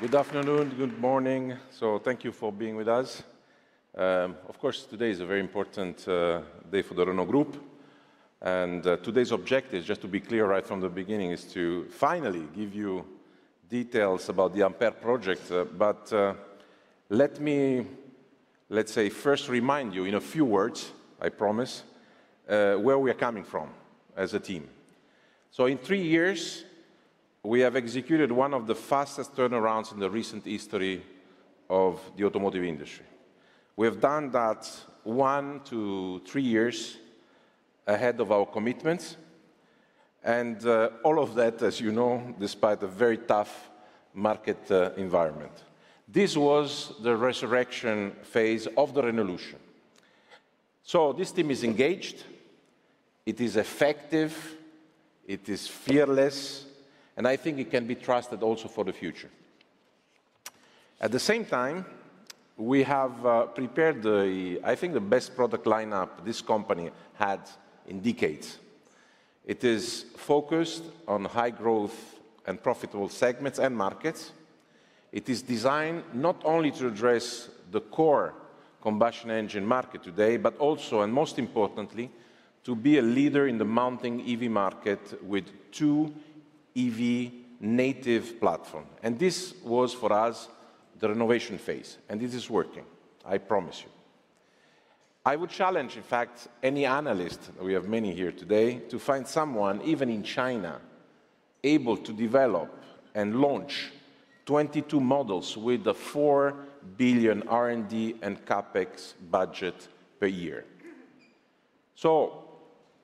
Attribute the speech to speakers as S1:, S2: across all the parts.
S1: Good afternoon, good morning. Thank you for being with us. Of course, today is a very important day for the Renault Group, and today's objective, just to be clear right from the beginning, is to finally give you details about the Ampere project. But let me, let's say, first remind you, in a few words, I promise, where we are coming from as a team. So in three years, we have executed one of the fastest turnarounds in the recent history of the automotive industry. We have done that one to three years ahead of our commitments, and all of that, as you know, despite a very tough market environment. This was the resurrection phase of the Renaulution. So this team is engaged, it is effective, it is fearless, and I think it can be trusted also for the future. At the same time, we have prepared the, I think, the best product lineup this company had in decades. It is focused on high growth and profitable segments and markets. It is designed not only to address the core combustion engine market today, but also, and most importantly, to be a leader in the mounting EV market with two EV native platform. And this was, for us, the Renaulution phase, and it is working, I promise you. I would challenge, in fact, any analyst, we have many here today, to find someone, even in China, able to develop and launch 22 models with a 4 billion R&D and CapEx budget per year. So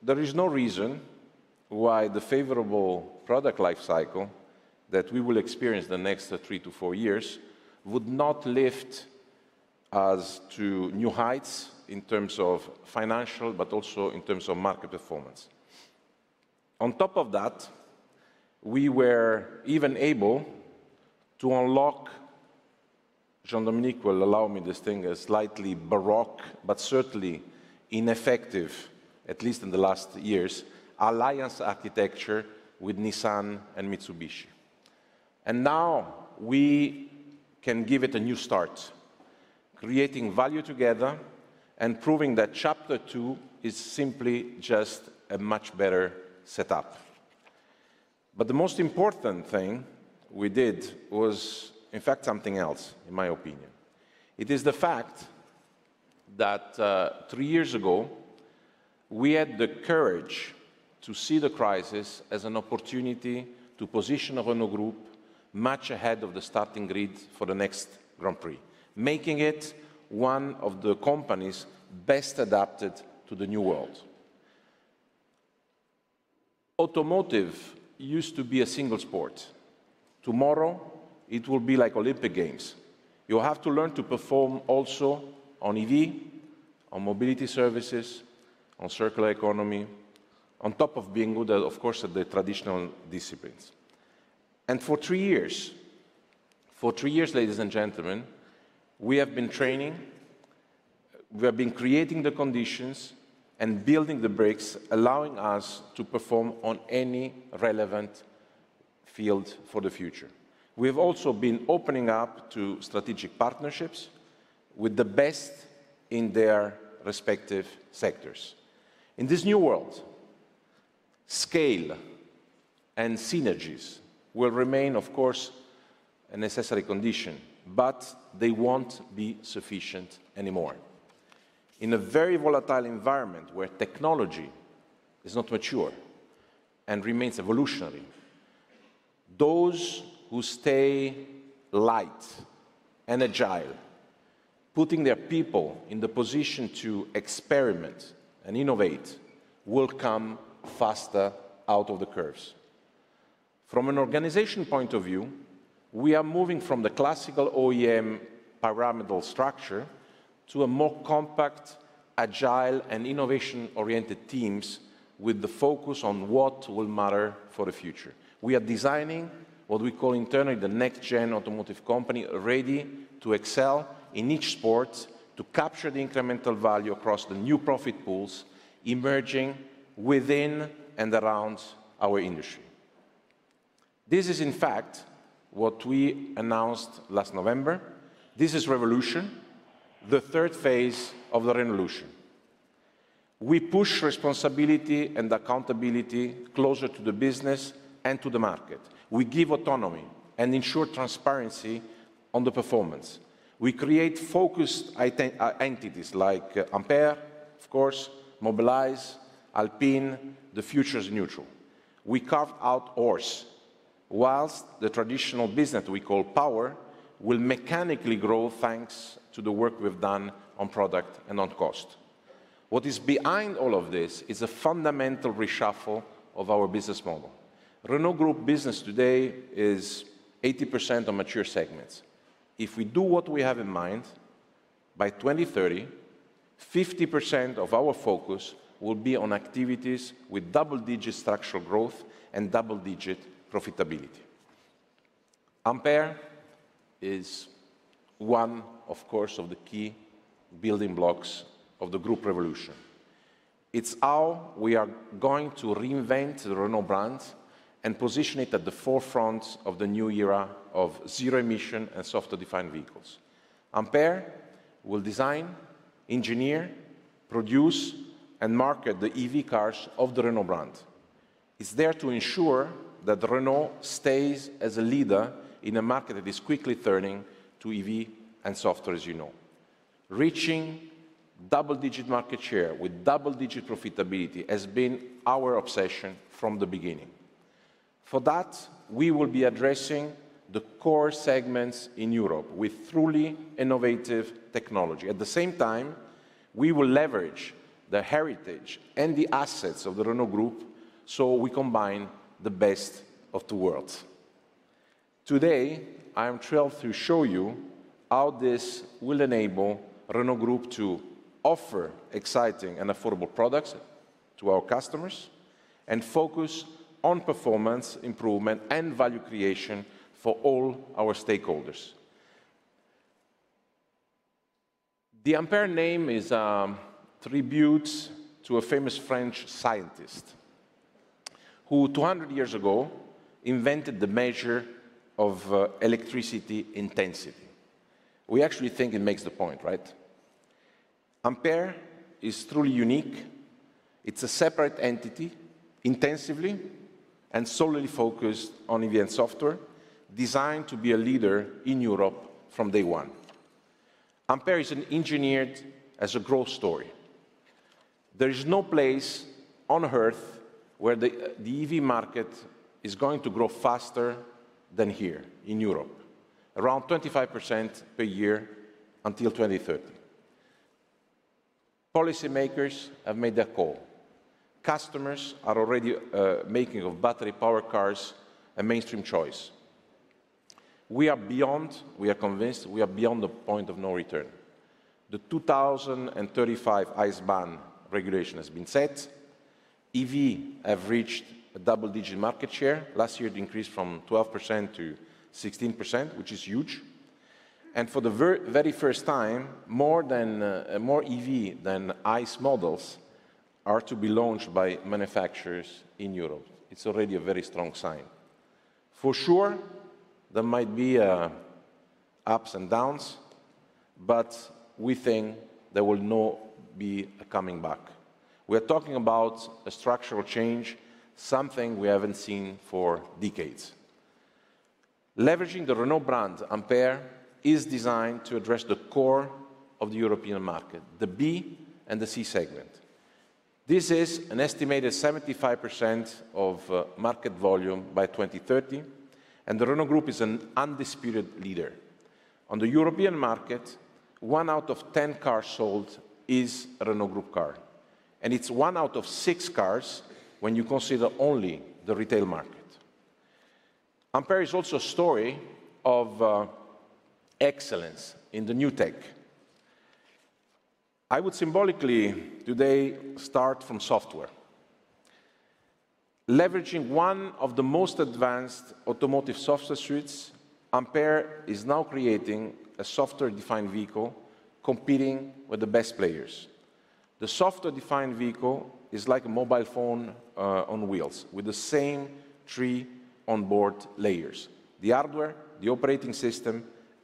S1: there is no reason why the favorable product life cycle that we will experience the next three to four years would not lift us to new heights in terms of financial, but also in terms of market performance. On top of that, we were even able to unlock. Jean-Dominique will allow me this thing, a slightly baroque, but certainly ineffective, at least in the last years, alliance architecture with Nissan and Mitsubishi. And now we can give it a new start, creating value together and proving that chapter two is simply just a much better setup. But the most important thing we did was, in fact, something else, in my opinion. It is the fact that three years ago, we had the courage to see the crisis as an opportunity to position Renault Group much ahead of the starting grid for the next Grand Prix, making it one of the companies best adapted to the new world. Automotive used to be a single sport. Tomorrow, it will be like Olympic Games. You have to learn to perform also on EV, on mobility services, on circular economy, on top of being good, of course, at the traditional disciplines. And for three years, for three years, ladies and gentlemen, we have been training, we have been creating the conditions and building the bricks, allowing us to perform on any relevant field for the future. We've also been opening up to strategic partnerships with the best in their respective sectors. In this new world, scale and synergies will remain, of course, a necessary condition, but they won't be sufficient anymore. In a very volatile environment where technology is not mature and remains evolutionary, those who stay light and agile, putting their people in the position to experiment and innovate, will come faster out of the curves. From an organization point of view, we are moving from the classical OEM pyramidal structure to a more compact, agile, and innovation-oriented teams with the focus on what will matter for the future. We are designing what we call internally, the next-gen automotive company, ready to excel in each sport, to capture the incremental value across the new profit pools emerging within and around our industry. This is, in fact, what we announced last November. This is Renaulution, the third phase of the Renaulution. We push responsibility and accountability closer to the business and to the market. We give autonomy and ensure transparency on the performance. We create focused i- entities, like Ampere, of course, Mobilize, Alpine. The Future is Neutral. We carve out Horse, while the traditional business we call Power, will mechanically grow, thanks to the work we've done on product and on cost. What is behind all of this is a fundamental reshuffle of our business model. Renault Group business today is 80% on mature segments. If we do what we have in mind, by 2030, 50% of our focus will be on activities with double-digit structural growth and double-digit profitability. Ampere is one, of course, of the key building blocks of the group Renaulution. It's how we are going to reinvent the Renault brand and position it at the forefront of the new era of zero emission and software-defined vehicles. Ampere will design, engineer, produce, and market the EV cars of the Renault brand. It's there to ensure that Renault stays as a leader in a market that is quickly turning to EV and software, as you know. Reaching double-digit market share with double-digit profitability has been our obsession from the beginning. For that, we will be addressing the core segments in Europe with truly innovative technology. At the same time, we will leverage the heritage and the assets of the Renault Group, so we combine the best of two worlds. Today, I am thrilled to show you how this will enable Renault Group to offer exciting and affordable products to our customers and focus on performance improvement and value creation for all our stakeholders. The Ampere name is a tribute to a famous French scientist, who 200 years ago invented the measure of electricity intensity. We actually think it makes the point, right? Ampere is truly unique. It's a separate entity, intensively and solely focused on EV and software, designed to be a leader in Europe from day one. Ampere is engineered as a growth story. There is no place on Earth where the EV market is going to grow faster than here in Europe, around 25% per year until 2030. Policy makers have made a call. Customers are already making of battery-powered cars a mainstream choice. We are beyond... We are convinced we are beyond the point of no return. The 2035 ICE ban regulation has been set. EVs have reached a double-digit market share. Last year, it increased from 12% to 16%, which is huge, and for the very first time, more EVs than ICE models are to be launched by manufacturers in Europe. It's already a very strong sign. For sure, there might be ups and downs, but we think there will be no coming back. We're talking about a structural change, something we haven't seen for decades. Leveraging the Renault brand, Ampere is designed to address the core of the European market, the B and the C segment. This is an estimated 75% of market volume by 2030, and the Renault Group is an undisputed leader. On the European market, one out of ten cars sold is a Renault Group car, and it's one out of six cars when you consider only the retail market. Ampere is also a story of excellence in the new tech. I would symbolically today start from software. Leveraging one of the most advanced automotive software suites, Ampere is now creating a software-defined vehicle, competing with the best players. The software-defined vehicle is like a mobile phone on wheels, with the same three onboard layers: the hardware, the operating system,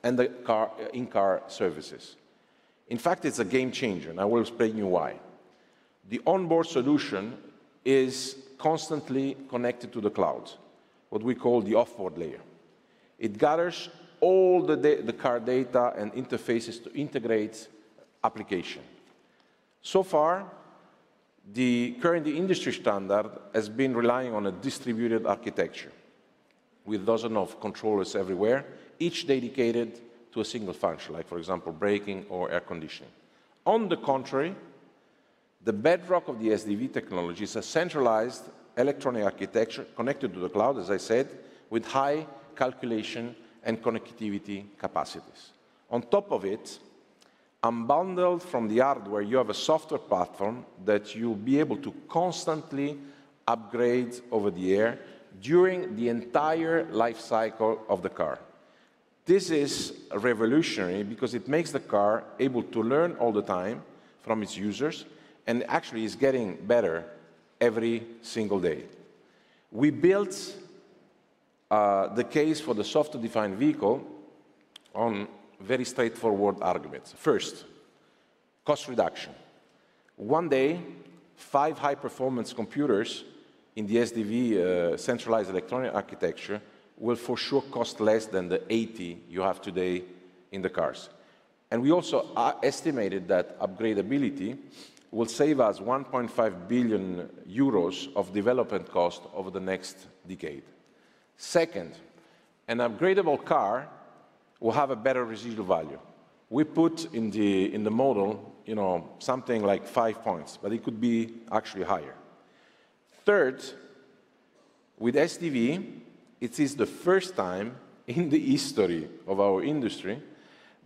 S1: and the car, in-car services. In fact, it's a game changer, and I will explain you why. The onboard solution is constantly connected to the cloud, what we call the off-board layer. It gathers all the car data and interfaces to integrate application. So far, the current industry standard has been relying on a distributed architecture with dozen of controllers everywhere, each dedicated to a single function, like for example, braking or air conditioning. On the contrary, the bedrock of the SDV technology is a centralized electronic architecture connected to the cloud, as I said, with high calculation and connectivity capacities. On top of it, unbundled from the hardware, you have a software platform that you'll be able to constantly upgrade over the air during the entire life cycle of the car. This is revolutionary because it makes the car able to learn all the time from its users, and actually, it's getting better every single day. We built the case for the software-defined vehicle on very straightforward arguments. First, cost reduction. One day, five high-performance computers in the SDV centralized electronic architecture will, for sure, cost less than the 80 you have today in the cars. And we also estimated that upgradeability will save us 1.5 billion euros of development cost over the next decade. Second, an upgradeable car will have a better residual value. We put in the, in the model, you know, something like five points, but it could be actually higher. Third, with SDV, it is the first time in the history of our industry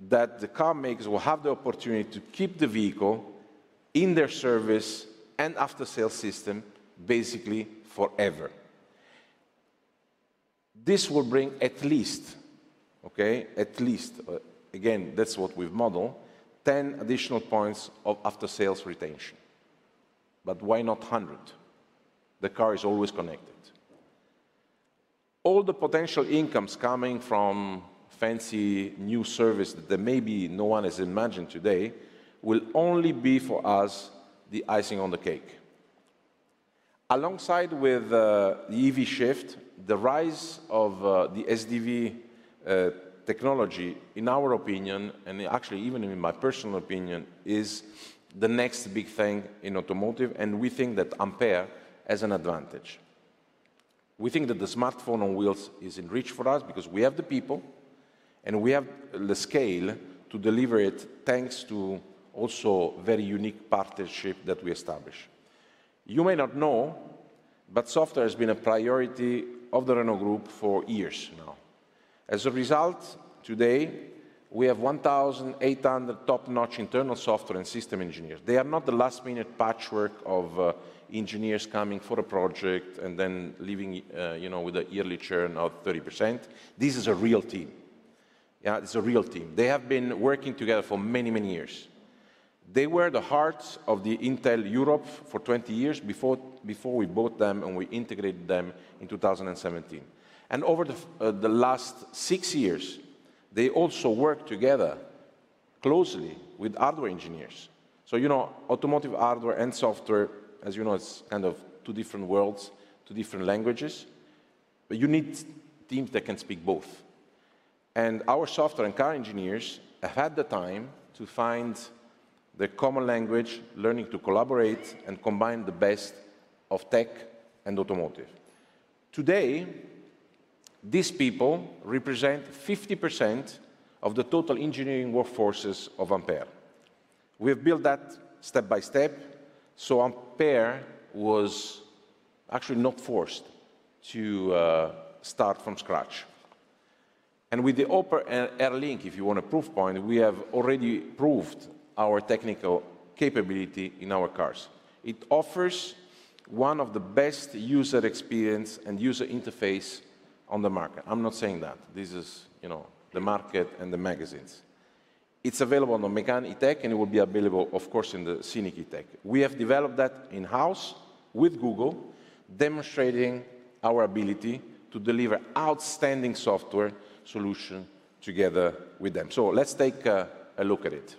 S1: that the car makers will have the opportunity to keep the vehicle in their service and after-sale system, basically forever. This will bring at least, okay, at least, again, that's what we've modeled, 10 additional points of after-sales retention. But why not 100? The car is always connected. All the potential incomes coming from fancy new service that maybe no one has imagined today, will only be, for us, the icing on the cake. Alongside with, the EV shift, the rise of, the SDV, technology, in our opinion, and actually even in my personal opinion, is the next big thing in automotive, and we think that Ampere has an advantage. We think that the smartphone on wheels is in reach for us because we have the people, and we have the scale to deliver it, thanks to also very unique partnership that we establish. You may not know, but software has been a priority of the Renault Group for years now. As a result, today, we have 1,800 top-notch internal software and system engineers. They are not the last-minute patchwork of engineers coming for a project and then leaving, you know, with a yearly churn of 30%. This is a real team. Yeah, it's a real team. They have been working together for many, many years. They were the hearts of the Intel Europe for 20 years before, before we bought them, and we integrated them in 2017. And over the last six years, they also worked together closely with hardware engineers. So, you know, automotive, hardware, and software, as you know, is kind of two different worlds, two different languages, but you need teams that can speak both. And our software and car engineers have had the time to find the common language, learning to collaborate and combine the best of tech and automotive. Today, these people represent 50% of the total engineering workforces of Ampere. We have built that step-by-step, so Ampere was actually not forced to start from scratch. And with the OpenR Link, if you want a proof point, we have already proved our technical capability in our cars. It offers one of the best user experience and user interface on the market. I'm not saying that. This is, you know, the market and the magazines. It's available on the Mégane E-Tech, and it will be available, of course, in the Scenic E-Tech. We have developed that in-house with Google, demonstrating our ability to deliver outstanding software solution together with them. So let's take a look at it.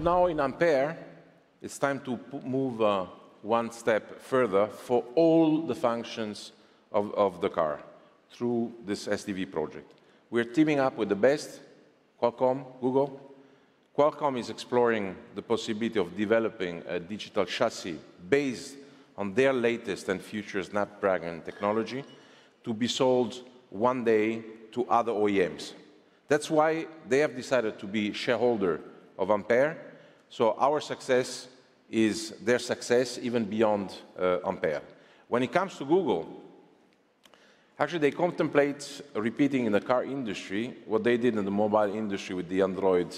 S1: So now in Ampere, it's time to move one step further for all the functions of the car through this SDV project. We're teaming up with the best, Qualcomm, Google. Qualcomm is exploring the possibility of developing a digital chassis based on their latest and future Snapdragon technology to be sold one day to other OEMs. That's why they have decided to be shareholder of Ampere, so our success is their success, even beyond Ampere. When it comes to Google, actually, they contemplate repeating in the car industry what they did in the mobile industry with the Android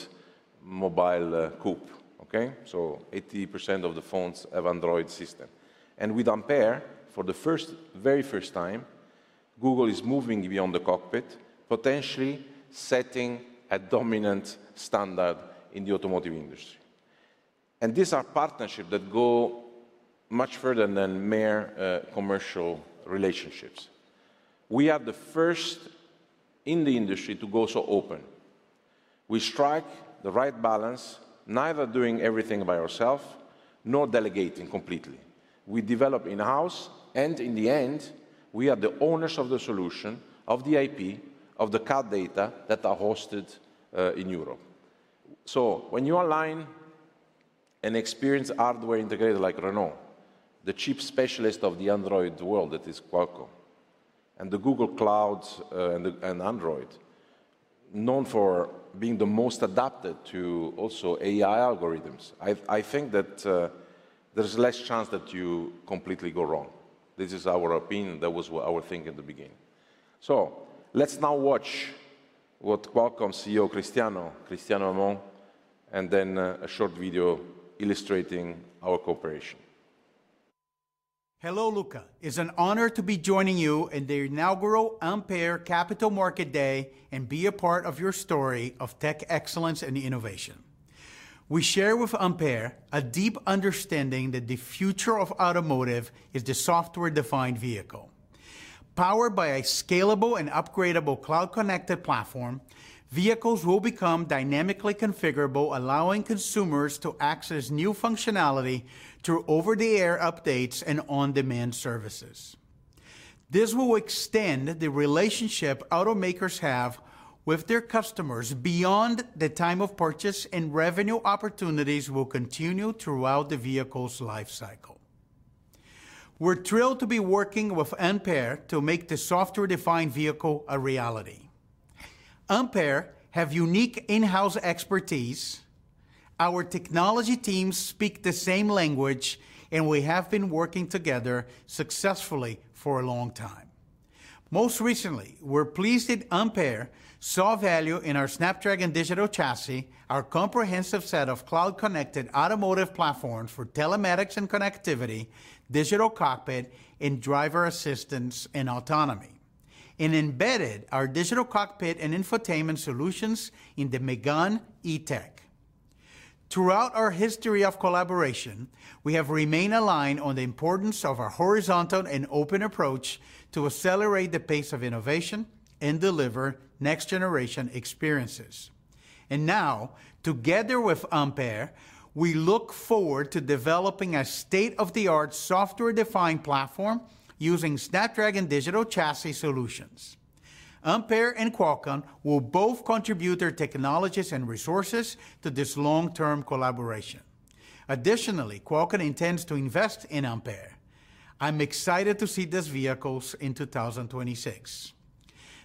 S1: mobile coupe, okay? So 80% of the phones have Android system. And with Ampere, for the first, very first time, Google is moving beyond the cockpit, potentially setting a dominant standard in the automotive industry. And these are partnerships that go much further than mere commercial relationships. We are the first in the industry to go so open. We strike the right balance, neither doing everything by ourselves nor delegating completely. We develop in-house, and in the end, we are the owners of the solution, of the IP, of the car data that are hosted in Europe. So when you align an experienced hardware integrator like Renault, the chief specialist of the Android world, that is Qualcomm, and the Google Cloud, and Android known for being the most adapted to also AI algorithms. I think that, there's less chance that you completely go wrong. This is our opinion. That was what our think in the beginning. So let's now watch what Qualcomm CEO, Cristiano Amon, and then, a short video illustrating our cooperation.
S2: Hello, Luca. It's an honor to be joining you in the inaugural Ampere Capital Market Day and be a part of your story of tech excellence and innovation. We share with Ampere a deep understanding that the future of automotive is the software-defined vehicle. Powered by a scalable and upgradable cloud-connected platform, vehicles will become dynamically configurable, allowing consumers to access new functionality through over-the-air updates and on-demand services. This will extend the relationship automakers have with their customers beyond the time of purchase, and revenue opportunities will continue throughout the vehicle's life cycle. We're thrilled to be working with Ampere to make the software-defined vehicle a reality. Ampere have unique in-house expertise, our technology teams speak the same language, and we have been working together successfully for a long time. Most recently, we're pleased that Ampere saw value in our Snapdragon Digital Chassis, our comprehensive set of cloud-connected automotive platforms for telematics and connectivity, digital cockpit, and driver assistance and autonomy, and embedded our digital cockpit and infotainment solutions in the Mégane E-Tech. Throughout our history of collaboration, we have remained aligned on the importance of a horizontal and open approach to accelerate the pace of innovation and deliver next-generation experiences. Now, together with Ampere, we look forward to developing a state-of-the-art software-defined platform using Snapdragon Digital Chassis solutions. Ampere and Qualcomm will both contribute their technologies and resources to this long-term collaboration. Additionally, Qualcomm intends to invest in Ampere. I'm excited to see these vehicles in 2026.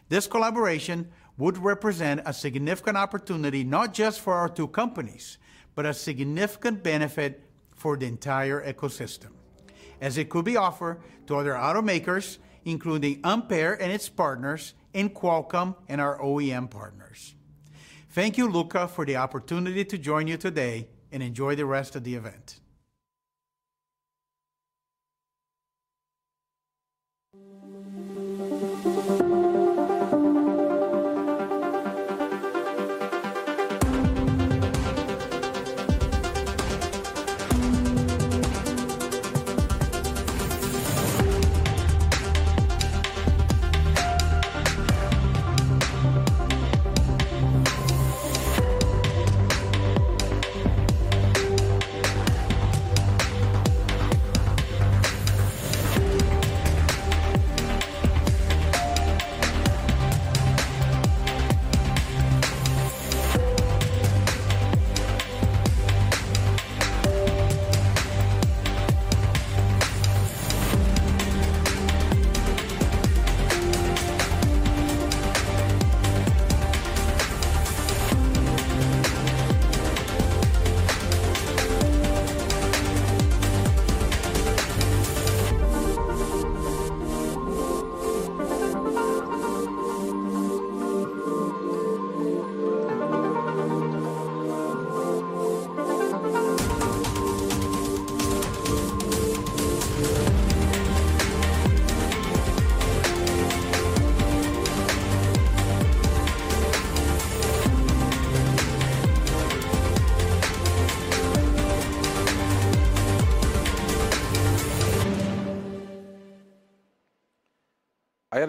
S2: This collaboration would represent a significant opportunity, not just for our two companies, but a significant benefit for the entire ecosystem, as it could be offered to other automakers, including Ampere and its partners, and Qualcomm and our OEM partners. Thank you, Luca, for the opportunity to join you today, and enjoy the rest of the event.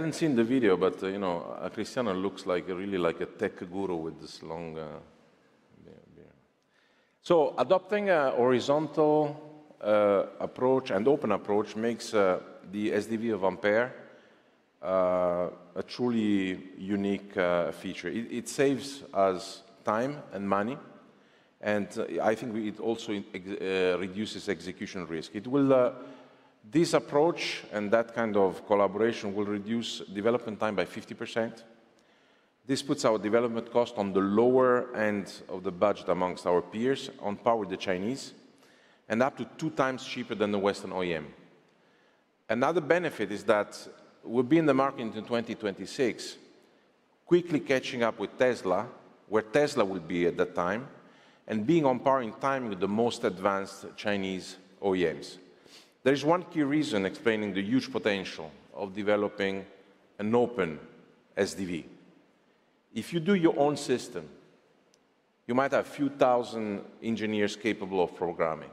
S1: I haven't seen the video, but, you know, Cristiano looks like, really like a tech guru with this long beard. So adopting a horizontal approach and open approach makes the SDV of Ampere a truly unique feature. It saves us time and money, and I think it also reduces execution risk. It will. This approach and that kind of collaboration will reduce development time by 50%. This puts our development cost on the lower end of the budget amongst our peers, on par with the Chinese, and up to 2x cheaper than the Western OEM. Another benefit is that we'll be in the market in 2026, quickly catching up with Tesla, where Tesla will be at that time, and being on par in time with the most advanced Chinese OEMs. There is one key reason explaining the huge potential of developing an open SDV. If you do your own system, you might have a few thousand engineers capable of programming.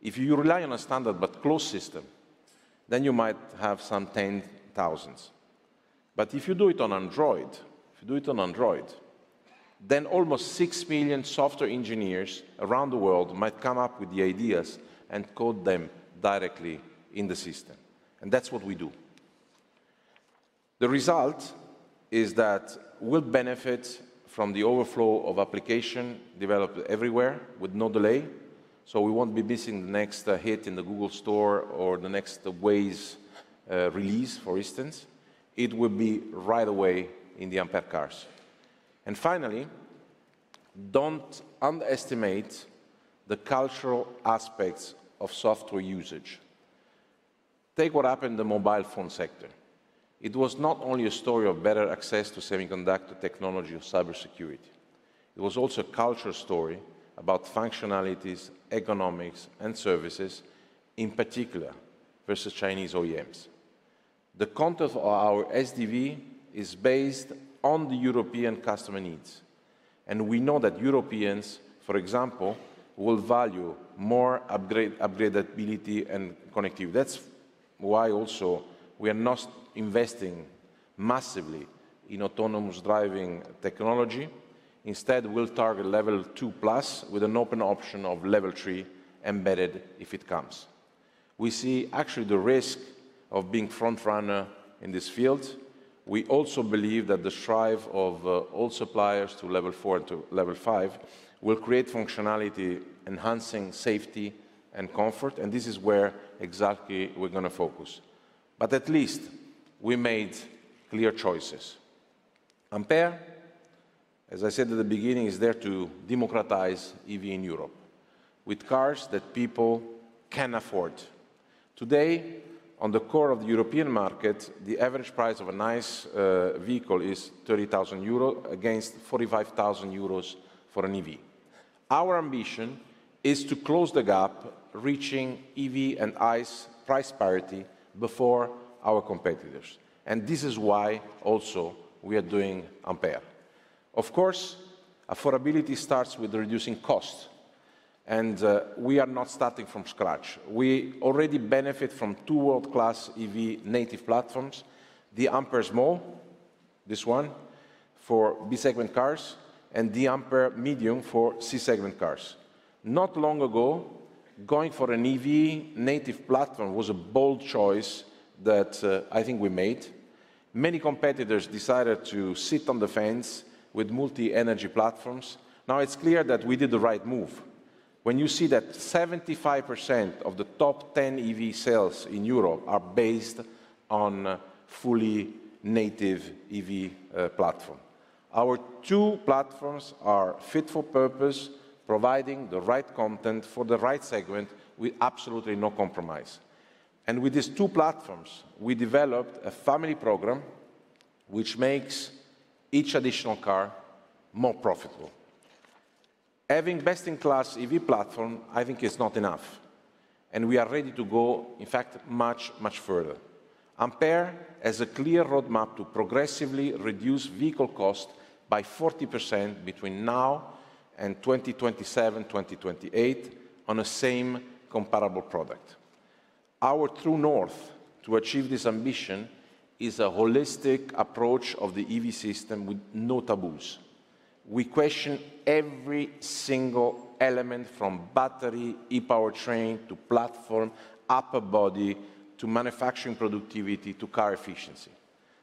S1: If you rely on a standard but closed system, then you might have some ten thousands. But if you do it on Android, if you do it on Android, then almost 6 million software engineers around the world might come up with the ideas and code them directly in the system, and that's what we do. The result is that we'll benefit from the overflow of application developed everywhere with no delay. So we won't be missing the next hit in the Google Store or the next Waze release, for instance. It will be right away in the Ampere cars. And finally, don't underestimate the cultural aspects of software usage. Take what happened in the mobile phone sector. It was not only a story of better access to semiconductor technology or cybersecurity, it was also a cultural story about functionalities, economics, and services, in particular, versus Chinese OEMs. The content of our SDV is based on the European customer needs, and we know that Europeans, for example, will value more upgrade, upgradability, and connectivity. That's why also we are not investing massively in autonomous driving technology. Instead, we'll target Level 2+ with an open option of Level 3 embedded if it comes. We see actually the risk of being front runner in this field. We also believe that the strive of all suppliers to Level 4 and to Level 5 will create functionality, enhancing safety and comfort, and this is where exactly we're gonna focus. But at least we made clear choices. Ampere, as I said at the beginning, is there to democratize EV in Europe with cars that people can afford. Today, on the core of the European market, the average price of a nice vehicle is 30,000 euros, against 45,000 euros for an EV. Our ambition is to close the gap, reaching EV and ICE price parity before our competitors, and this is why also we are doing Ampere. Of course, affordability starts with reducing costs, and we are not starting from scratch. We already benefit from two world-class EV-native platforms: the AmpR Small, this one, for B-segment cars, and the AmpR Medium for C-segment cars. Not long ago, going for an EV-native platform was a bold choice that I think we made. Many competitors decided to sit on the fence with multi-energy platforms. Now, it's clear that we did the right move. When you see that 75% of the top 10 EV sales in Europe are based on fully native EV platform. Our two platforms are fit for purpose, providing the right content for the right segment with absolutely no compromise. With these two platforms, we developed a family program which makes each additional car more profitable. Having best-in-class EV platform, I think, is not enough, and we are ready to go, in fact, much, much further. Ampere has a clear roadmap to progressively reduce vehicle cost by 40% between now and 2027, 2028, on the same comparable product. Our true north to achieve this ambition is a holistic approach of the EV system with no taboos. We question every single element from battery, e-powertrain, to platform, upper body, to manufacturing productivity, to car efficiency.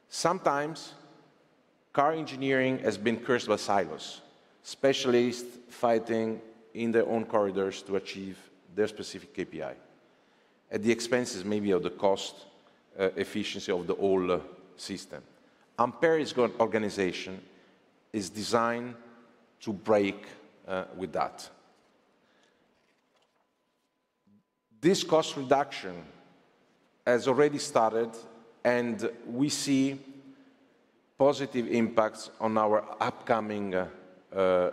S1: Sometimes, car engineering has been cursed by silos, specialists fighting in their own corridors to achieve their specific KPI, at the expenses maybe of the cost, efficiency of the whole system. Ampere's organization is designed to break with that. This cost reduction has already started, and we see positive impacts on our upcoming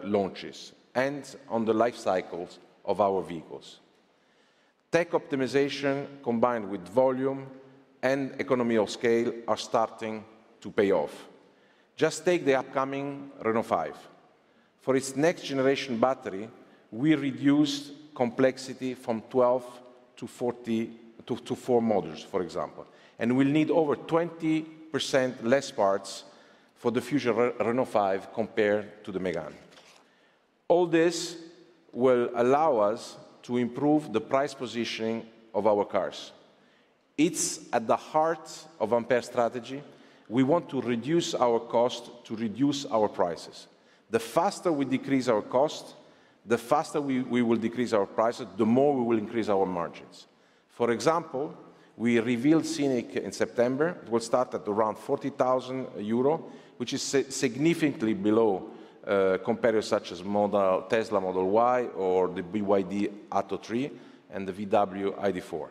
S1: launches and on the life cycles of our vehicles. Tech optimization, combined with volume and economy of scale, are starting to pay off. Just take the upcoming Renault 5. For its next-generation battery, we reduced complexity from 12 to four models, for example, and we'll need over 20% less parts for the future Renault 5 compared to the Mégane. All this will allow us to improve the price positioning of our cars. It's at the heart of Ampere's strategy. We want to reduce our cost to reduce our prices. The faster we decrease our cost, the faster we will decrease our prices, the more we will increase our margins. For example, we revealed Scenic in September. It will start at around 40,000 euro, which is significantly below competitors such as Model Y, Tesla Model Y or the BYD Atto 3, and the VW ID.4.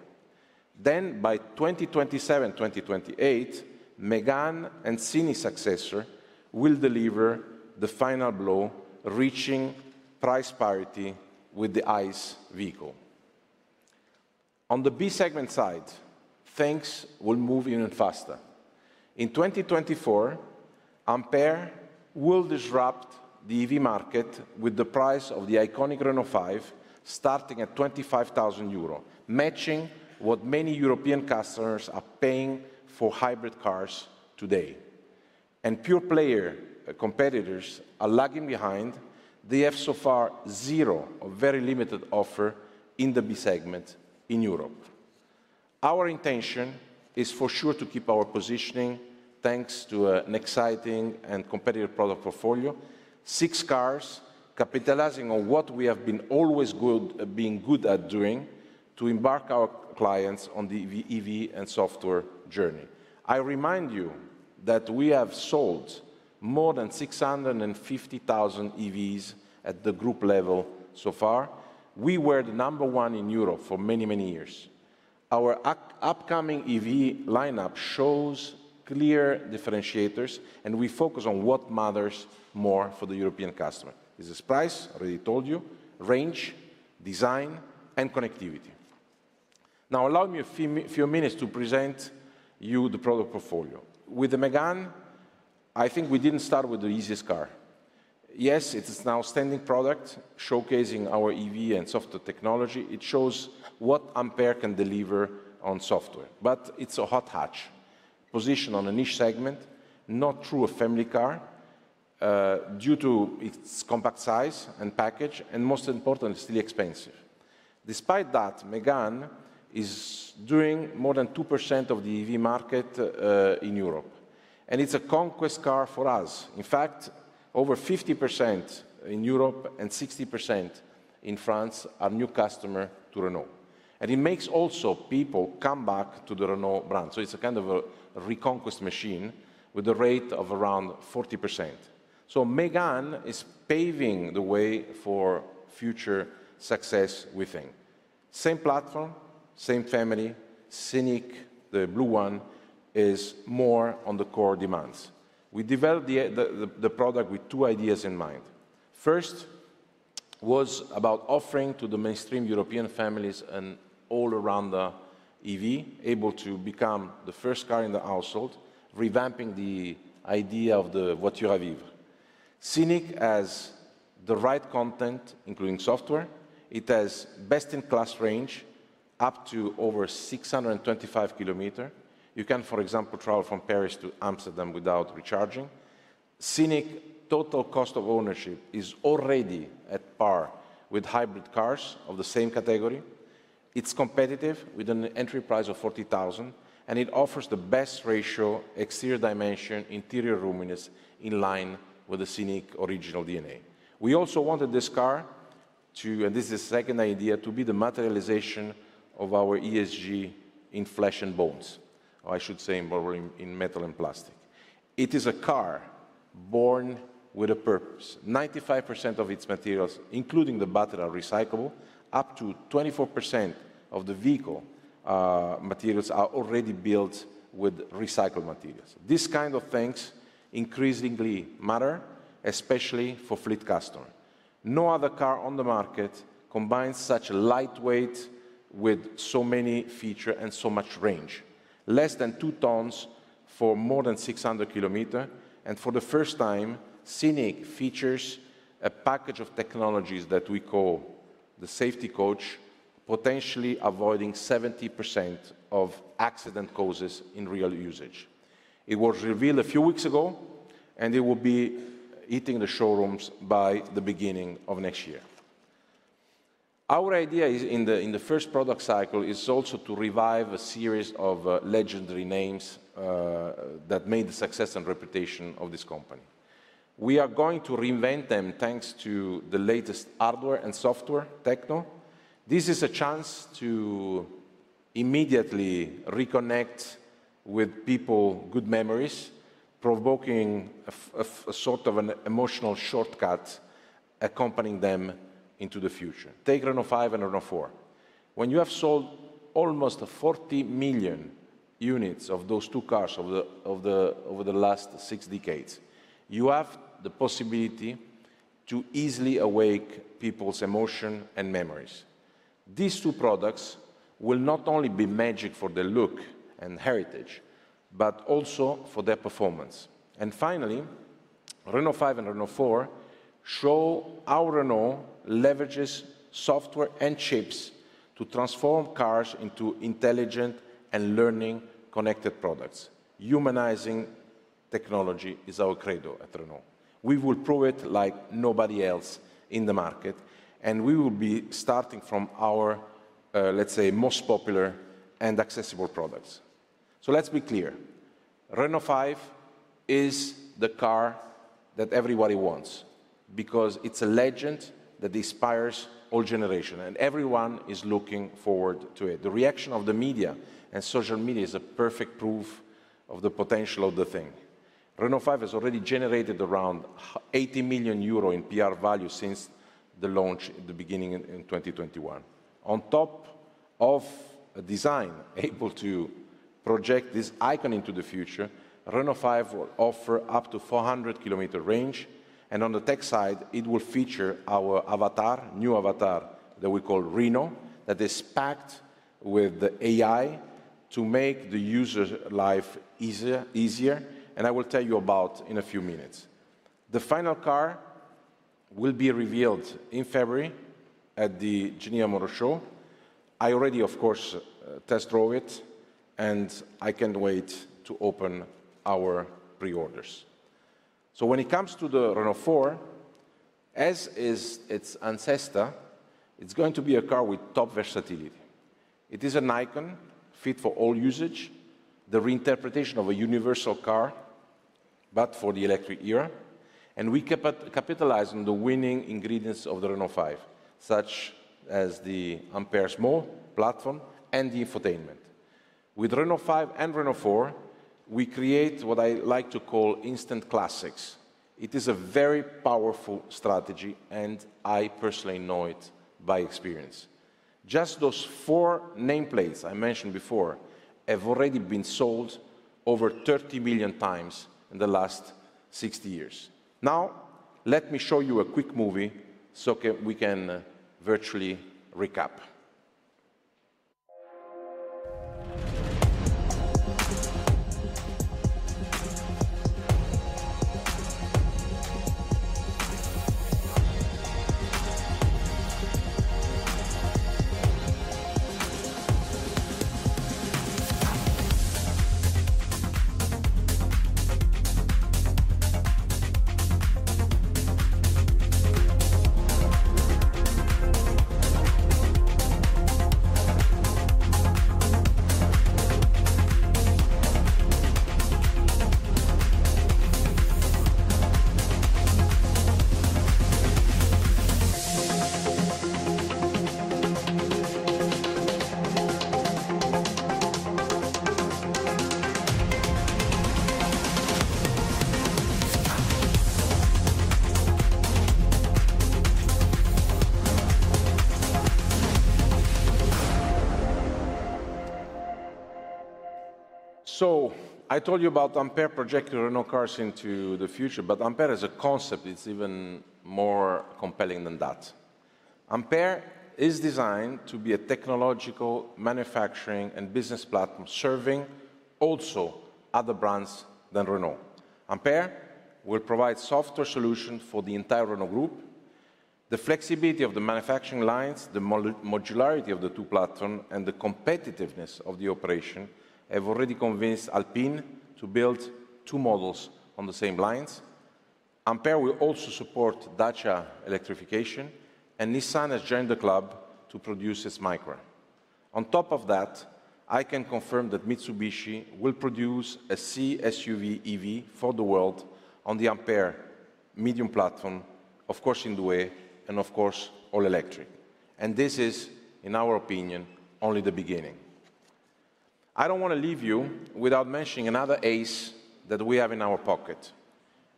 S1: Then, by 2027, 2028, Mégane and Scenic's successor will deliver the final blow, reaching price parity with the ICE vehicle. On the B-segment side, things will move even faster. In 2024, Ampere will disrupt the EV market with the price of the iconic Renault 5 starting at 25,000 euro, matching what many European customers are paying for hybrid cars today. And pure-player competitors are lagging behind. They have so far zero or very limited offer in the B-segment in Europe. Our intention is for sure to keep our positioning, thanks to an exciting and competitive product portfolio. Six cars, capitalizing on what we have been always good at being good at doing, to embark our clients on the EV and software journey. I remind you that we have sold more than 650,000 EVs at the group level so far. We were the number one in Europe for many, many years. Our upcoming EV lineup shows clear differentiators, and we focus on what matters more for the European customer. This is price, I already told you, range, design, and connectivity. Now, allow me a few minutes to present you the product portfolio. With the Mégane, I think we didn't start with the easiest car. Yes, it is an outstanding product, showcasing our EV and software technology. It shows what Ampere can deliver on software, but it's a hot hatch, positioned on a niche segment, not true a family car, due to its compact size and package, and most importantly, it's still expensive. Despite that, Mégane is doing more than 2% of the EV market in Europe, and it's a conquest car for us. In fact, over 50% in Europe and 60% in France are new customer to Renault. And it makes also people come back to the Renault brand, so it's a kind of a reconquest machine with a rate of around 40%. So Mégane is paving the way for future success, we think. Same platform, same family, Scenic, the blue one, is more on the core demands. We developed the product with two ideas in mind. First, was about offering to the mainstream European families an all-arounder EV, able to become the first car in the household, revamping the idea of the voiture à vivre. Scenic has the right content, including software. It has best-in-class range, up to over 625 km. You can, for example, travel from Paris to Amsterdam without recharging. Scenic total cost of ownership is already at par with hybrid cars of the same category. It's competitive, with an entry price of 40,000, and it offers the best ratio, exterior dimension, interior roominess, in line with the Scenic original DNA. We also wanted this car to, and this is the second idea, to be the materialization of our ESG in flesh and bones, or I should say, in metal and plastic. It is a car born with a purpose. 95% of its materials, including the battery, are recyclable. Up to 24% of the vehicle, materials are already built with recycled materials. These kind of things increasingly matter, especially for fleet customer. No other car on the market combines such lightweight with so many feature and so much range. Less than 2 tons for more than 600 km, and for the first time, Scenic features a package of technologies that we call the Safety Coach, potentially avoiding 70% of accident causes in real usage. It was revealed a few weeks ago, and it will be hitting the showrooms by the beginning of next year. Our idea is in the first product cycle, is also to revive a series of, legendary names, that made the success and reputation of this company. We are going to reinvent them, thanks to the latest hardware and software techno. This is a chance to immediately reconnect with people, good memories, provoking a sort of an emotional shortcut, accompanying them into the future. Take Renault 5 and Renault 4. When you have sold almost 40 million units of those two cars over the last six decades, you have the possibility to easily awake people's emotion and memories. These two products will not only be magic for their look and heritage, but also for their performance. And finally, Renault 5 and Renault 4 show how Renault leverages software and chips to transform cars into intelligent and learning connected products. Humanizing technology is our credo at Renault. We will prove it like nobody else in the market, and we will be starting from our, let's say, most popular and accessible products. So let's be clear, Renault 5 is the car that everybody wants because it's a legend that inspires all generation, and everyone is looking forward to it. The reaction of the media and social media is a perfect proof of the potential of the thing. Renault 5 has already generated around 80 million euro in PR value since the launch in the beginning in 2021. On top of a design able to project this icon into the future, Renault 5 will offer up to 400 km range, and on the tech side, it will feature our avatar, new avatar, that we call Reno, that is packed with AI to make the user's life easier, easier, and I will tell you about in a few minutes. The final car will be revealed in February at the Geneva Motor Show. I already, of course, test drove it, and I can't wait to open our pre-orders. So when it comes to the Renault 4, as is its ancestor, it's going to be a car with top versatility. It is an icon fit for all usage, the reinterpretation of a universal car, but for the electric era, and we capitalize on the winning ingredients of the Renault 5, such as the AmpR Small platform and the infotainment. With Renault 5 and Renault 4, we create what I like to call instant classics. It is a very powerful strategy, and I personally know it by experience. Just those four nameplates I mentioned before have already been sold over 30 million times in the last 60 years. Now, let me show you a quick movie so we can virtually recap. So I told you about Ampere projecting Renault cars into the future, but Ampere as a concept, it's even more compelling than that. Ampere is designed to be a technological manufacturing and business platform, serving also other brands than Renault. Ampere will provide software solutions for the entire Renault Group. The flexibility of the manufacturing lines, the modularity of the two platform, and the competitiveness of the operation have already convinced Alpine to build two models on the same lines. Ampere will also support Dacia electrification, and Nissan has joined the club to produce its Micra. On top of that, I can confirm that Mitsubishi will produce a C-SUV EV for the world on the AmpR Medium platform, of course, anyway, and of course, all electric. This is, in our opinion, only the beginning. I don't want to leave you without mentioning another ace that we have in our pocket.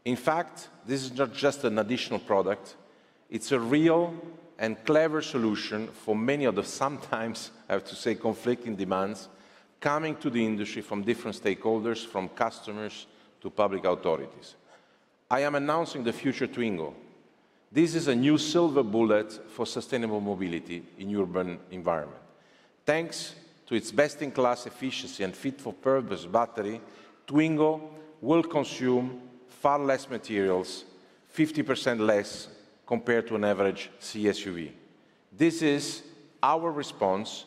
S1: In fact, this is not just an additional product, it's a real and clever solution for many of the, sometimes, I have to say, conflicting demands coming to the industry from different stakeholders, from customers to public authorities. I am announcing the Future Twingo. This is a new silver bullet for sustainable mobility in urban environment. Thanks to its best-in-class efficiency and fit-for-purpose battery, Twingo will consume far less materials, 50% less, compared to an average C-SUV. This is our response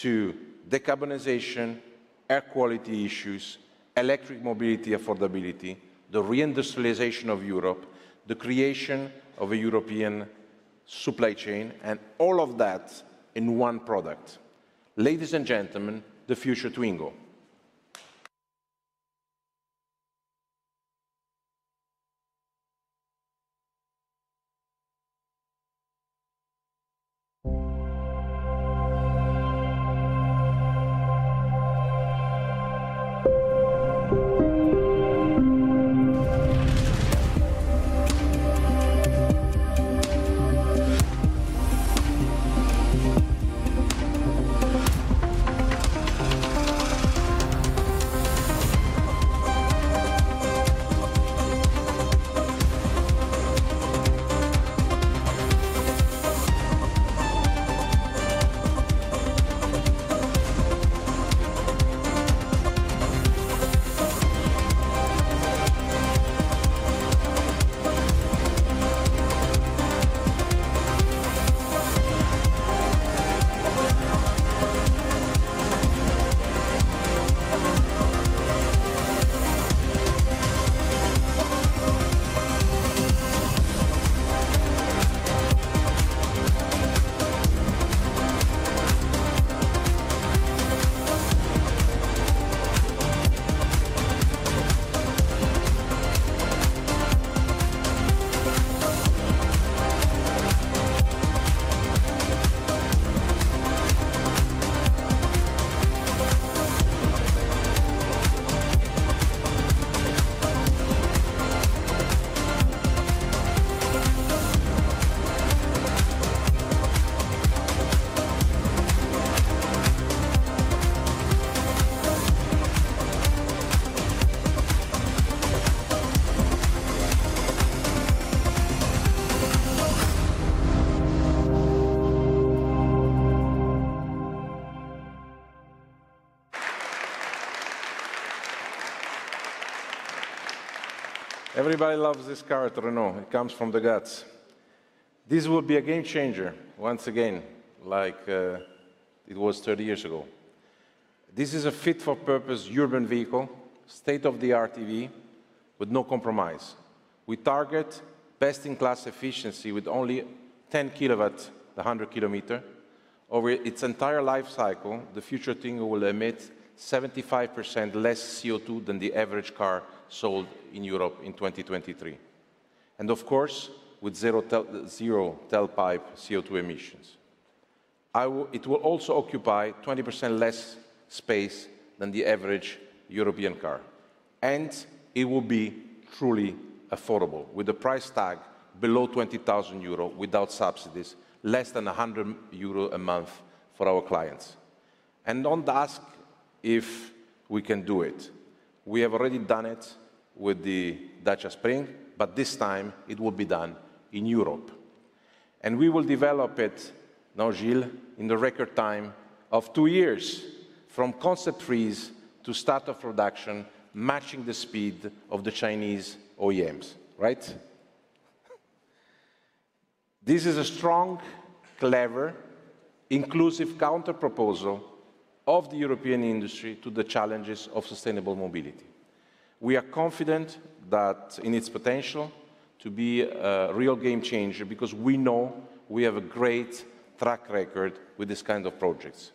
S1: to decarbonization, air quality issues, electric mobility affordability, the reindustrialization of Europe, the creation of a European supply chain, and all of that in one product. Ladies and gentlemen, the Future Twingo. Everybody loves this car at Renault. It comes from the guts. This will be a game changer once again, like, it was 30 years ago. This is a fit-for-purpose urban vehicle, state-of-the-art EV, with no compromise. We target best-in-class efficiency with only 10 kW, 100 km. Over its entire life cycle, the future Twingo will emit 75% less CO2 than the average car sold in Europe in 2023, and of course, with zero tailpipe CO2 emissions. It will also occupy 20% less space than the average European car, and it will be truly affordable, with a price tag below 20,000 euro without subsidies, less than 100 euro a month for our clients. Don't ask if we can do it. We have already done it with the Dacia Spring, but this time it will be done in Europe. We will develop it, now, Gilles, in the record time of two years, from concept freeze to start of production, matching the speed of the Chinese OEMs, right? This is a strong, clever, inclusive counterproposal of the European industry to the challenges of sustainable mobility. We are confident that in its potential to be a real game changer because we know we have a great track record with this kind of projects.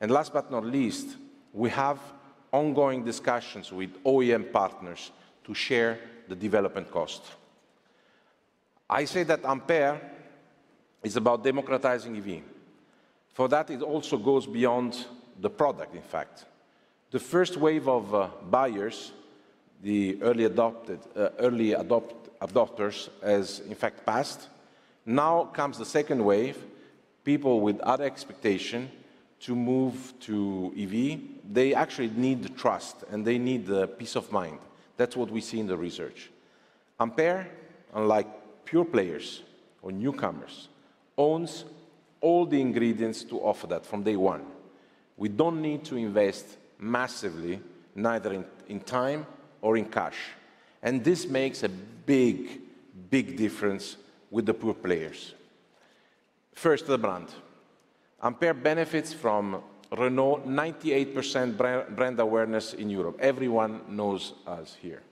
S1: And last but not least, we have ongoing discussions with OEM partners to share the development cost. I say that Ampere is about democratizing EV. For that, it also goes beyond the product, in fact. The first wave of buyers, the early adopters, has in fact passed. Now comes the second wave, people with other expectation to move to EV. They actually need the trust, and they need the peace of mind. That's what we see in the research. Ampere, unlike pure players or newcomers, owns all the ingredients to offer that from day one. We don't need to invest massively, neither in time or in cash, and this makes a big, big difference with the pure players. First, the brand. Ampere benefits from Renault 98% brand awareness in Europe. Everyone knows us here.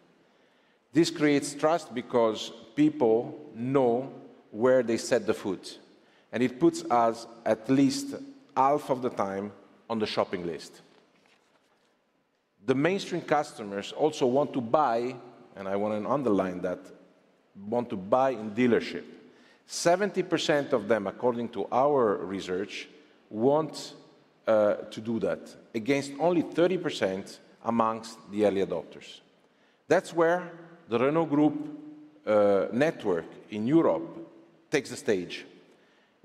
S1: This creates trust because people know where they set the foot, and it puts us at least half of the time on the shopping list. The mainstream customers also want to buy, and I want to underline that, want to buy in dealership. 70% of them, according to our research, want to do that, against only 30% amongst the early adopters. That's where the Renault Group network in Europe takes the stage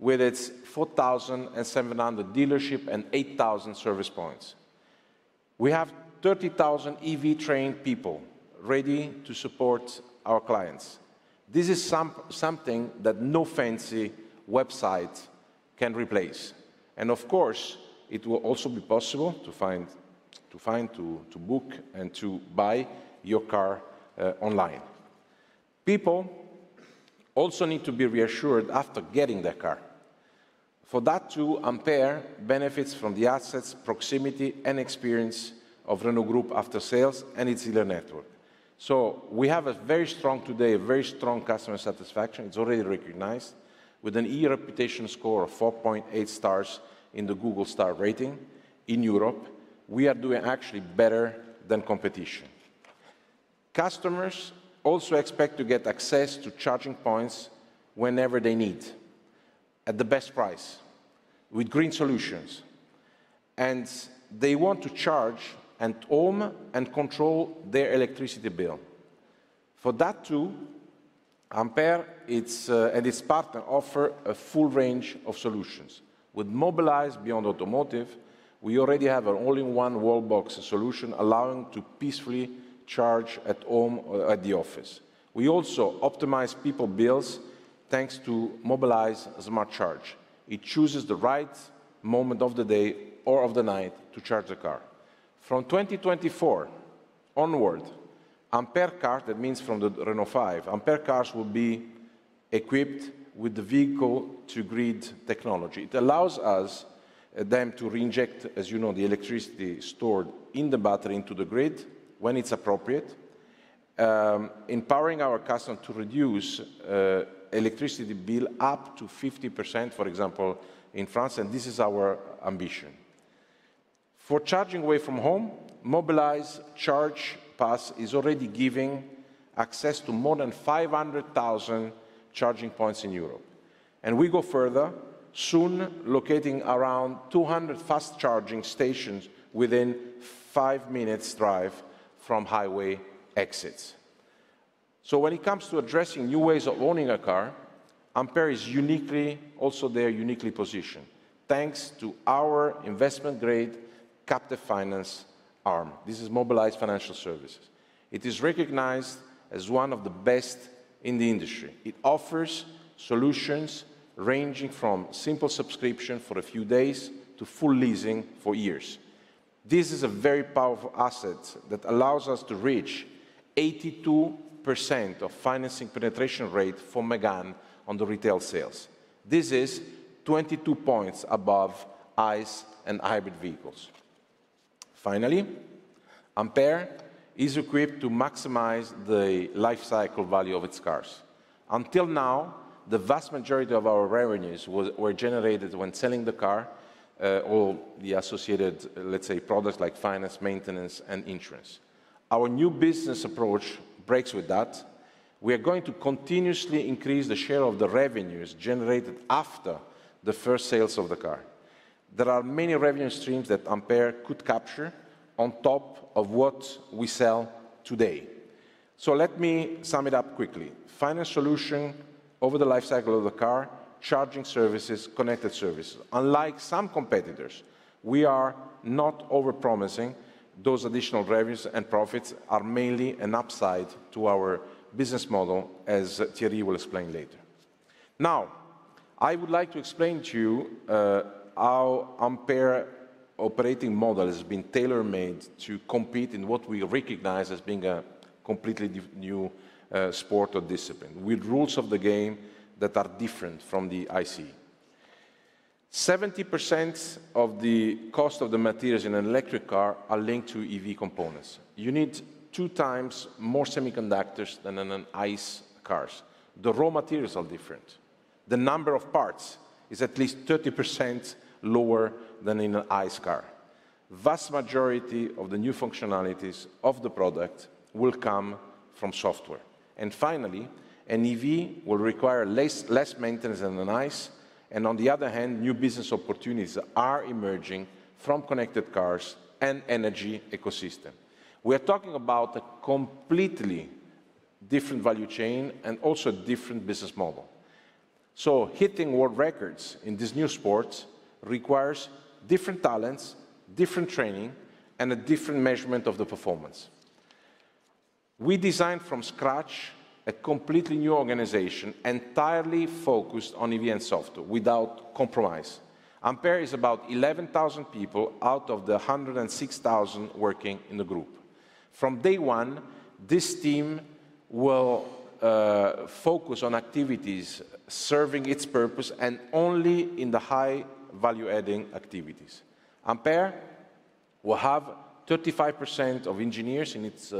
S1: with its 4,700 dealership and 8,000 service points. We have 30,000 EV-trained people ready to support our clients. This is something that no fancy website can replace, and of course, it will also be possible to find, to book, and to buy your car online. People also need to be reassured after getting their car. For that, too, Ampere benefits from the assets, proximity, and experience of Renault Group after sales and its dealer network. So we have a very strong today, a very strong customer satisfaction. It's already recognized with an eReputation score of 4.8 stars in the Google star rating in Europe. We are doing actually better than competition. Customers also expect to get access to charging points whenever they need, at the best price, with green solutions, and they want to charge at home and control their electricity bill. For that, too, Ampere, its, and its partner offer a full range of solutions. With Mobilize Beyond Automotive, we already have an all-in-one wall box solution, allowing to peacefully charge at home or at the office. We also optimize people bills, thanks to Mobilize Smart Charge. It chooses the right moment of the day or of the night to charge the car. From 2024 onward, Ampere car, that means from the Renault 5, Ampere cars will be equipped with the vehicle-to-grid technology. It allows us, them to reinject, as you know, the electricity stored in the battery into the grid when it's appropriate, empowering our customer to reduce, electricity bill up to 50%, for example, in France, and this is our ambition. For charging away from home, Mobilize Charge Pass is already giving access to more than 500,000 charging points in Europe. And we go further, soon locating around 200 fast-charging stations within five minutes drive from highway exits. So when it comes to addressing new ways of owning a car, Ampere is uniquely, also there, uniquely positioned, thanks to our investment-grade captive finance arm. This is Mobilize Financial Services. It is recognized as one of the best in the industry. It offers solutions ranging from simple subscription for a few days to full leasing for years. This is a very powerful asset that allows us to reach 82% financing penetration rate for Mégane on the retail sales. This is 22 points above ICE and hybrid vehicles. Finally, Ampere is equipped to maximize the life cycle value of its cars. Until now, the vast majority of our revenues was generated when selling the car, or the associated, let's say, products like finance, maintenance, and insurance. Our new business approach breaks with that. We are going to continuously increase the share of the revenues generated after the first sales of the car. There are many revenue streams that Ampere could capture on top of what we sell today. So let me sum it up quickly. Finance solution over the life cycle of the car, charging services, connected services. Unlike some competitors, we are not over-promising. Those additional revenues and profits are mainly an upside to our business model, as Thierry will explain later. Now, I would like to explain to you how Ampere operating model has been tailor-made to compete in what we recognize as being a completely new sport or discipline, with rules of the game that are different from the ICE. 70% of the cost of the materials in an electric car are linked to EV components. You need two times more semiconductors than in an ICE cars. The raw materials are different. The number of parts is at least 30% lower than in an ICE car. Vast majority of the new functionalities of the product will come from software. And finally, an EV will require less, less maintenance than an ICE, and on the other hand, new business opportunities are emerging from connected cars and energy ecosystem. We are talking about a completely different value chain and also a different business model. So hitting world records in this new sport requires different talents, different training, and a different measurement of the performance. We designed from scratch a completely new organization, entirely focused on EV and software without compromise. Ampere is about 11,000 people out of the 106,000 working in the group. From day one, this team will focus on activities serving its purpose and only in the high value-adding activities. Ampere will have 35% of engineers in its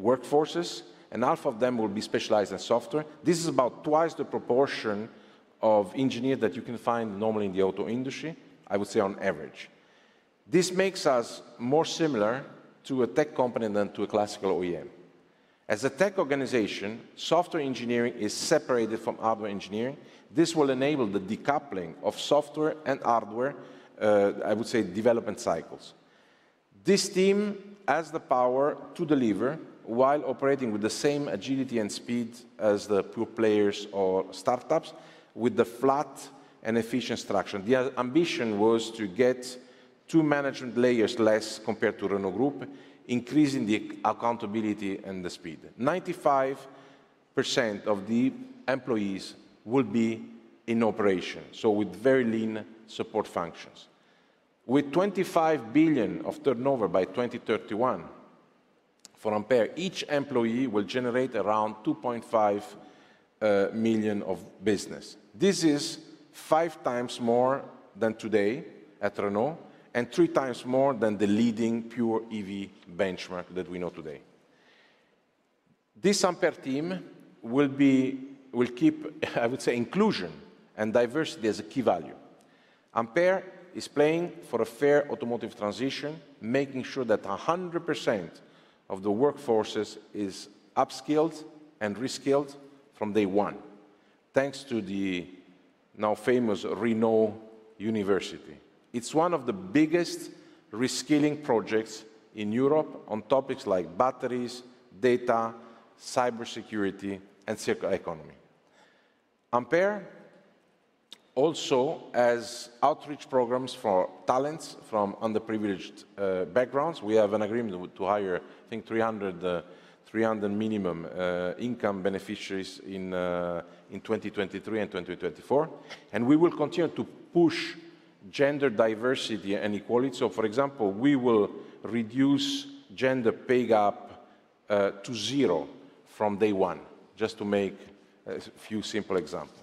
S1: workforces, and half of them will be specialized in software. This is about twice the proportion of engineers that you can find normally in the auto industry, I would say, on average. This makes us more similar to a tech company than to a classical OEM. As a tech organization, software engineering is separated from hardware engineering. This will enable the decoupling of software and hardware, I would say, development cycles. This team has the power to deliver while operating with the same agility and speed as the pure players or startups with a flat and efficient structure. The ambition was to get two management layers less compared to Renault Group, increasing the accountability and the speed. 95% of the employees will be in operation, so with very lean support functions. With 25 billion of turnover by 2031 for Ampere, each employee will generate around 2.5 million of business. This is five times more than today at Renault and 3x more than the leading pure EV benchmark that we know today. This Ampere team will keep, I would say, inclusion and diversity as a key value. Ampere is playing for a fair automotive transition, making sure that 100% of the workforces is upskilled and reskilled from day one, thanks to the now famous ReKnow University. It's one of the biggest reskilling projects in Europe on topics like batteries, data, cybersecurity, and circular economy. Ampere also has outreach programs for talents from underprivileged backgrounds. We have an agreement to hire, I think, 300 minimum income beneficiaries in 2023 and 2024, and we will continue to push gender diversity and equality. So, for example, we will reduce gender pay gap to zero from day one, just to make a few simple examples.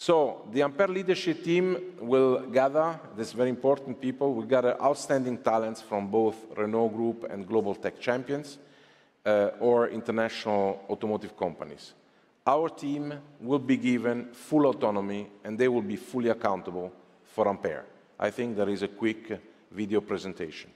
S1: So the Ampere leadership team will gather these very important people, will gather outstanding talents from both Renault Group and global tech champions, or international automotive companies. Our team will be given full autonomy, and they will be fully accountable for Ampere. I think there is a quick video presentation.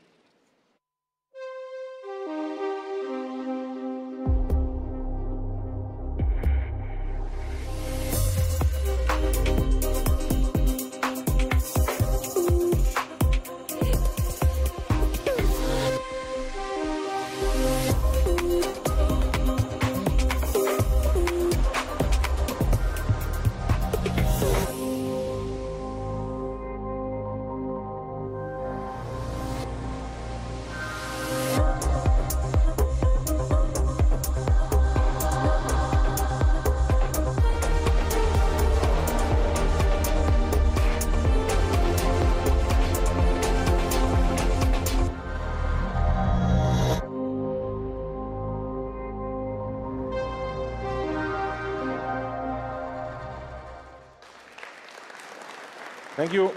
S1: Thank you.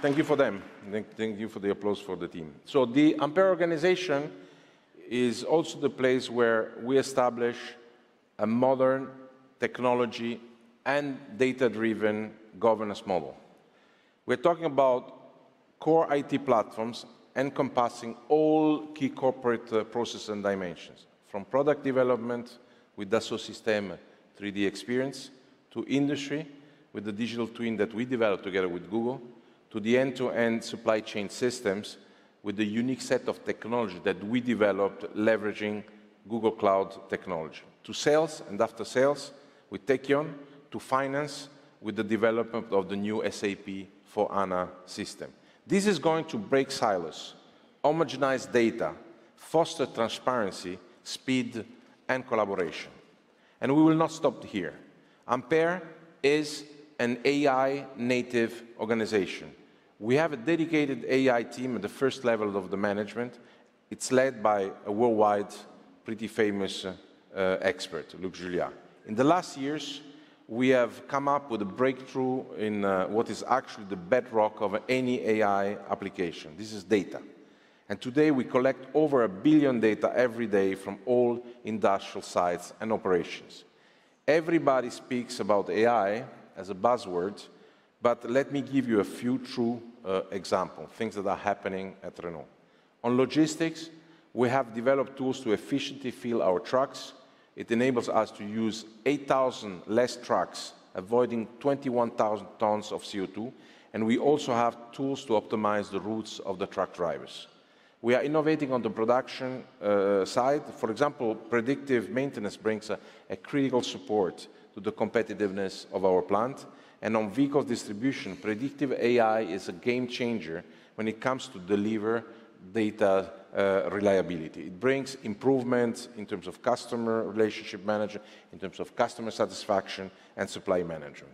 S1: Thank you for them. Thank you for the applause for the team. So the Ampere organization is also the place where we establish a modern technology and data-driven governance model. We're talking about core IT platforms encompassing all key corporate process and dimensions, from product development with Dassault Systèmes 3DEXPERIENCE, to industry with the digital twin that we developed together with Google, to the end-to-end supply chain systems with the unique set of technology that we developed leveraging Google Cloud technology. To sales and after sales, with Tekion, to finance with the development of the new SAP S/4HANA system. This is going to break silos, homogenize data, foster transparency, speed, and collaboration, and we will not stop here. Ampere is an AI-native organization. We have a dedicated AI team at the first level of the management. It's led by a worldwide, pretty famous expert, Luc Julia. In the last years, we have come up with a breakthrough in what is actually the bedrock of any AI application. This is data. Today, we collect over 1 billion data every day from all industrial sites and operations. Everybody speaks about AI as a buzzword, but let me give you a few true example things that are happening at Renault. On logistics, we have developed tools to efficiently fill our trucks. It enables us to use 8,000 less trucks, avoiding 21,000 tons of CO2, and we also have tools to optimize the routes of the truck drivers. We are innovating on the production side. For example, predictive maintenance brings a critical support to the competitiveness of our plant. On vehicle distribution, predictive AI is a game changer when it comes to deliver data reliability. It brings improvements in terms of customer relationship management, in terms of customer satisfaction, and supply management.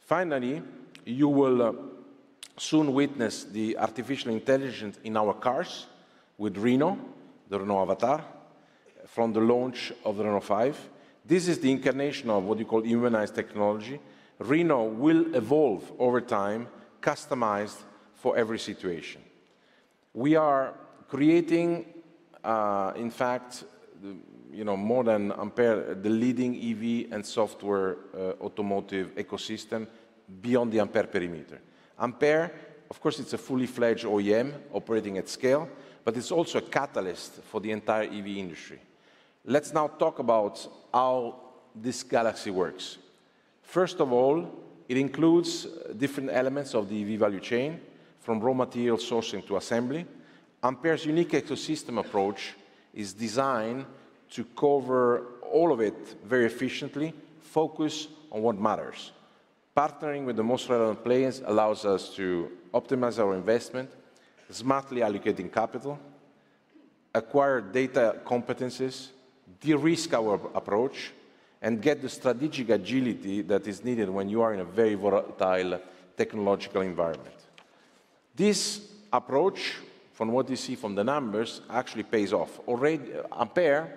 S1: Finally, you will soon witness the artificial intelligence in our cars with Reno, the Renault Avatar, from the launch of the Renault 5. This is the incarnation of what you call humanized technology. Reno will evolve over time, customized for every situation. We are creating, in fact, you know, more than Ampere, the leading EV and software, automotive ecosystem beyond the Ampere perimeter. Ampere, of course, it's a fully-fledged OEM operating at scale, but it's also a catalyst for the entire EV industry. Let's now talk about how this galaxy works. First of all, it includes different elements of the EV value chain, from raw material sourcing to assembly. Ampere's unique ecosystem approach is designed to cover all of it very efficiently, focus on what matters. Partnering with the most relevant players allows us to optimize our investment, smartly allocating capital, acquire data competencies, de-risk our approach, and get the strategic agility that is needed when you are in a very volatile technological environmdaent. This approach, from what you see from the numbers, actually pays off. Already, Ampere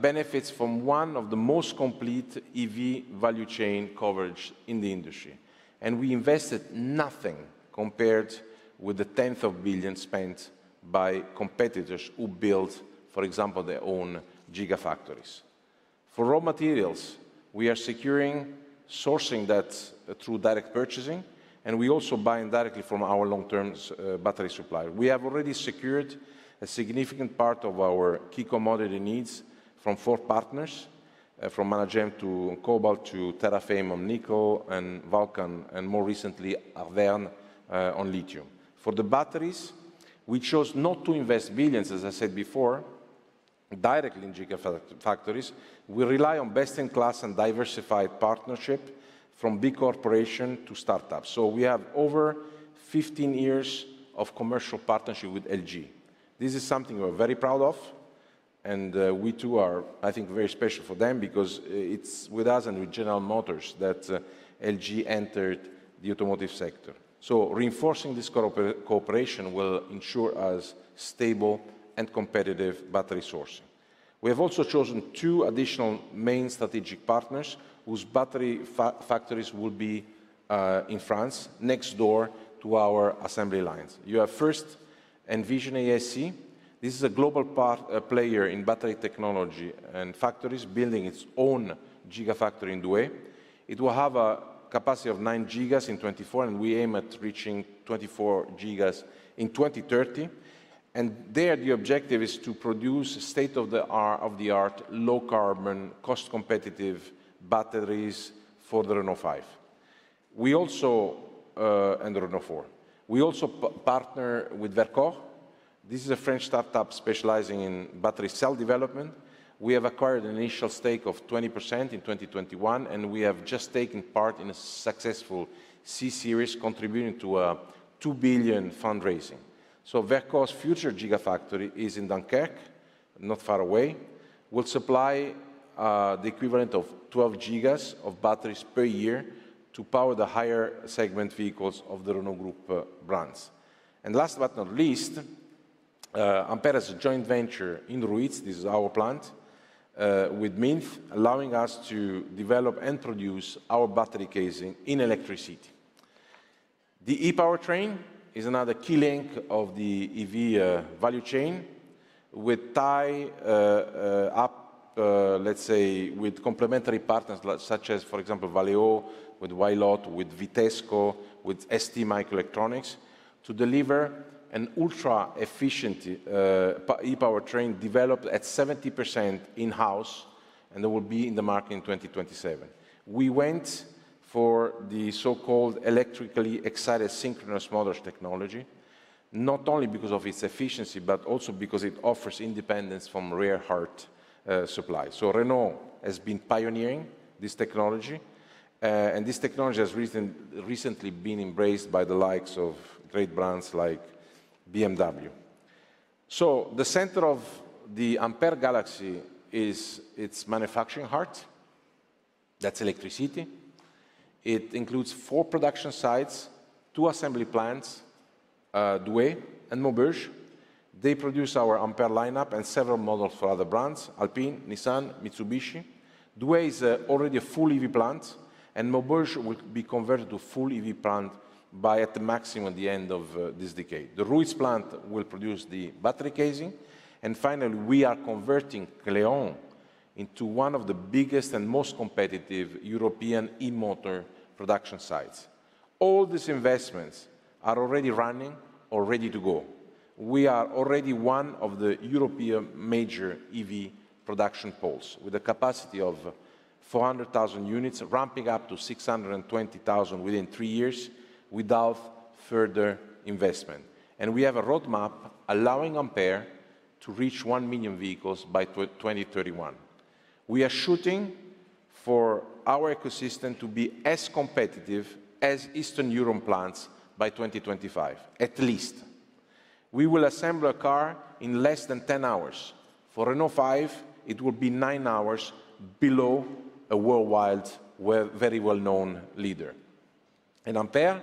S1: benefits from one of the most complete EV value chain coverage in the industry, and we invested nothing compared with the tenth of billion spent by competitors who built, for example, their own gigafactories. For raw materials, we are securing sourcing that through direct purchasing, and we also buying directly from our long-term battery supplier. We have already secured a significant part of our key commodity needs from four partners, from Managem to cobalt, to Terrafame on nickel, and Vulcan, and more recently, Arverne on lithium. For the batteries, we chose not to invest billions, as I said before, directly in gigafactories. We rely on best-in-class and diversified partnership, from big corporation to startups. So we have over 15 years of commercial partnership with LG. This is something we're very proud of, and, we too are, I think, very special for them because, it's with us and with General Motors that, LG entered the automotive sector. So reinforcing this cooperation will ensure us stable and competitive battery sourcing. We have also chosen two additional main strategic partners whose battery factories will be, in France, next door to our assembly lines. You have first Envision AESC. This is a global player in battery technology and factories, building its own gigafactory in Douai. It will have a capacity of 9 GWh in 2024, and we aim at reaching 24 GWh in 2030. And there, the objective is to produce state-of-the-art, low-carbon, cost-competitive batteries for the Renault 5 and the Renault 4. We also partner with Verkor. This is a French startup specializing in battery cell development. We have acquired an initial stake of 20% in 2021, and we have just taken part in a successful Series C, contributing to a 2 billion fundraising. So Verkor's future gigafactory is in Dunkirk, not far away, will supply the equivalent of 12 GWh of batteries per year to power the higher-segment vehicles of the Renault Group brands. And last but not least, Ampere is a joint venture in Ruitz, this is our plant, with Minth, allowing us to develop and produce our battery casing in ElectriCity. The e-powertrain is another key link of the EV value chain, with tie-ups, let's say, with complementary partners, like, such as, for example, Valeo, with Wieland, with Vitesco, with STMicroelectronics, to deliver an ultra-efficient e-powertrain, developed at 70% in-house, and it will be in the market in 2027. We went for the so-called electrically excited synchronous motors technology, not only because of its efficiency, but also because it offers independence from rare earth supply. So Renault has been pioneering this technology, and this technology has recently been embraced by the likes of great brands like BMW. So the center of the Ampere Galaxy is its manufacturing heart. That’s ElectriCity. It includes four production sites, two assembly plants, Douai and Maubeuge. They produce our Ampere lineup and several models for other brands: Alpine, Nissan, Mitsubishi. Douai is already a full EV plant, and Maubeuge will be converted to full EV plant by, at the maximum, the end of this decade. The Ruitz plant will produce the battery casing, and finally, we are converting Cléon into one of the biggest and most competitive European e-motor production sites. All these investments are already running or ready to go. We are already one of the European major EV production poles, with a capacity of 400,000 units, ramping up to 620,000 within three years, without further investment. And we have a roadmap allowing Ampere to reach 1 million vehicles by 2031. We are shooting for our ecosystem to be as competitive as Eastern Europe plants by 2025, at least. We will assemble a car in less than 10 hours. For Renault 5, it will be nine hours below a worldwide very well-known leader. And Ampere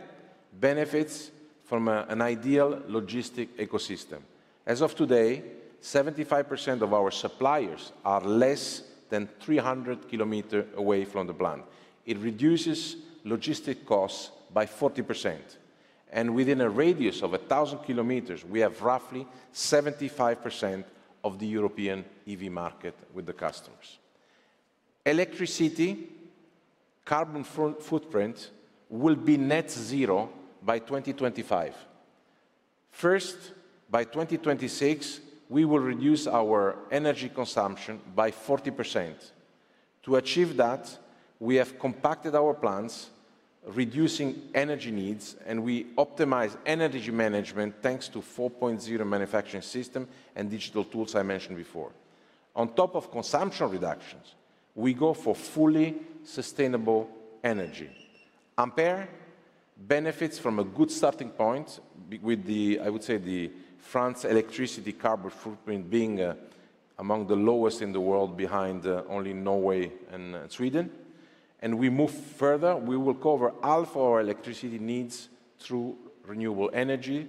S1: benefits from an ideal logistic ecosystem. As of today, 75% of our suppliers are less than 300 km away from the plant. It reduces logistic costs by 40%, and within a radius of 1,000 km, we have roughly 75% of the European EV market with the customers. ElectriCity carbon footprint will be net zero by 2025. First, by 2026, we will reduce our energy consumption by 40%. To achieve that, we have compacted our plants, reducing energy needs, and we optimize energy management, thanks to 4.0 manufacturing system and digital tools I mentioned before. On top of consumption reductions, we go for fully sustainable energy. Ampere benefits from a good starting point with the, I would say, the French electricity carbon footprint being among the lowest in the world, behind only Norway and Sweden, and we move further. We will cover all our electricity needs through renewable energy,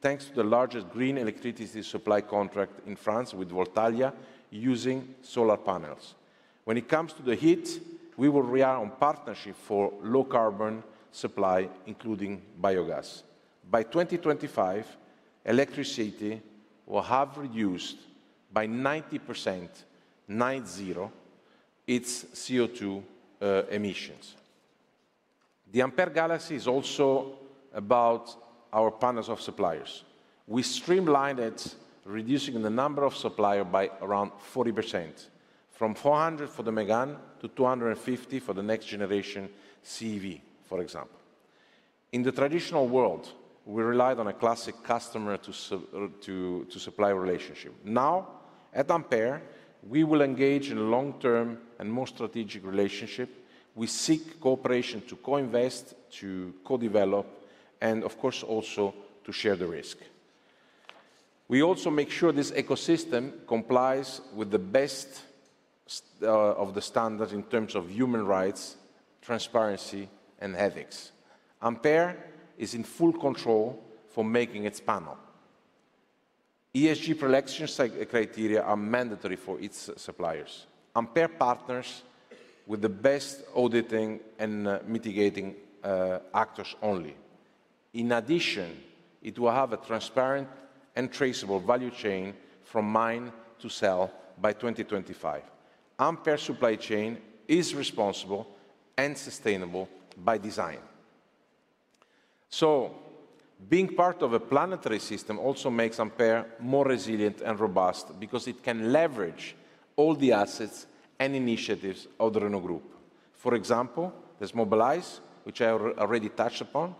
S1: thanks to the largest green electricity supply contract in France with Voltalia, using solar panels. When it comes to the heat, we will rely on partnership for low-carbon supply, including biogas. By 2025, ElectriCity will have reduced by 90%, nine zero, its CO2 emissions. The Ampere Galaxy is also about our partners of suppliers. We streamlined it, reducing the number of suppliers by around 40%, from 400 for the Mégane to 250 for the next-generation C-EV, for example. In the traditional world, we relied on a classic customer to supplier relationship. Now, at Ampere, we will engage in long-term and more strategic relationship. We seek cooperation to co-invest, to co-develop, and of course, also to share the risk. We also make sure this ecosystem complies with the best of the standards in terms of human rights, transparency, and ethics. Ampere is in full control for making its panel. ESG selection criteria are mandatory for its suppliers. Ampere partners with the best auditing and mitigating actors only. In addition, it will have a transparent and traceable value chain from mine to cell by 2025. Ampere supply chain is responsible and sustainable by design. So being part of a planetary system also makes Ampere more resilient and robust because it can leverage all the assets and initiatives of the Renault Group. For example, there's Mobilize, which I already touched upon,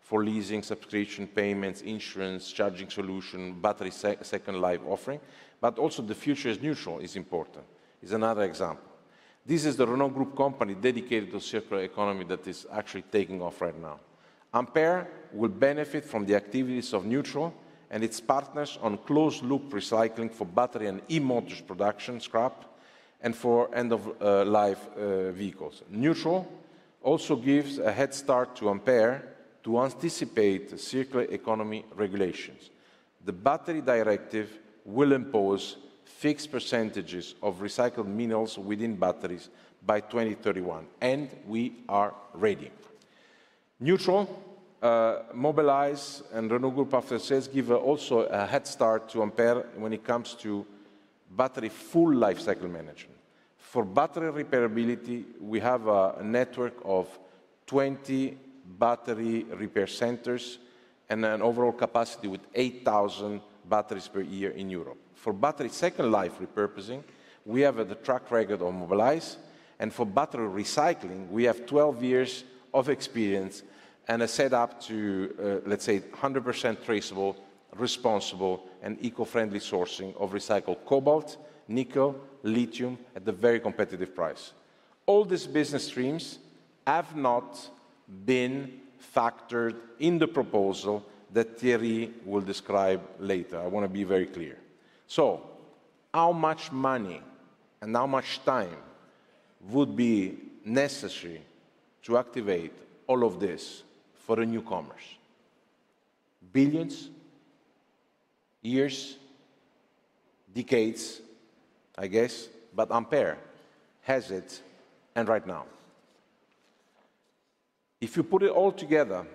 S1: for leasing, subscription, payments, insurance, charging solution, battery second life offering, but also The Future is Neutral is important, is another example. This is the Renault Group company dedicated to circular economy that is actually taking off right now. Ampere will benefit from the activities of Neutral and its partners on closed-loop recycling for battery and e-motors production scrap, and for end-of-life vehicles. Neutral also gives a head start to Ampere to anticipate the circular economy regulations. The battery directive will impose fixed percentages of recycled minerals within batteries by 2031, and we are ready. is Neutral, Mobilize, and Renault Group after-sales give also a head start to Ampere when it comes to battery full lifecycle management. For battery repairability, we have a network of 20 battery repair centers and an overall capacity with 8,000 batteries per year in Europe. For battery second life repurposing, we have the track record on Mobilize, and for battery recycling, we have 12 years of experience and a set up to, let's say, 100% traceable, responsible, and eco-friendly sourcing of recycled cobalt, nickel, lithium at a very competitive price. All these business streams have not been factored in the proposal that Thierry will describe later. I want to be very clear. So how much money and how much time would be necessary to activate all of this for the newcomers? billions, years, decades, I guess, but Ampere has it, and right now. If you put it all together,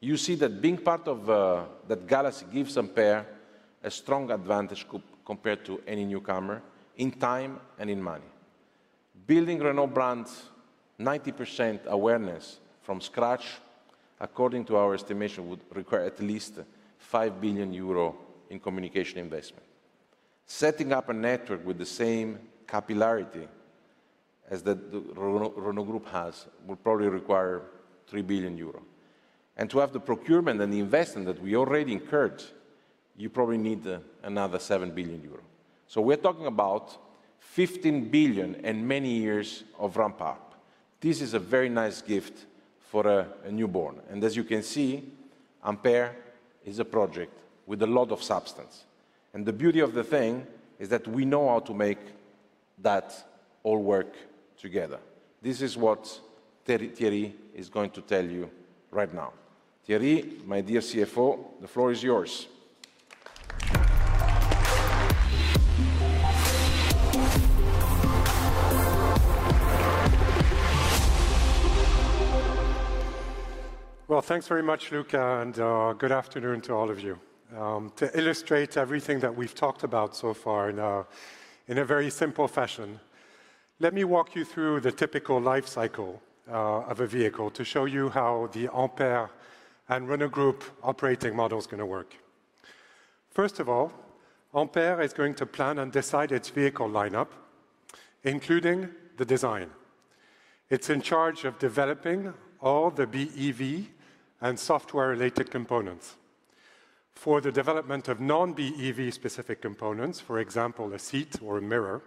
S1: you see that being part of that galaxy gives Ampere a strong advantage compared to any newcomer in time and in money. Building Renault brand's 90% awareness from scratch, according to our estimation, would require at least 5 billion euro in communication investment. Setting up a network with the same capillarity as the Renault Group has would probably require 3 billion euro. And to have the procurement and the investment that we already incurred, you probably need another 7 billion euro. So we're talking about 15 billion and many years of ramp up. This is a very nice gift for a newborn, and as you can see, Ampere is a project with a lot of substance, and the beauty of the thing is that we know how to make that all work together. This is what Thierry is going to tell you right now. Thierry, my dear CFO, the floor is yours.
S3: Well, thanks very much, Luca, and good afternoon to all of you. To illustrate everything that we've talked about so far now in a very simple fashion, let me walk you through the typical life cycle of a vehicle to show you how the Ampere and Renault Group operating model is gonna work. First of all, Ampere is going to plan and decide its vehicle lineup, including the design. It's in charge of developing all the BEV and software-related components. For the development of non-BEV specific components, for example, a seat or a mirror,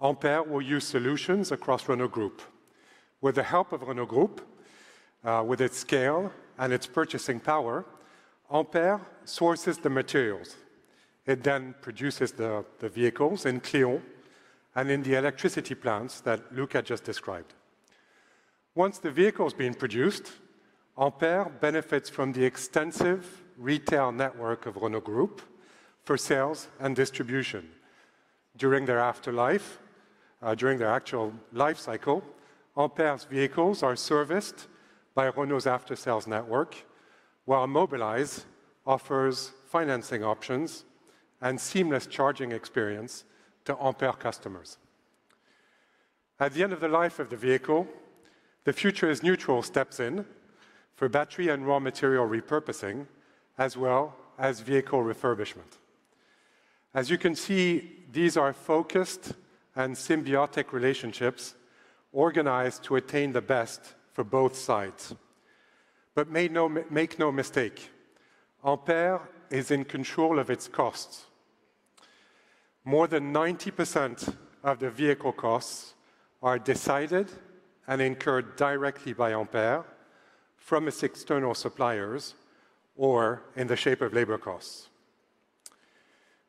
S3: Ampere will use solutions across Renault Group. With the help of Renault Group, with its scale and its purchasing power, Ampere sources the materials. It then produces the vehicles in Cléon and in the ElectriCity plants that Luca just described. Once the vehicle has been produced, Ampere benefits from the extensive retail network of Renault Group for sales and distribution. During their afterlife, during their actual life cycle, Ampere's vehicles are serviced by Renault's after-sales network, while Mobilize offers financing options and seamless charging experience to Ampere customers. At the end of the life of the vehicle, The Future is Neutral steps in for battery and raw material repurposing, as well as vehicle refurbishment. As you can see, these are focused and symbiotic relationships organized to attain the best for both sides. But make no mistake, Ampere is in control of its costs. More than 90% of the vehicle costs are decided and incurred directly by Ampere from its external suppliers or in the shape of labor costs.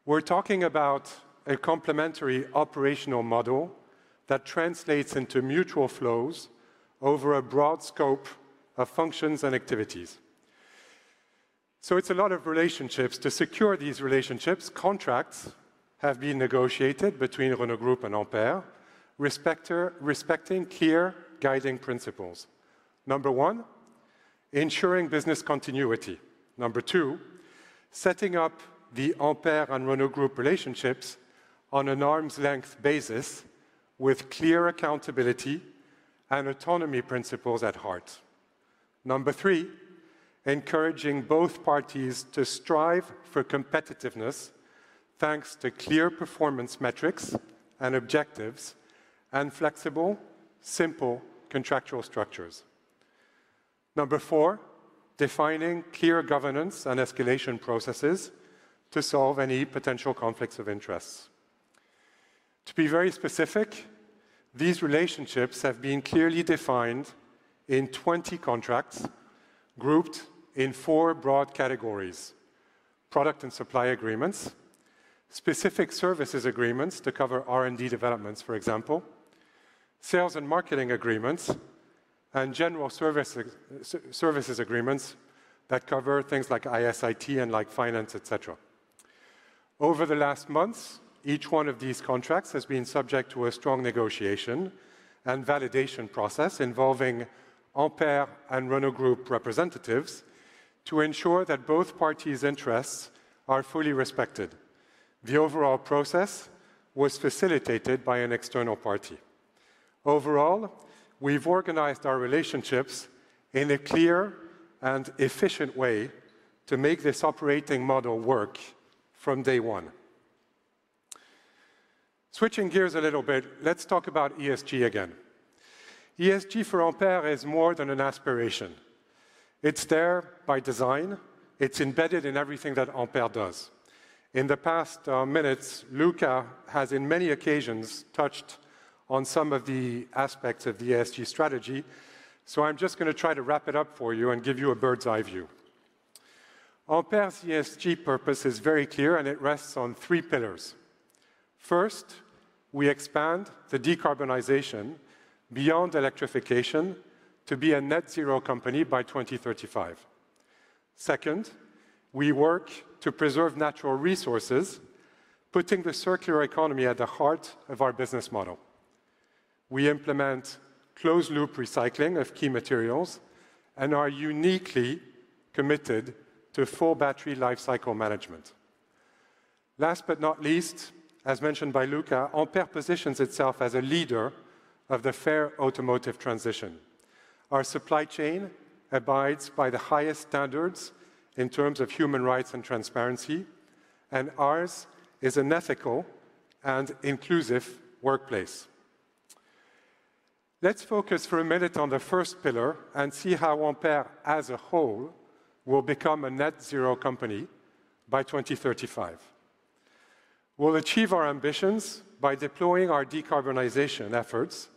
S3: We're talking about a complementary operational model that translates into mutual flows over a broad scope of functions and activities. So it's a lot of relationships. To secure these relationships, contracts have been negotiated between Renault Group and Ampere, respectively, respecting clear guiding principles. Number one, ensuring business continuity. Number two, setting up the Ampere and Renault Group relationships on an arm's length basis with clear accountability and autonomy principles at heart. Number three, encouraging both parties to strive for competitiveness, thanks to clear performance metrics and objectives, and flexible, simple contractual structures. Number four, defining clear governance and escalation processes to solve any potential conflicts of interest. To be very specific, these relationships have been clearly defined in 20 contracts, grouped in 4 broad categories: product and supply agreements, specific services agreements to cover R&D developments, for example, sales and marketing agreements, and general services agreements that cover things like IT and like finance, et cetera. Over the last months, each one of these contracts has been subject to a strong negotiation and validation process involving Ampere and Renault Group representatives to ensure that both parties' interests are fully respected. The overall process was facilitated by an external party. Overall, we've organized our relationships in a clear and efficient way to make this operating model work from day one. Switching gears a little bit, let's talk about ESG again. ESG for Ampere is more than an aspiration. It's there by design. It's embedded in everything that Ampere does. In the past minutes, Luca has, in many occasions, touched on some of the aspects of the ESG strategy, so I'm just going to try to wrap it up for you and give you a bird's-eye view. Ampere's ESG purpose is very clear, and it rests on three pillars. First, we expand the decarbonization beyond electrification to be a net zero company by 2035. Second, we work to preserve natural resources, putting the circular economy at the heart of our business model. We implement closed-loop recycling of key materials and are uniquely committed to full battery life cycle management. Last but not least, as mentioned by Luca, Ampere positions itself as a leader of the fair automotive transition. Our supply chain abides by the highest standards in terms of human rights and transparency, and ours is an ethical and inclusive workplace. Let's focus for a minute on the first pillar and see how Ampere, as a whole, will become a net zero company by 2035. We'll achieve our ambitions by deploying our decarbonization efforts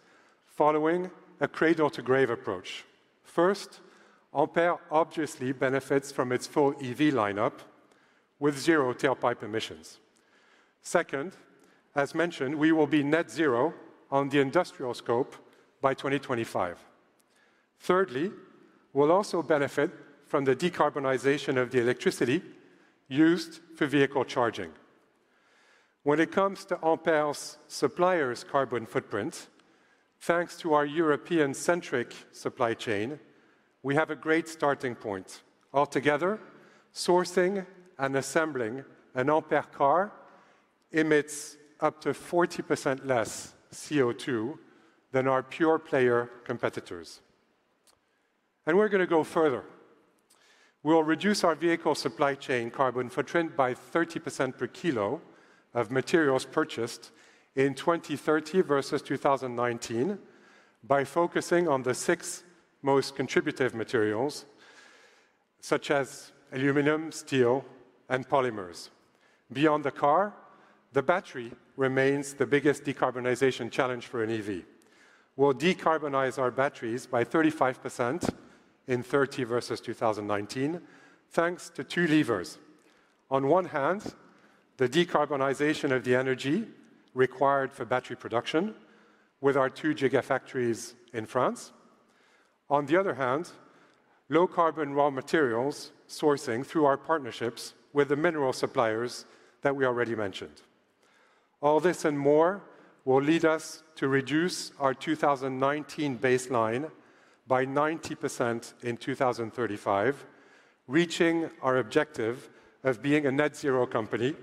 S3: following a cradle-to-grave approach. First, Ampere obviously benefits from its full EV lineup with zero tailpipe emissions. Second, as mentioned, we will be net zero on the industrial scope by 2025. Thirdly, we'll also benefit from the decarbonization of the electricity used for vehicle charging. When it comes to Ampere's suppliers' carbon footprint, thanks to our European-centric supply chain, we have a great starting point. Altogether, sourcing and assembling an Ampere car emits up to 40% less CO2 than our pure-player competitors. And we're going to go further. We'll reduce our vehicle supply chain carbon footprint by 30% per kilo of materials purchased in 2030 versus 2019, by focusing on the six most contributive materials, such as aluminum, steel, and polymers. Beyond the car, the battery remains the biggest decarbonization challenge for an EV. We'll decarbonize our batteries by 35% in 2030 versus 2019, thanks to two levers. On one hand, the decarbonization of the energy required for battery production with our two gigafactories in France. On the other hand, low-carbon raw materials sourcing through our partnerships with the mineral suppliers that we already mentioned. All this and more will lead us to reduce our 2019 baseline by 90% in 2035, reaching our objective of being a net zero company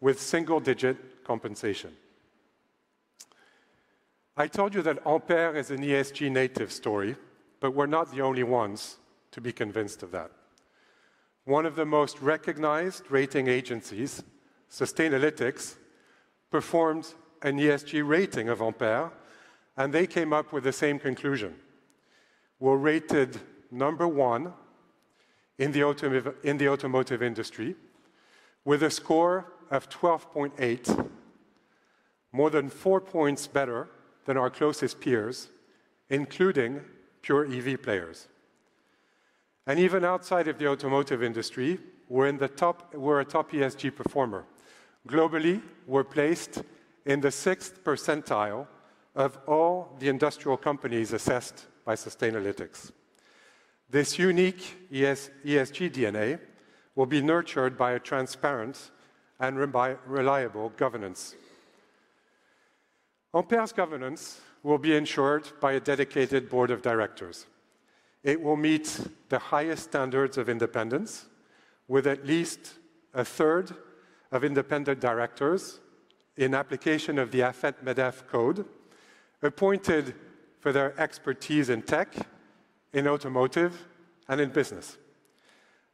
S3: with single-digit compensation. I told you that Ampere is an ESG native story, but we're not the only ones to be convinced of that. One of the most recognized rating agencies, Sustainalytics, performed an ESG rating of Ampere, and they came up with the same conclusion. We're rated number one in the automotive industry with a score of 12.8, more than four points better than our closest peers, including pure EV players. Even outside of the automotive industry, we're in the top, we're a top ESG performer. Globally, we're placed in the sixth percentile of all the industrial companies assessed by Sustainalytics. This unique ESG DNA will be nurtured by a transparent and reliable governance. Ampere's governance will be ensured by a dedicated board of directors. It will meet the highest standards of independence, with at least a third of independent directors, in application of the AFEP-MEDEF Code, appointed for their expertise in tech, in automotive, and in business.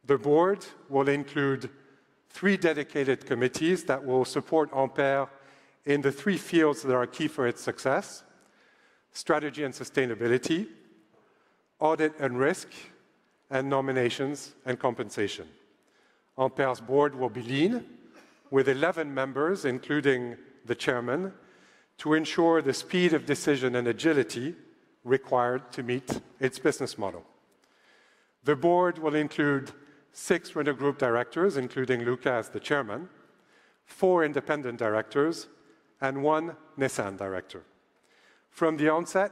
S3: The board will include three dedicated committees that will support Ampere in the three fields that are key for its success: strategy and sustainability, audit and risk, and nominations and compensation. Ampere's board will be lean, with 11 members, including the chairman, to ensure the speed of decision and agility required to meet its business model. The board will include six Renault Group Directors, including Luca as the Chairman, four Independent Directors, and 1 Nissan Director. From the onset,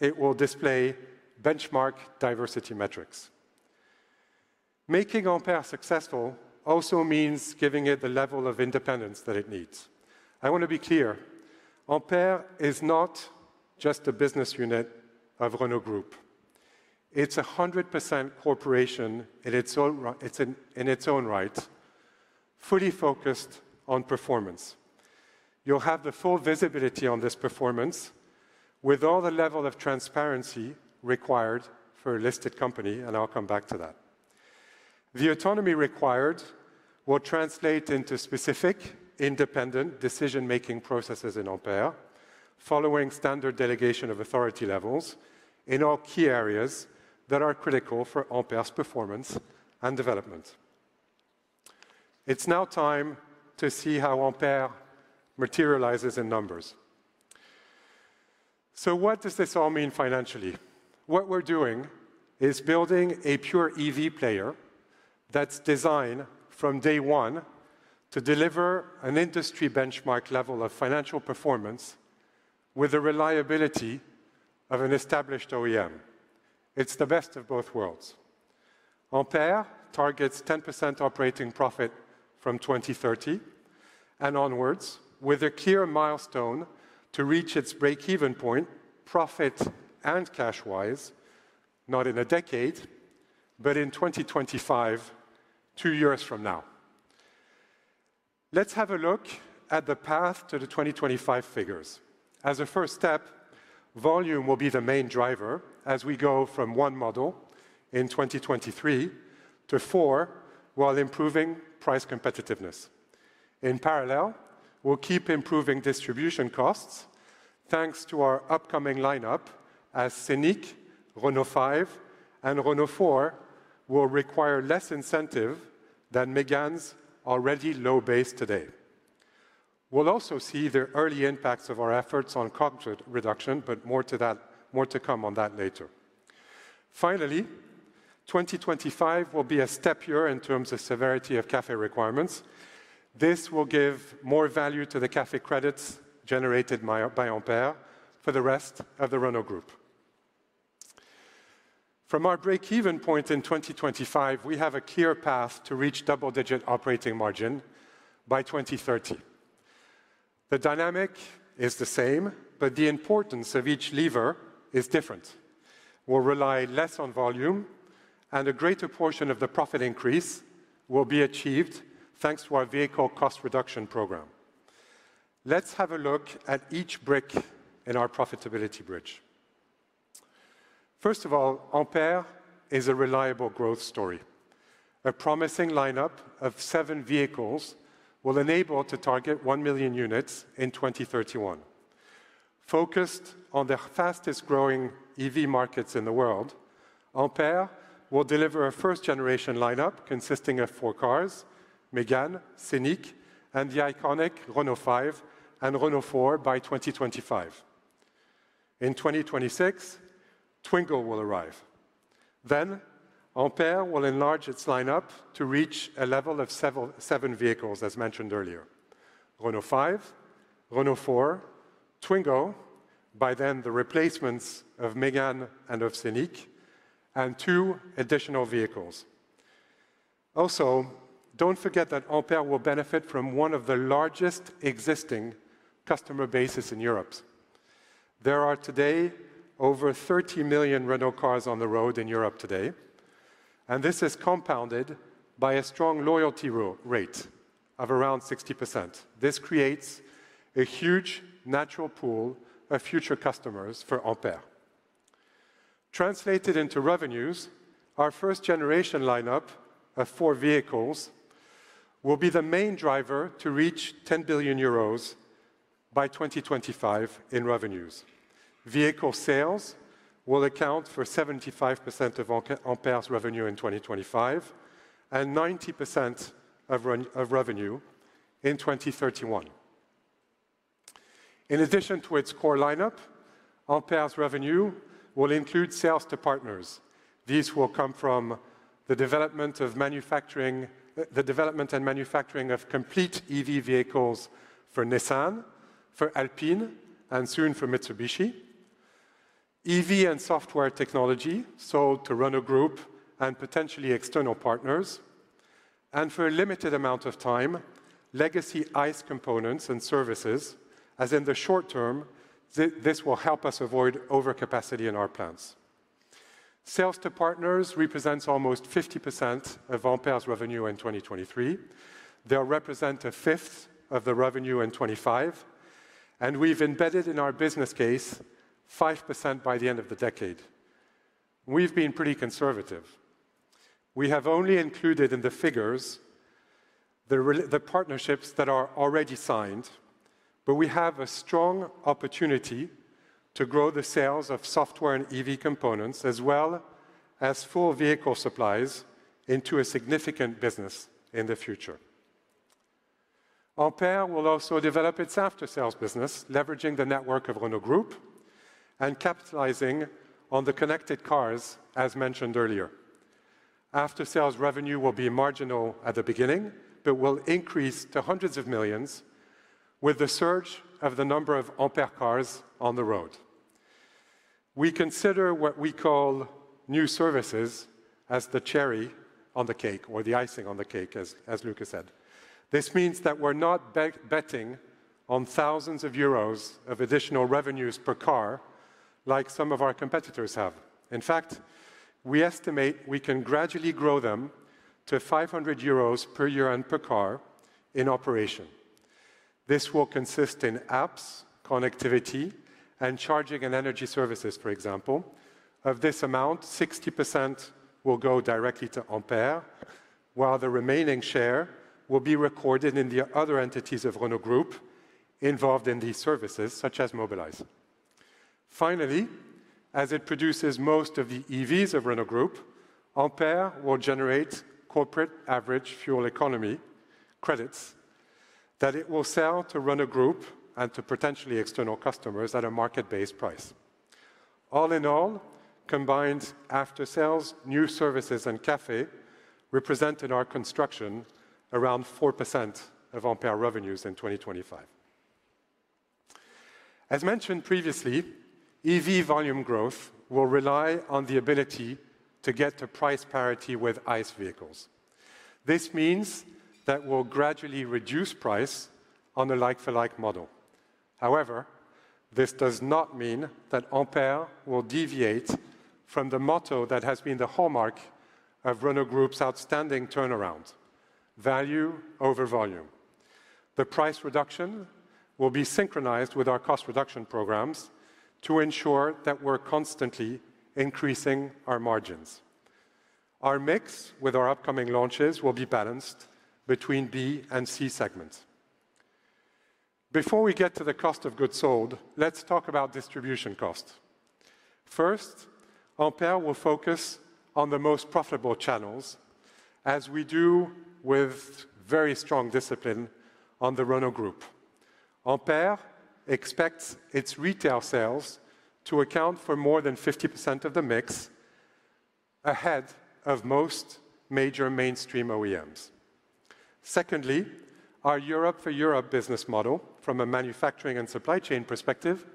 S3: it will display benchmark diversity metrics. Making Ampere successful also means giving it the level of independence that it needs. I want to be clear, Ampere is not just a business unit of Renault Group. It's a 100% corporation in its own right, fully focused on performance. You'll have the full visibility on this performance with all the level of transparency required for a listed company, and I'll come back to that. The autonomy required will translate into specific independent decision-making processes in Ampere, following standard delegation of authority levels in all key areas that are critical for Ampere's performance and development. It's now time to see how Ampere materializes in numbers. So what does this all mean financially? What we're doing is building a pure EV player that's designed from day one to deliver an industry benchmark level of financial performance with the reliability of an established OEM. It's the best of both worlds. Ampere targets 10% operating profit from 2030 and onwards, with a clear milestone to reach its breakeven point, profit and cash-wise, not in a decade, but in 2025, two years from now. Let's have a look at the path to the 2025 figures. As a first step, volume will be the main driver as we go from one model in 2023 to four, while improving price competitiveness. In parallel, we'll keep improving distribution costs, thanks to our upcoming lineup as Scenic, Renault 5, and Renault 4 will require less incentive than Mégane's already low base today. We'll also see the early impacts of our efforts on COGS reduction, but more to that, more to come on that later. Finally, 2025 will be a step year in terms of severity of CAFE requirements. This will give more value to the CAFE credits generated by Ampere for the rest of the Renault Group. From our breakeven point in 2025, we have a clear path to reach double-digit operating margin by 2030. The dynamic is the same, but the importance of each lever is different. We'll rely less on volume, and a greater portion of the profit increase will be achieved, thanks to our vehicle cost reduction program. Let's have a look at each brick in our profitability bridge. First of all, Ampere is a reliable growth story. A promising lineup of seven vehicles will enable it to target 1 million units in 2031. Focused on the fastest-growing EV markets in the world, Ampere will deliver a first-generation lineup consisting of four cars: Mégane, Scenic, and the iconic Renault 5 and Renault 4 by 2025. In 2026, Twingo will arrive. Then, Ampere will enlarge its lineup to reach a level of seven vehicles, as mentioned earlier. Renault 5, Renault 4, Twingo, by then, the replacements of Mégane and of Scenic, and two additional vehicles. Also, do not forget that Ampere will benefit from one of the largest existing customer bases in Europe. There are today over 30 million Renault cars on the road in Europe today, and this is compounded by a strong loyalty rate of around 60%. This creates a huge natural pool of future customers for Ampere. Translated into revenues, our first-generation lineup of four vehicles will be the main driver to reach 10 billion euros by 2025 in revenues. Vehicle sales will account for 75% of Ampere, Ampere's revenue in 2025, and 90% of revenue in 2031. In addition to its core lineup, Ampere's revenue will include sales to partners. These will come from the development of manufacturing, the development and manufacturing of complete EV vehicles for Nissan, for Alpine, and soon for Mitsubishi. EV and software technology, sold to Renault Group and potentially external partners, and for a limited amount of time, legacy ICE components and services, as in the short term, this will help us avoid overcapacity in our plants. Sales to partners represents almost 50% of Ampere's revenue in 2023. They'll represent 20% of the revenue in 2025, and we've embedded in our business case 5% by the end of the decade. We've been pretty conservative. We have only included in the figures the partnerships that are already signed, but we have a strong opportunity to grow the sales of software and EV components, as well as full vehicle supplies, into a significant business in the future. Ampere will also develop its after-sales business, leveraging the network of Renault Group and capitalizing on the connected cars, as mentioned earlier. After-sales revenue will be marginal at the beginning, but will increase to hundreds of millions EUR with the surge of the number of Ampere cars on the road. We consider what we call new services as the cherry on the cake, or the icing on the cake, as Luca said. This means that we're not betting on thousands of EUR of additional revenues per car, like some of our competitors have. In fact, we estimate we can gradually grow them to 500 euros per year and per car in operation. This will consist in apps, connectivity, and charging and energy services, for example. Of this amount, 60% will go directly to Ampere, while the remaining share will be recorded in the other entities of Renault Group involved in these services, such as Mobilize. Finally, as it produces most of the EVs of Renault Group, Ampere will generate corporate average fuel economy credits that it will sell to Renault Group and to potentially external customers at a market-based price. All in all, combined after-sales, new services and CAFE represent in our construction around 4% of Ampere revenues in 2025. As mentioned previously, EV volume growth will rely on the ability to get to price parity with ICE vehicles. This means that we'll gradually reduce price on a like-for-like model. However, this does not mean that Ampere will deviate from the motto that has been the hallmark of Renault Group's outstanding turnaround: value over volume. The price reduction will be synchronized with our cost reduction programs to ensure that we're constantly increasing our margins. Our mix with our upcoming launches will be balanced between B and C segments. Before we get to the cost of goods sold, let's talk about distribution cost. First, Ampere will focus on the most profitable channels, as we do with very strong discipline on the Renault Group. Ampere expects its retail sales to account for more than 50% of the mix, ahead of most major mainstream OEMs. Secondly, our Europe for Europe business model, from a manufacturing and supply chain perspective,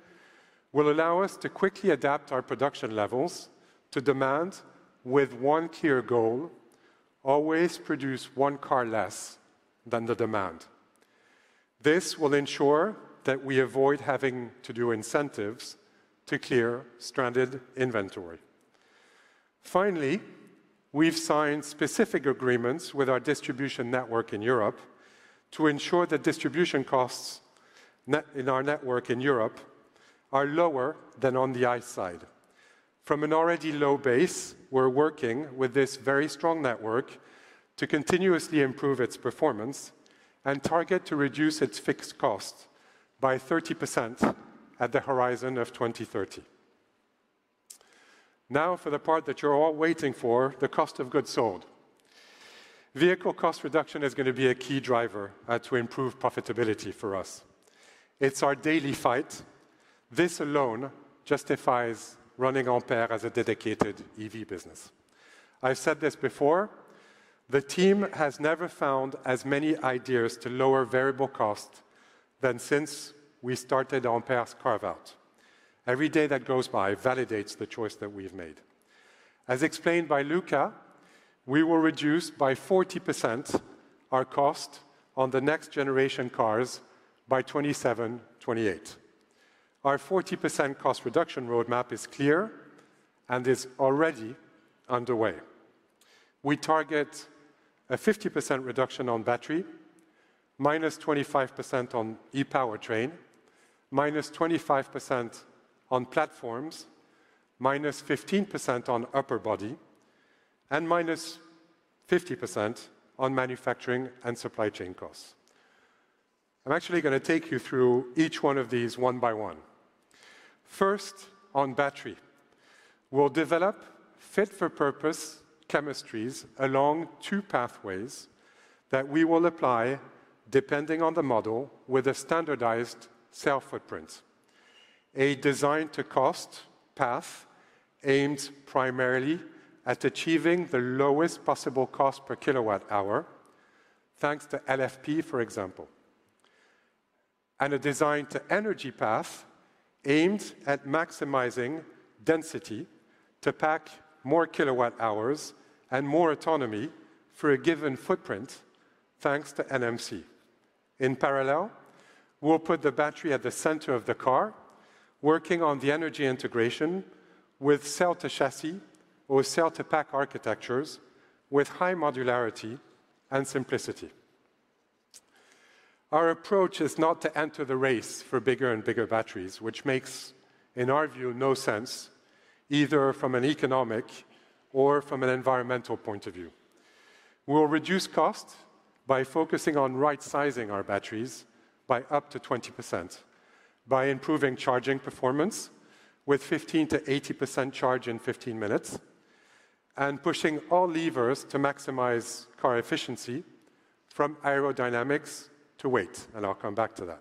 S3: will allow us to quickly adapt our production levels to demand with one clear goal: always produce one car less than the demand. This will ensure that we avoid having to do incentives to clear stranded inventory. Finally, we've signed specific agreements with our distribution network in Europe to ensure that distribution costs net in our network in Europe are lower than on the ICE side. From an already low base, we're working with this very strong network to continuously improve its performance and target to reduce its fixed cost by 30% at the horizon of 2030. Now, for the part that you're all waiting for, the cost of goods sold. Vehicle cost reduction is going to be a key driver to improve profitability for us. It's our daily fight. This alone justifies running Ampere as a dedicated EV business. I've said this before, the team has never found as many ideas to lower variable cost than since we started Ampere's carve-out. Every day that goes by validates the choice that we've made. As explained by Luca, we will reduce by 40% our cost on the next-generation cars by 2027-2028. Our 40% cost reduction roadmap is clear and is already underway. We target a 50% reduction on battery, -25% on e-powertrain, -25% on platforms, minus 15% on upper body, and -50% on manufacturing and supply chain costs. I'm actually going to take you through each one of these one by one. First, on battery. We'll develop fit-for-purpose chemistries along two pathways that we will apply, depending on the model, with a standardized cell footprint. A design to cost path aims primarily at achieving the lowest possible cost per kilowatt hour, thanks to LFP, for example. A design to energy path aims at maximizing density to pack more kilowatt hours and more autonomy for a given footprint, thanks to NMC. In parallel, we'll put the battery at the center of the car, working on the energy integration with cell-to-chassis or cell-to-pack architectures with high modularity and simplicity. Our approach is not to enter the race for bigger and bigger batteries, which makes, in our view, no sense, either from an economic or from an environmental point of view. We'll reduce cost by focusing on right-sizing our batteries by up to 20%, by improving charging performance with 15%-80% charge in 15 minutes, and pushing all levers to maximize car efficiency, from aerodynamics to weight, and I'll come back to that.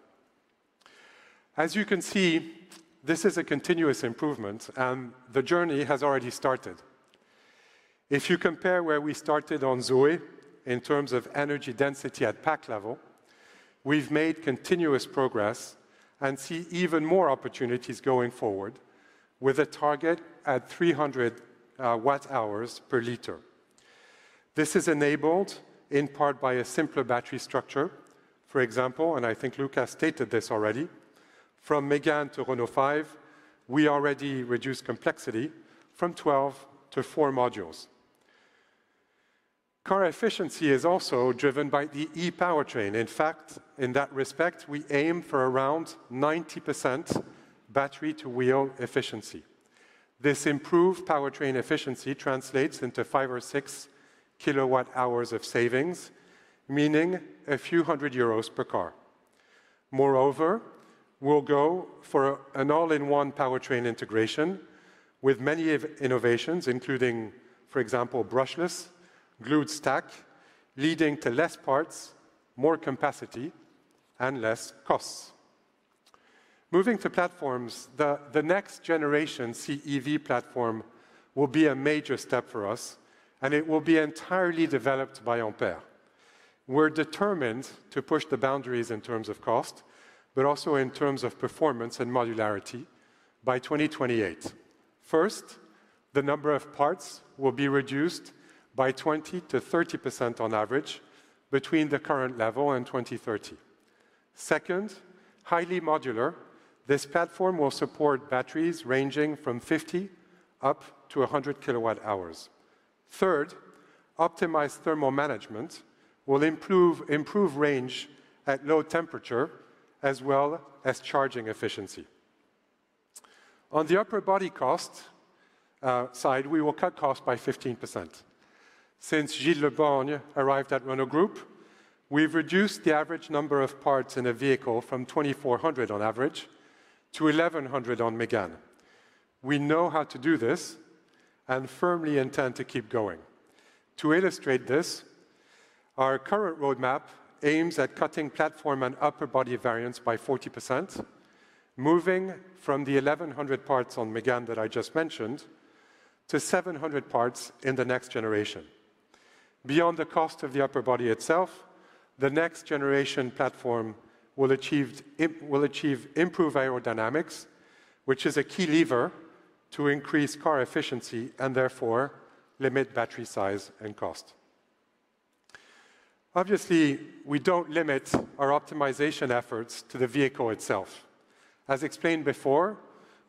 S3: As you can see, this is a continuous improvement, and the journey has already started. If you compare where we started on ZOE in terms of energy density at pack level, we've made continuous progress and see even more opportunities going forward with a target at 300 Wh/L. This is enabled in part by a simpler battery structure. For example, and I think Luca stated this already, from Mégane to Renault 5, we already reduced complexity from 12 to four modules. Car efficiency is also driven by the e-powertrain. In fact, in that respect, we aim for around 90% battery-to-wheel efficiency. This improved powertrain efficiency translates into 5 kWh or 6 kWh of savings, meaning a few hundred EUR per car. Moreover, we'll go for an all-in-one powertrain integration with many of innovations, including, for example, brushless glued stack, leading to less parts, more capacity, and less costs. Moving to platforms, the next generation C-EV platform will be a major step for us, and it will be entirely developed by Ampere. We're determined to push the boundaries in terms of cost, but also in terms of performance and modularity by 2028. First, the number of parts will be reduced by 20%-30% on average between the current level and 2030. Second, highly modular, this platform will support batteries ranging from 50-100 kWh. Third, optimized thermal management will improve range at low temperature, as well as charging efficiency. On the upper body cost side, we will cut cost by 15%. Since Gilles Le Borgne arrived at Renault Group, we've reduced the average number of parts in a vehicle from 2,400 on average to 1,100 on Mégane. We know how to do this and firmly intend to keep going. To illustrate this, our current roadmap aims at cutting platform and upper body variance by 40%, moving from the 1,100 parts on Mégane that I just mentioned to 700 parts in the next generation. Beyond the cost of the upper body itself, the next generation platform will achieve improved aerodynamics, which is a key lever to increase car efficiency and therefore limit battery size and cost. Obviously, we don't limit our optimization efforts to the vehicle itself. As explained before,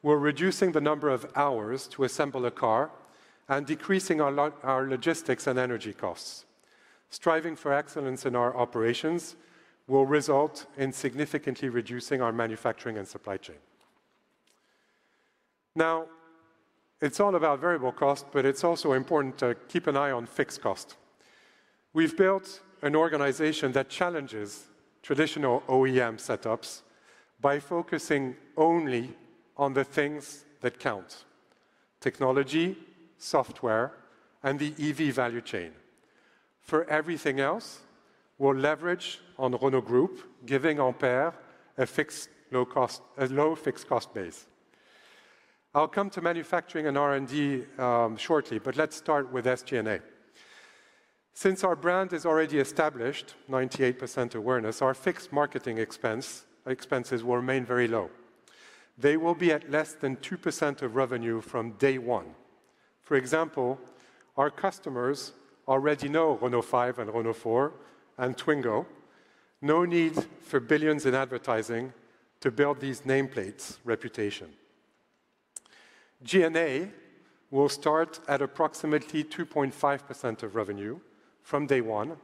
S3: we're reducing the number of hours to assemble a car and decreasing our logistics and energy costs. Striving for excellence in our operations will result in significantly reducing our manufacturing and supply chain. Now, it's all about variable cost, but it's also important to keep an eye on fixed cost. We've built an organization that challenges traditional OEM setups by focusing only on the things that count: technology, software, and the EV value chain. For everything else, we'll leverage on Renault Group, giving Ampere a fixed low cost, a low fixed cost base. I'll come to manufacturing and R&D, shortly, but let's start with SG&A. Since our brand is already established, 98% awareness, our fixed marketing expense, expenses will remain very low. They will be at less than 2% of revenue from day one. For example, our customers already know Renault 5 and Renault 4 and Twingo. No need for billions in advertising to build these nameplates' reputation. G&A will start at approximately 2.5% of revenue from day one,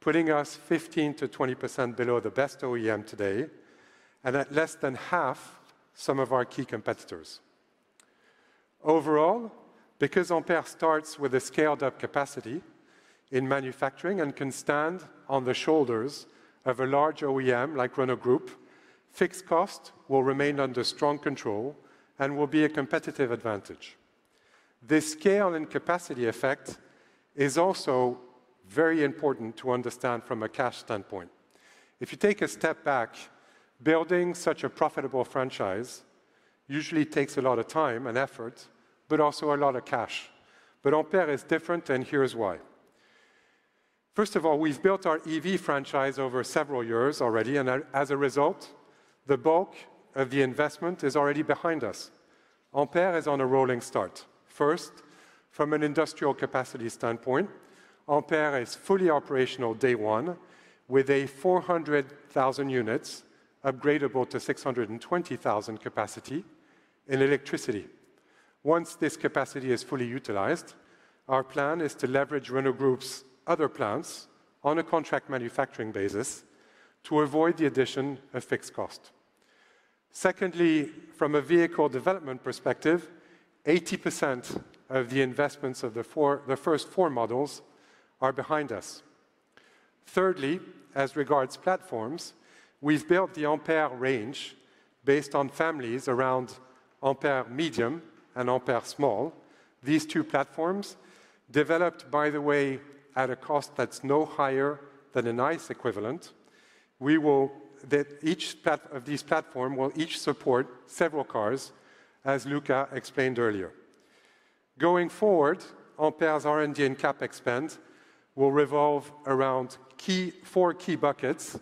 S3: putting us 15%-20% below the best OEM today, and at less than half some of our key competitors. Overall, because Ampere starts with a scaled-up capacity in manufacturing and can stand on the shoulders of a large OEM like Renault Group, fixed cost will remain under strong control and will be a competitive advantage. This scale and capacity effect is also very important to understand from a cash standpoint. If you take a step back, building such a profitable franchise usually takes a lot of time and effort, but also a lot of cash. But Ampere is different, and here is why. First of all, we've built our EV franchise over several years already, and as a result, the bulk of the investment is already behind us. Ampere is on a rolling start. First, from an industrial capacity standpoint, Ampere is fully operational day one, with 400,000 units, upgradeable to 620,000 capacity in electricity. Once this capacity is fully utilized, our plan is to leverage Renault Group's other plants on a contract manufacturing basis to avoid the addition of fixed cost. Secondly, from a vehicle development perspective, 80% of the investments of the four, the first four models are behind us. Thirdly, as regards platforms, we've built the Ampere range based on families around AmpR Medium and AmpR Small. These two platforms, developed, by the way, at a cost that's no higher than an ICE equivalent, that each of these platforms will each support several cars, as Luca explained earlier. Going forward, Ampere's R&D and CapEx spend will revolve around 4 key buckets.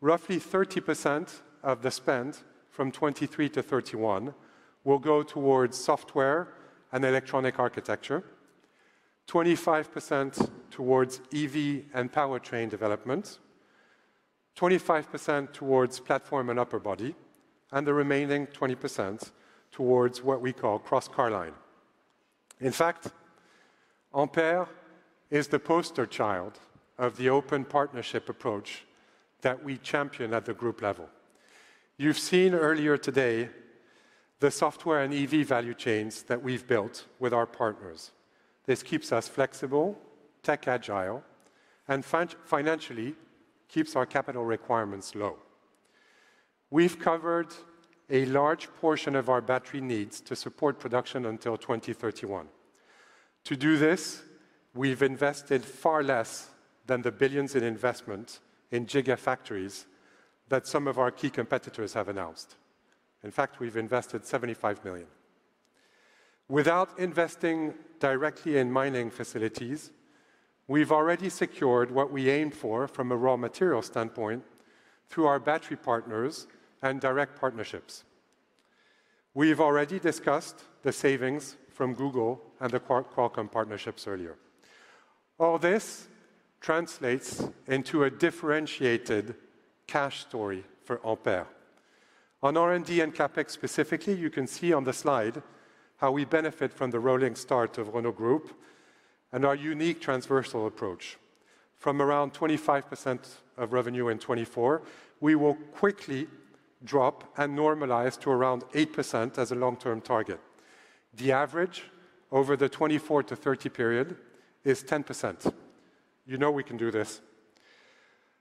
S3: Roughly 30% of the spend from 2023 to 2031 will go towards software and electronic architecture, 25% towards EV and powertrain development, 25% towards platform and upper body, and the remaining 20% towards what we call cross car line. In fact, Ampere is the poster child of the open partnership approach that we champion at the group level. You've seen earlier today the software and EV value chains that we've built with our partners. This keeps us flexible, tech agile, and financially, keeps our capital requirements low. We've covered a large portion of our battery needs to support production until 2031. To do this, we've invested far less than the billions in investment in gigafactories that some of our key competitors have announced. In fact, we've invested 75 million. Without investing directly in mining facilities, we've already secured what we aim for from a raw material standpoint through our battery partners and direct partnerships. We've already discussed the savings from Google and the Qualcomm partnerships earlier. All this translates into a differentiated cash story for Ampere. On R&D and CapEx specifically, you can see on the slide how we benefit from the rolling start of Renault Group and our unique transversal approach. From around 25% of revenue in 2024, we will quickly drop and normalize to around 8% as a long-term target. The average over the 2024-2030 period is 10%. You know we can do this.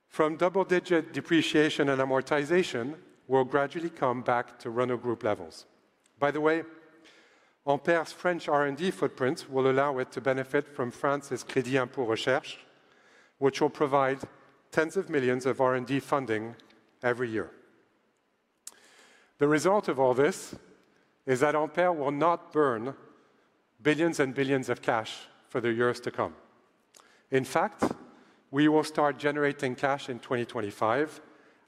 S3: From double-digit depreciation and amortization, we'll gradually come back to Renault Group levels. By the way, Ampere's French R&D footprint will allow it to benefit from France's Crédit Impôt Recherche, which will provide tens of millions EUR of R&D funding every year. The result of all this is that Ampere will not burn billions and billions of EUR in cash for the years to come. In fact, we will start generating cash in 2025,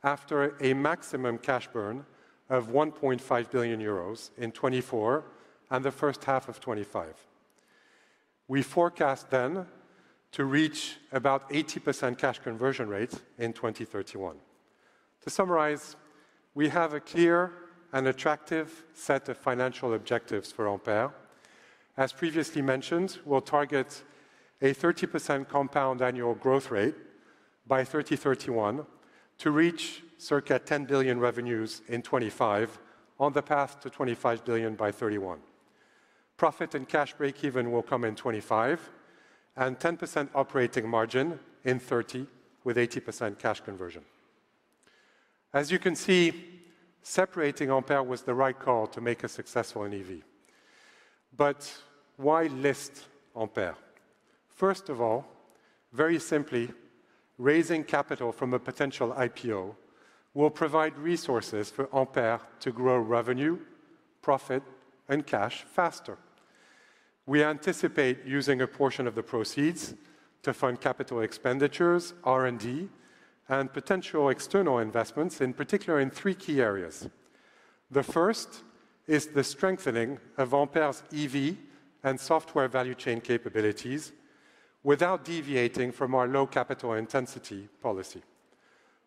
S3: after a maximum cash burn of 1.5 billion euros in 2024 and the first half of 2025. We forecast then to reach about 80% cash conversion rate in 2031. To summarize, we have a clear and attractive set of financial objectives for Ampere. As previously mentioned, we'll target a 30% compound annual growth rate by 2031 to reach circa 10 billion revenues in 2025 on the path to 25 billion by 2031. Profit and cash break-even will come in 2025, and 10% operating margin in 2030, with 80% cash conversion. As you can see, separating Ampere was the right call to make us successful in EV. But why list Ampere? First of all, very simply, raising capital from a potential IPO will provide resources for Ampere to grow revenue, profit, and cash faster. We anticipate using a portion of the proceeds to fund capital expenditures, R&D, and potential external investments, in particular in three key areas. The first is the strengthening of Ampere's EV and software value chain capabilities without deviating from our low capital intensity policy.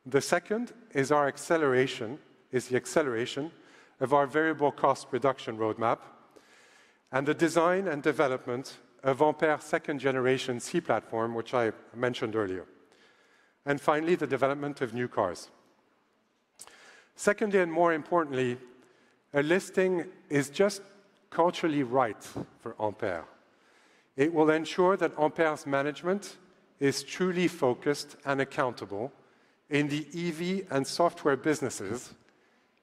S3: The second is the acceleration of our variable cost reduction roadmap and the design and development of Ampere's second-generation C platform, which I mentioned earlier. And finally, the development of new cars. Secondly, and more importantly, a listing is just culturally right for Ampere. It will ensure that Ampere's management is truly focused and accountable in the EV and software businesses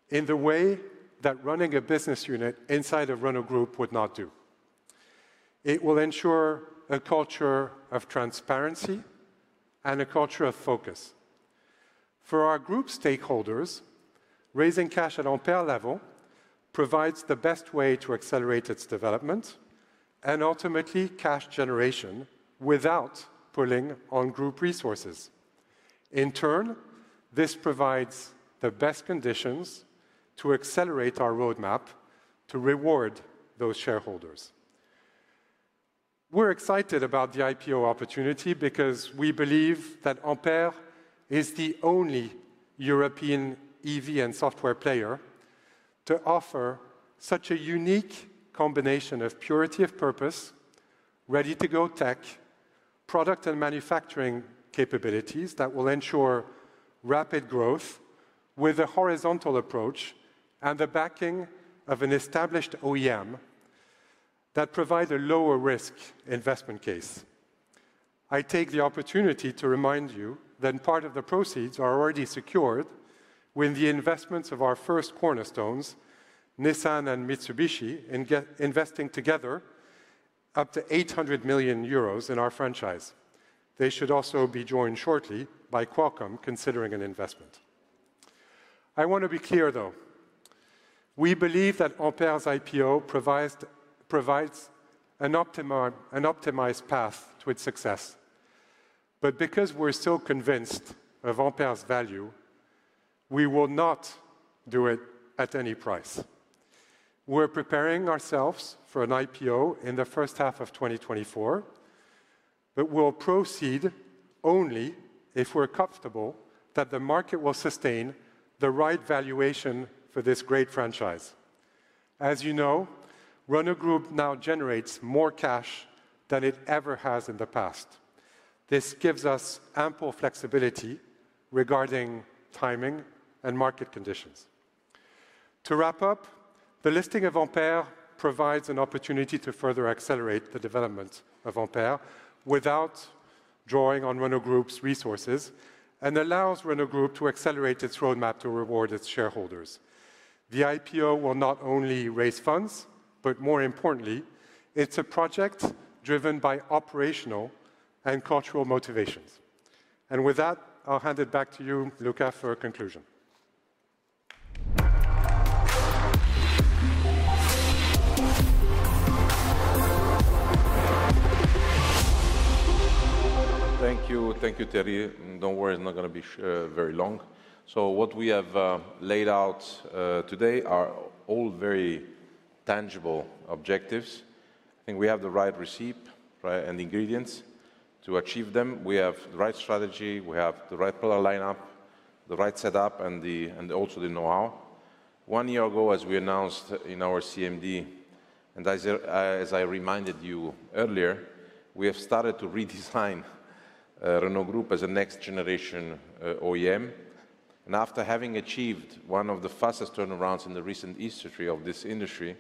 S3: in the way that running a business unit inside of Renault Group would not do. It will ensure a culture of transparency and a culture of focus. For our group stakeholders, raising cash at Ampere level provides the best way to accelerate its development and ultimately cash generation without pulling on group resources. In turn, this provides the best conditions to accelerate our roadmap to reward those shareholders... We're excited about the IPO opportunity because we believe that Ampere is the only European EV and software player to offer such a unique combination of purity of purpose, ready-to-go tech, product, and manufacturing capabilities that will ensure rapid growth with a horizontal approach, and the backing of an established OEM that provides a lower-risk investment case. I take the opportunity to remind you that part of the proceeds are already secured with the investments of our first cornerstones, Nissan and Mitsubishi, investing together up to 800 million euros in our franchise. They should also be joined shortly by Qualcomm, considering an investment. I want to be clear, though, we believe that Ampere's IPO provides an optimized path to its success. But because we're so convinced of Ampere's value, we will not do it at any price. We're preparing ourselves for an IPO in the first half of 2024, but we'll proceed only if we're comfortable that the market will sustain the right valuation for this great franchise. As you know, Renault Group now generates more cash than it ever has in the past. This gives us ample flexibility regarding timing and market conditions. To wrap up, the listing of Ampere provides an opportunity to further accelerate the development of Ampere without drawing on Renault Group's resources, and allows Renault Group to accelerate its roadmap to reward its shareholders. The IPO will not only raise funds, but more importantly, it's a project driven by operational and cultural motivations. With that, I'll hand it back to you, Luca, for a conclusion.
S1: Thank you. Thank you, Thierry. Don't worry, it's not going to be very long. So what we have laid out today are all very tangible objectives, and we have the right recipe, right, and ingredients to achieve them. We have the right strategy, we have the right product line up, the right setup, and the and also the know-how. One year ago, as we announced in our CMD, and as I reminded you earlier, we have started to redesign Renault Group as a next-generation OEM. After having achieved one of the fastest turnarounds in the recent history of this industry,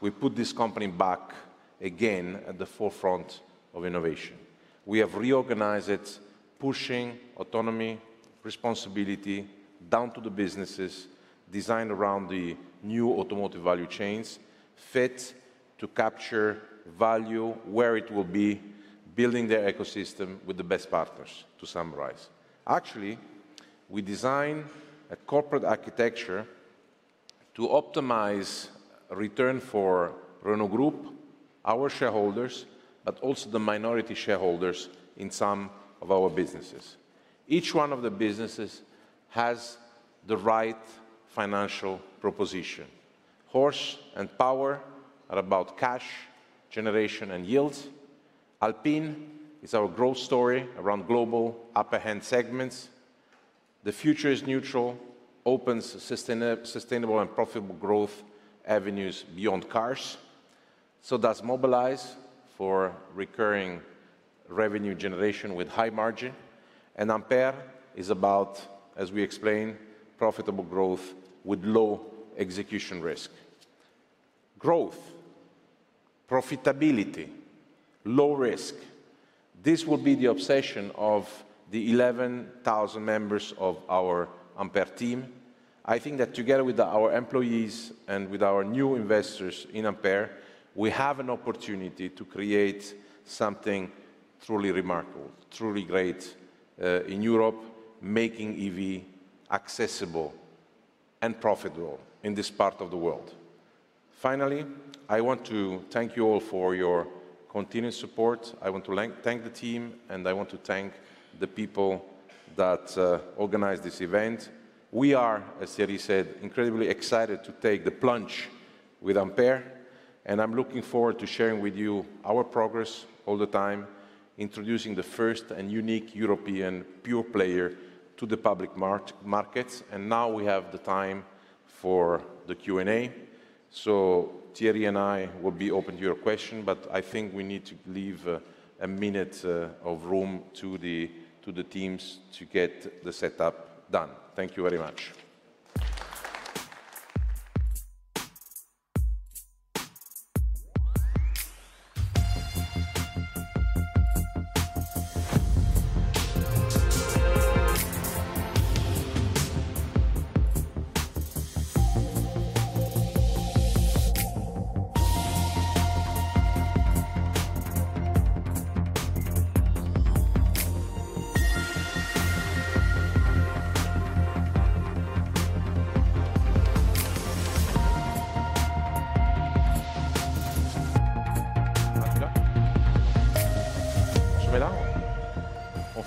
S1: we put this company back again at the forefront of innovation. We have reorganized it, pushing autonomy, responsibility down to the businesses, designed around the new automotive value chains, fit to capture value where it will be, building the ecosystem with the best partners, to summarize. Actually, we design a corporate architecture to optimize return for Renault Group, our shareholders, but also the minority shareholders in some of our businesses. Each one of the businesses has the right financial proposition. Horse and Power are about cash generation and yields. Alpine is our growth story around global upper-end segments. The Future is Neutral opens sustainable and profitable growth avenues beyond cars. So does Mobilize for recurring revenue generation with high margin. And Ampere is about, as we explained, profitable growth with low execution risk. Growth, profitability, low risk, this will be the obsession of the 11,000 members of our Ampere team. I think that together with our employees and with our new investors in Ampere, we have an opportunity to create something truly remarkable, truly great, in Europe, making EV accessible and profitable in this part of the world. Finally, I want to thank you all for your continued support. I want to thank, thank the team, and I want to thank the people that organized this event. We are, as Thierry said, incredibly excited to take the plunge with Ampere, and I'm looking forward to sharing with you our progress all the time, introducing the first and unique European pure player to the public markets. And now we have the time for the Q&A. So Thierry and I will be open to your question, but I think we need to leave a minute of room to the teams to get the setup done. Thank you very much.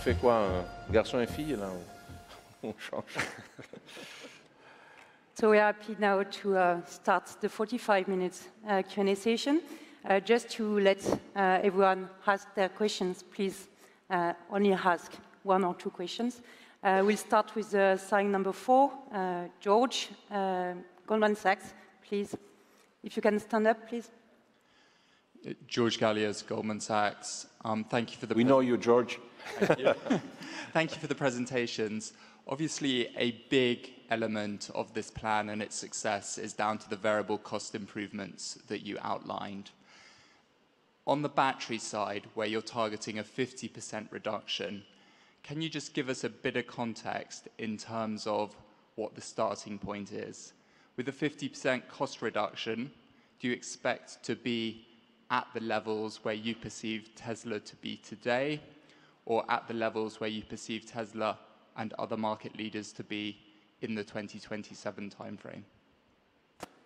S4: So we are happy now to start the 45 minutes Q&A session. Just to let everyone ask their questions, please, only ask one or two questions. We'll start with sign number four, George, Goldman Sachs. Please, if you can stand up, please.
S5: George Galliers, Goldman Sachs. Thank you for the-
S1: We know you, George.
S5: Thank you for the presentations. Obviously, a big element of this plan and its success is down to the variable cost improvements that you outlined. On the battery side, where you're targeting a 50% reduction, can you just give us a bit of context in terms of what the starting point is? With a 50% cost reduction, do you expect to be at the levels where you perceive Tesla to be today, or at the levels where you perceive Tesla and other market leaders to be in the 2027 timeframe?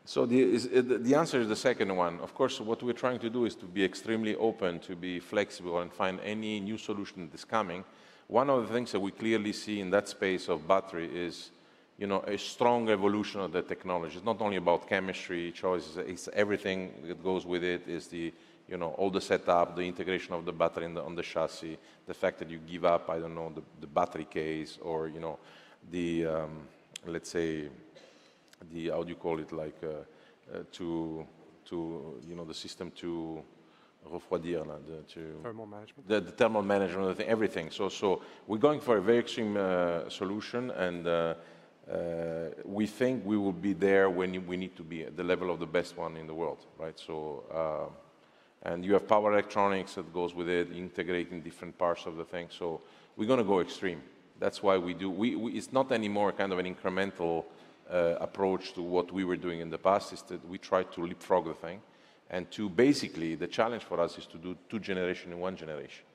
S1: So the answer is the second one. Of course, what we're trying to do is to be extremely open, to be flexible, and find any new solution that is coming. One of the things that we clearly see in that space of battery is, you know, a strong evolution of the technology. It's not only about chemistry choices, it's everything that goes with it. It's the, you know, all the setup, the integration of the battery on the chassis, the fact that you give up, I don't know, the battery case or, you know, the, let's say, the how do you call it? Like, to, you know, the system to
S3: Thermal management.
S1: The thermal management, everything. So we're going for a very extreme solution, and we think we will be there when we need to be at the level of the best one in the world, right? So. And you have power electronics that goes with it, integrating different parts of the thing, so we're gonna go extreme. That's why. It's not any more kind of an incremental approach to what we were doing in the past, is that we try to leapfrog the thing. And to basically, the challenge for us is to do two generation in one generation.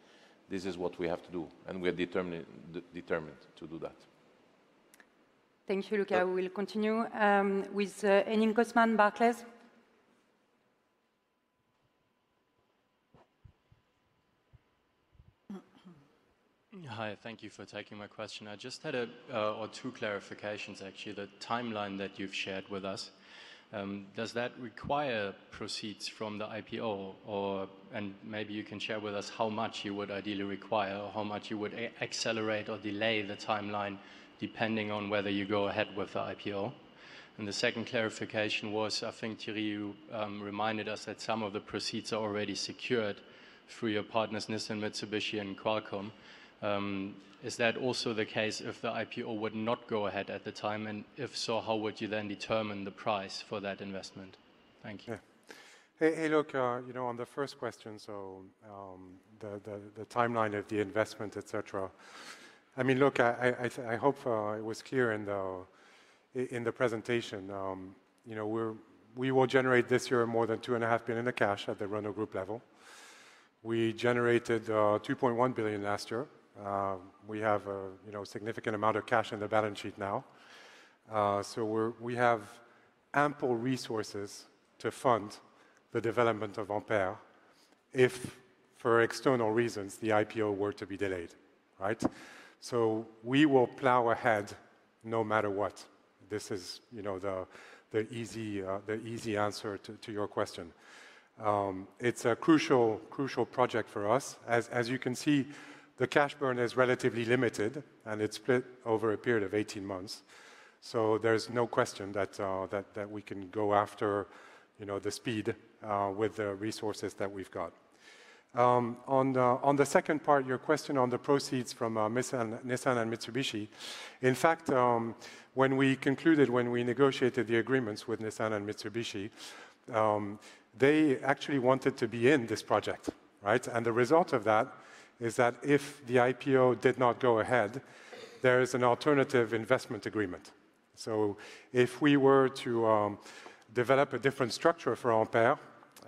S1: This is what we have to do, and we are determined to do that.
S4: Thank you, Luca. We will continue with Henning Cosman, Barclays.
S6: Hi, thank you for taking my question. I just had a or two clarifications, actually. The timeline that you've shared with us, does that require proceeds from the IPO? Or, and maybe you can share with us how much you would ideally require, or how much you would accelerate or delay the timeline depending on whether you go ahead with the IPO. And the second clarification was, I think, Thierry, you, reminded us that some of the proceeds are already secured through your partners, Nissan, Mitsubishi, and Qualcomm. Is that also the case if the IPO would not go ahead at the time? And if so, how would you then determine the price for that investment? Thank you.
S3: Yeah. Hey, hey, look, you know, on the first question, so, the timeline of the investment, et cetera. I mean, look, I hope I was clear in the presentation. You know, we will generate this year more than 2.5 billion in cash at the Renault Group level. We generated 2.1 billion last year. We have, you know, a significant amount of cash on the balance sheet now. So we have ample resources to fund the development of Ampere if, for external reasons, the IPO were to be delayed, right? So we will plow ahead no matter what. This is, you know, the easy answer to your question. It's a crucial project for us. As you can see, the cash burn is relatively limited, and it's split over a period of 18 months. So there's no question that we can go after, you know, the speed with the resources that we've got. On the second part, your question on the proceeds from Nissan and Mitsubishi, in fact, when we concluded, when we negotiated the agreements with Nissan and Mitsubishi, they actually wanted to be in this project, right? And the result of that is that if the IPO did not go ahead, there is an alternative investment agreement. So if we were to develop a different structure for Ampere,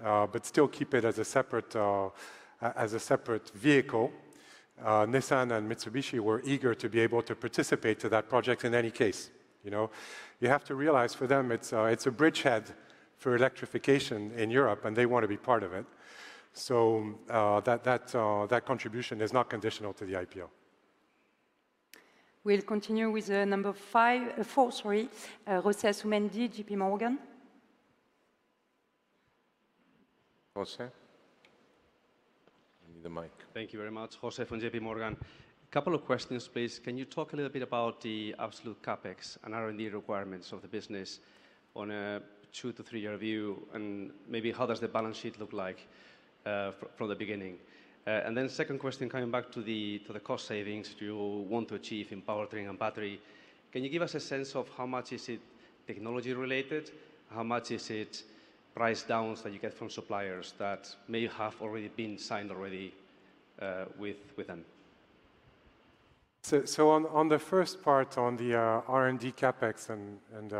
S3: but still keep it as a separate vehicle, Nissan and Mitsubishi were eager to be able to participate to that project in any case, you know? You have to realize, for them, it's a bridgehead for electrification in Europe, and they want to be part of it. So, that contribution is not conditional to the IPO.
S4: We'll continue with number five, number four, sorry, José Asumendi, JP Morgan.
S1: José, give you the mic.
S7: Thank you very much. José from JPMorgan. A couple of questions, please. Can you talk a little bit about the absolute CapEx and R&D requirements of the business on a two-year to three-year view, and maybe how does the balance sheet look like, from the beginning? And then second question, coming back to the, to the cost savings you want to achieve in powertrain and battery, can you give us a sense of how much is it technology-related? How much is it price downs that you get from suppliers that may have already been signed already, with, with them?
S3: So on the first part, on the R&D CapEx and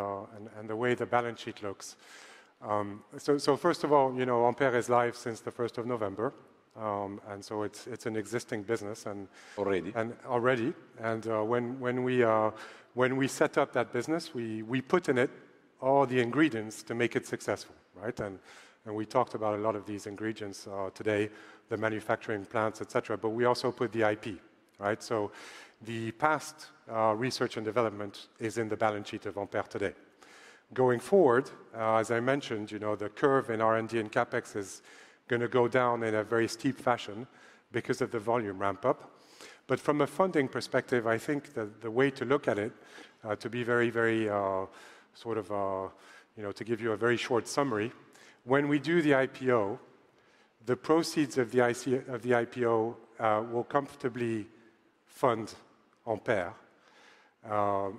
S3: the way the balance sheet looks. So first of all, you know, Ampere is live since the first of November, and so it's an existing business, and-
S1: Already.
S3: When we set up that business, we put in it all the ingredients to make it successful, right? And we talked about a lot of these ingredients today, the manufacturing plants, et cetera, but we also put the IP... right? So the past research and development is in the balance sheet of Ampere today. Going forward, as I mentioned, you know, the curve in R&D and CapEx is gonna go down in a very steep fashion because of the volume ramp-up. But from a funding perspective, I think the way to look at it, to be very, very sort of, you know, to give you a very short summary, when we do the IPO, the proceeds of the IPO will comfortably fund Ampere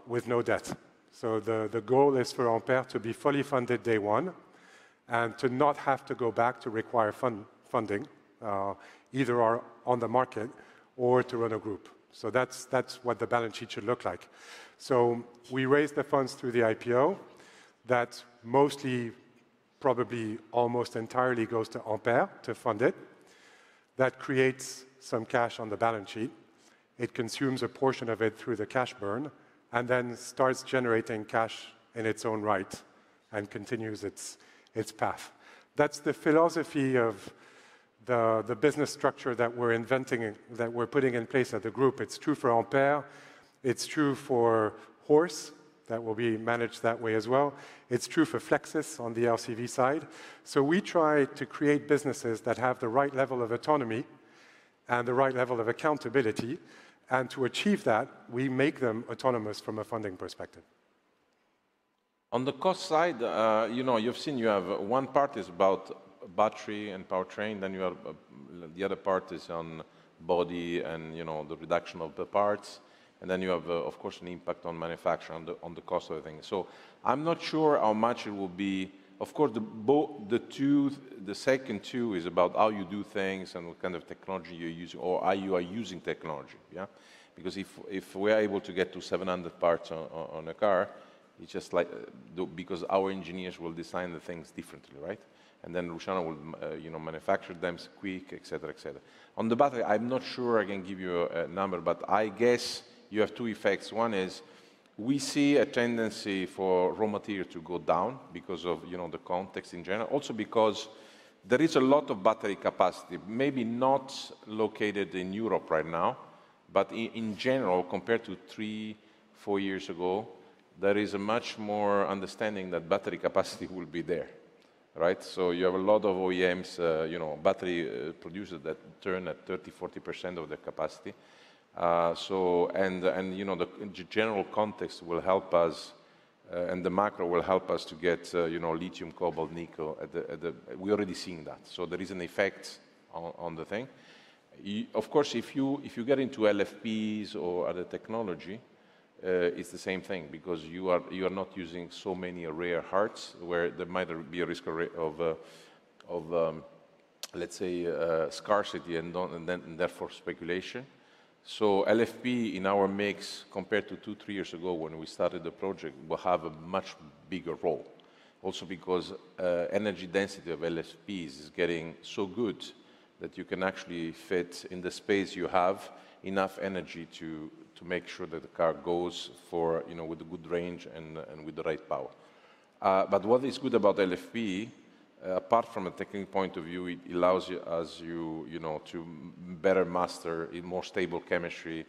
S3: with no debt. So the goal is for Ampere to be fully funded day one, and to not have to go back to require funding, either from the market or from the group. So that's what the balance sheet should look like. So we raise the funds through the IPO, that mostly, probably almost entirely goes to Ampere to fund it. That creates some cash on the balance sheet. It consumes a portion of it through the cash burn, and then starts generating cash in its own right and continues its path. That's the philosophy of the business structure that we're inventing and that we're putting in place at the group. It's true for Ampere, it's true for Horse, that will be managed that way as well. It's true for Flexis on the LCV side. We try to create businesses that have the right level of autonomy and the right level of accountability, and to achieve that, we make them autonomous from a funding perspective.
S1: On the cost side, you know, you've seen you have one part is about battery and powertrain, then you have the other part is on body and, you know, the reduction of the parts, and then you have, of course, an impact on manufacturing on the cost of the thing. So I'm not sure how much it will be. Of course, the two, the second two is about how you do things and what kind of technology you're using or how you are using technology, yeah? Because if we are able to get to 700 parts on a car, it's just like because our engineers will design the things differently, right? And then Luciano will, you know, manufacture them quick, et cetera, et cetera. On the battery, I'm not sure I can give you a number, but I guess you have two effects. One is, we see a tendency for raw material to go down because of, you know, the context in general. Also because there is a lot of battery capacity, maybe not located in Europe right now, but in general, compared to three, four years ago, there is a much more understanding that battery capacity will be there, right? So you have a lot of OEMs, you know, battery producers that turn at 30%-40% of their capacity. So, and, you know, the general context will help us, and the macro will help us to get, you know, lithium, cobalt, nickel, at the, at the we're already seeing that. So there is an effect on, on the thing. Of course, if you, if you get into LFPs or other technology, it's the same thing because you are, you are not using so many rare earths, where there might be a risk of, let's say, scarcity and then, and therefore speculation. So LFP in our mix, compared to two years, three years ago when we started the project, will have a much bigger role. Also because, energy density of LFPs is getting so good that you can actually fit in the space you have, enough energy to, to make sure that the car goes for, you know, with a good range and, and with the right power. But what is good about LFP, apart from a technical point of view, it allows you, as you, you know, to better master a more stable chemistry,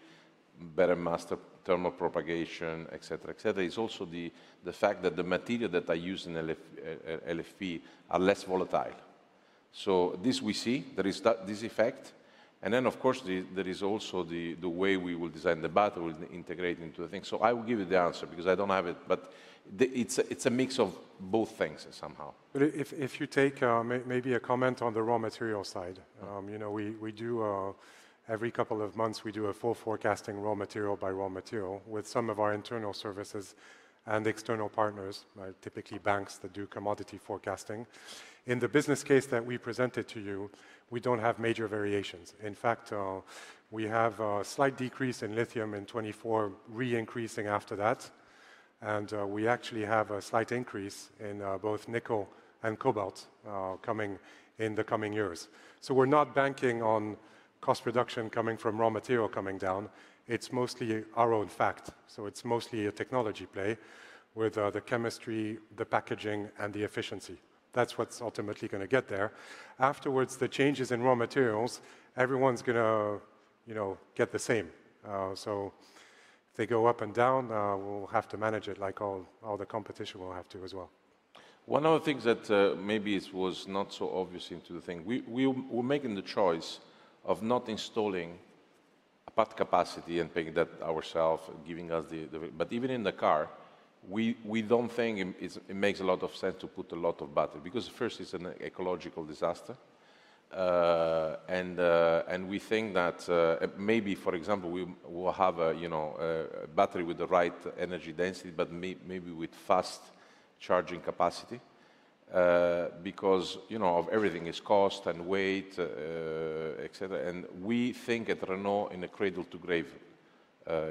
S1: better master thermal propagation, et cetera, et cetera. It's also the fact that the material that are used in LFP are less volatile. So this we see, there is that, this effect. And then, of course, there is also the way we will design the battery will integrate into the thing. So I will give you the answer because I don't have it, but it's a mix of both things somehow.
S3: But if you take, maybe a comment on the raw material side-
S1: Mm.
S3: you know, we do every couple of months, we do a full forecasting, raw material by raw material, with some of our internal services and external partners, right? Typically, banks that do commodity forecasting. In the business case that we presented to you, we don't have major variations. In fact, we have a slight decrease in lithium in 2024, re-increasing after that, and we actually have a slight increase in both nickel and cobalt coming in the coming years. So we're not banking on cost reduction coming from raw material coming down, it's mostly our own fact. So it's mostly a technology play with the chemistry, the packaging, and the efficiency. That's what's ultimately gonna get there. Afterwards, the changes in raw materials, everyone's gonna, you know, get the same. If they go up and down, we'll have to manage it like all the competition will have to as well.
S1: One of the things that, maybe was not so obvious in the thing, we're making the choice of not installing a part capacity and paying debt ourselves, giving us the. But even in the car, we don't think it makes a lot of sense to put a lot of battery, because first, it's an ecological disaster. And we think that, maybe, for example, we will have, you know, a battery with the right energy density, but maybe with fast charging capacity. Because, you know, everything is cost and weight, et cetera. And we think at Renault in a cradle-to-grave,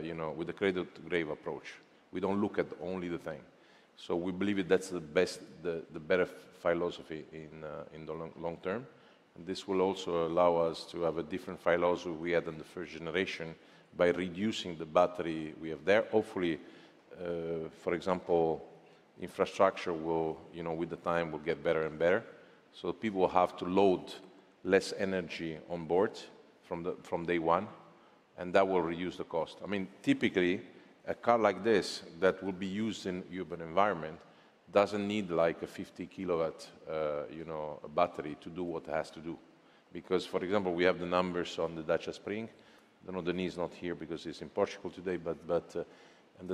S1: you know, with a cradle-to-grave approach, we don't look at only the thing. So we believe that's the best, the better philosophy in the long term. This will also allow us to have a different philosophy we had in the first generation by reducing the battery we have there. Hopefully, for example, infrastructure will, you know, with the time, will get better and better, so people will have to load less energy on board from day one, and that will reduce the cost. I mean, typically, a car like this that will be used in urban environment doesn't need, like, a 50-kW battery to do what it has to do. Because, for example, we have the numbers on the Dacia Spring. I know Denis is not here because he's in Portugal today, but the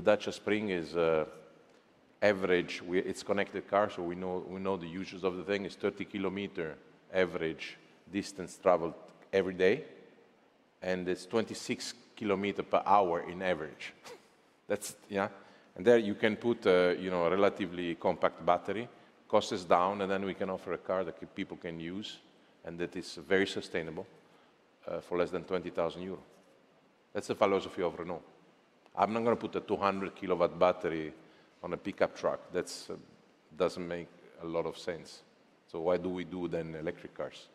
S1: Dacia Spring is average. It's a connected car, so we know, we know the usage of the thing. It's 30 km average distance traveled every day, and it's 26 km per hour in average. That's. Yeah. And there you can put, you know, a relatively compact battery. Cost is down, and then we can offer a car that people can use, and that is very sustainable, for less than 20,000 euros. That's the philosophy of Renault. I'm not going to put a 200 kW battery on a pickup truck. That's, doesn't make a lot of sense. So why do we do, then, electric cars?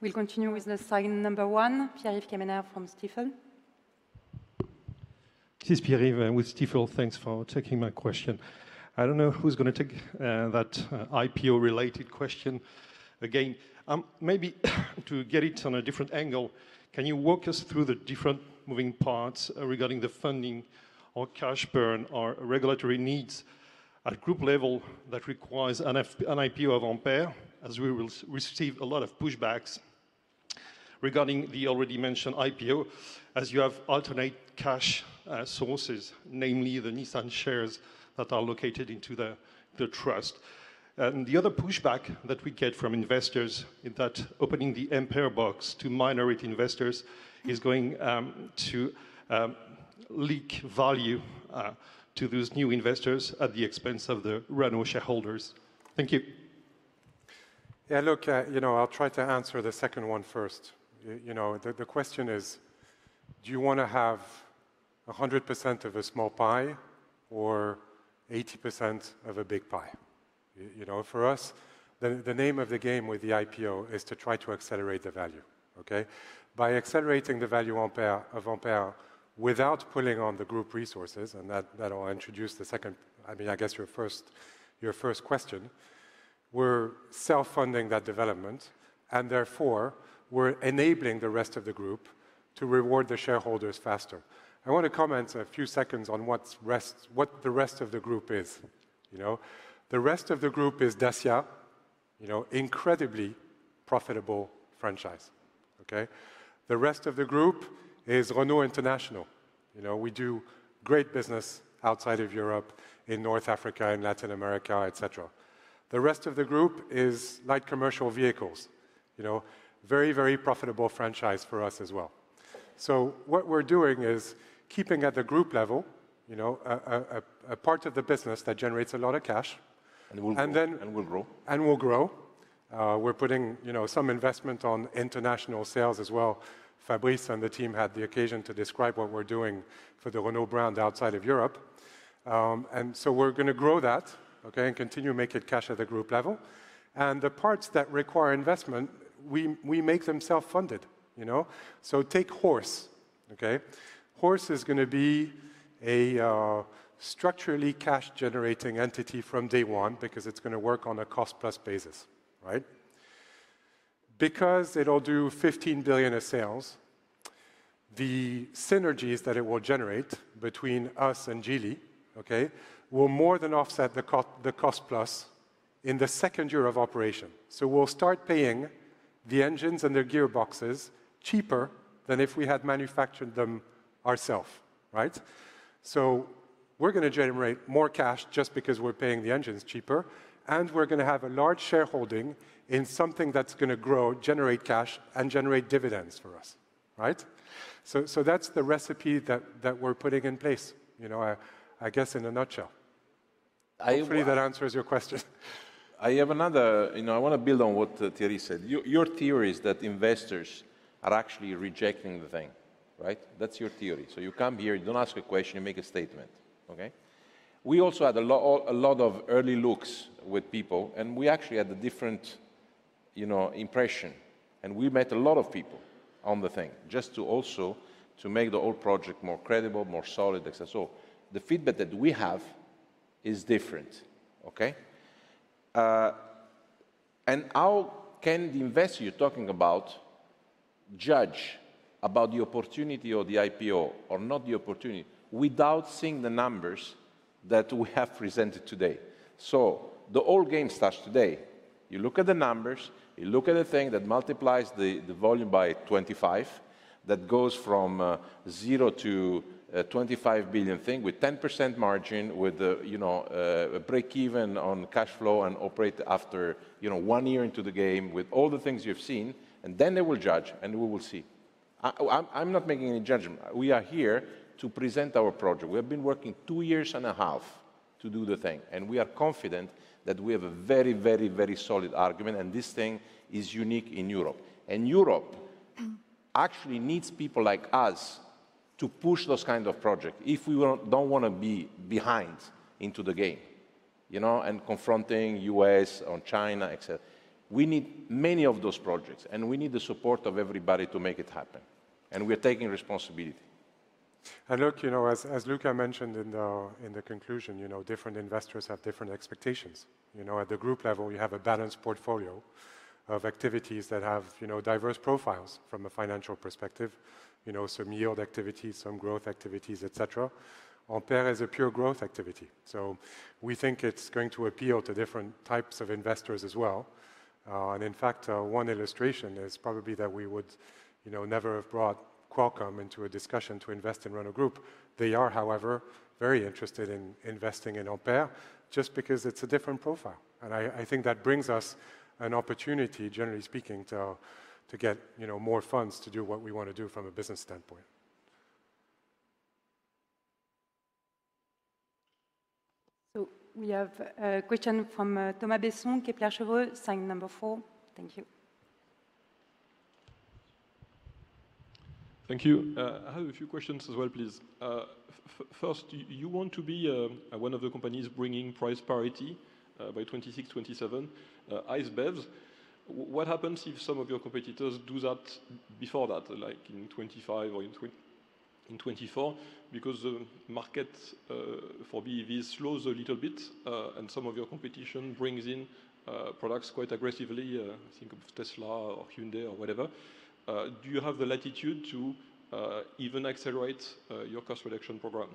S4: We'll continue with the sign number one, Pierre-Yves Quemener from Stifel.
S8: This is Pierre-Yves with Stifel. Thanks for taking my question. I don't know who's going to take that IPO-related question again. Maybe to get it on a different angle, can you walk us through the different moving parts regarding the funding or cash burn or regulatory needs at group level that requires an IPO of Ampere, as we will receive a lot of pushbacks regarding the already mentioned IPO, as you have alternate cash sources, namely the Nissan shares that are located into the trust? And the other pushback that we get from investors is that opening the Ampere box to minority investors is going to leak value to those new investors at the expense of the Renault shareholders. Thank you.
S3: Yeah, look, you know, I'll try to answer the second one first. You know, the question is: do you want to have 100% of a small pie or 80% of a big pie? You know, for us, the name of the game with the IPO is to try to accelerate the value, okay? By accelerating the value Ampere, of Ampere, without pulling on the group resources, and that will introduce the second, I mean, I guess your first question, we're self-funding that development, and therefore, we're enabling the rest of the group to reward the shareholders faster. I want to comment a few seconds on what the rest of the group is, you know? The rest of the group is Dacia, you know, incredibly profitable franchise, okay? The rest of the group is Renault International. You know, we do great business outside of Europe, in North Africa, in Latin America, et cetera. The rest of the group is light commercial vehicles, you know, very, very profitable franchise for us as well. So what we're doing is keeping at the group level, you know, a part of the business that generates a lot of cash-
S1: And will grow.
S3: And then-
S1: And will grow.
S3: Will grow. We're putting, you know, some investment on international sales as well. Fabrice and the team had the occasion to describe what we're doing for the Renault brand outside of Europe. And so we're going to grow that, okay, and continue to make it cash at the group level. And the parts that require investment, we make them self-funded, you know? So take Horse, okay? Horse is going to be a structurally cash-generating entity from day one because it's going to work on a cost-plus basis, right? Because it'll do 15 billion of sales, the synergies that it will generate between us and Geely, okay, will more than offset the cost plus in the second year of operation. So we'll start paying the engines and the gearboxes cheaper than if we had manufactured them ourself, right? So we're going to generate more cash just because we're paying the engines cheaper, and we're going to have a large shareholding in something that's going to grow, generate cash, and generate dividends for us, right? So, so that's the recipe that, that we're putting in place, you know, I, I guess, in a nutshell.
S1: I-
S3: Hopefully, that answers your question.
S1: I have another. You know, I want to build on what Thierry said. Your, your theory is that investors are actually rejecting the thing, right? That's your theory. So you come here, you don't ask a question, you make a statement, okay? We also had a lot of early looks with people, and we actually had a different, you know, impression, and we met a lot of people on the thing, just to also, to make the whole project more credible, more solid, et cetera. So the feedback that we have is different, okay? And how can the investor you're talking about judge about the opportunity of the IPO or not the opportunity, without seeing the numbers that we have presented today? So the whole game starts today. You look at the numbers, you look at the thing that multiplies the volume by 25, that goes from zero to 25 billion with 10% margin, with a, you know, a break even on cash flow and operate after, you know, one year into the game with all the things you've seen, and then they will judge, and we will see. I, I'm not making any judgment. We are here to present our project. We have been working two years and a half to do the thing, and we are confident that we have a very, very, very solid argument, and this thing is unique in Europe. And Europe actually needs people like us to push those kind of project if we want don't want to be behind into the game, you know, and confronting US on China, et cetera. We need many of those projects, and we need the support of everybody to make it happen, and we are taking responsibility.
S3: And look, you know, as Luca mentioned in the conclusion, you know, different investors have different expectations. You know, at the group level, we have a balanced portfolio of activities that have, you know, diverse profiles from a financial perspective. You know, some yield activities, some growth activities, et cetera. Ampere is a pure growth activity, so we think it's going to appeal to different types of investors as well. And in fact, one illustration is probably that we would, you know, never have brought Qualcomm into a discussion to invest in Renault Group. They are, however, very interested in investing in Ampere just because it's a different profile. And I think that brings us an opportunity, generally speaking, to get, you know, more funds to do what we want to do from a business standpoint.
S4: We have a question from Thomas Besson, Kepler Cheuvreux, line number four. Thank you.
S9: Thank you. I have a few questions as well, please. First, you want to be one of the companies bringing price parity by 2026, 2027, ICE BEVs. What happens if some of your competitors do that before that, like in 2025 or in 2024? Because the market for BEVs slows a little bit, and some of your competition brings in products quite aggressively, think of Tesla or Hyundai or whatever. Do you have the latitude to even accelerate your cost reduction program?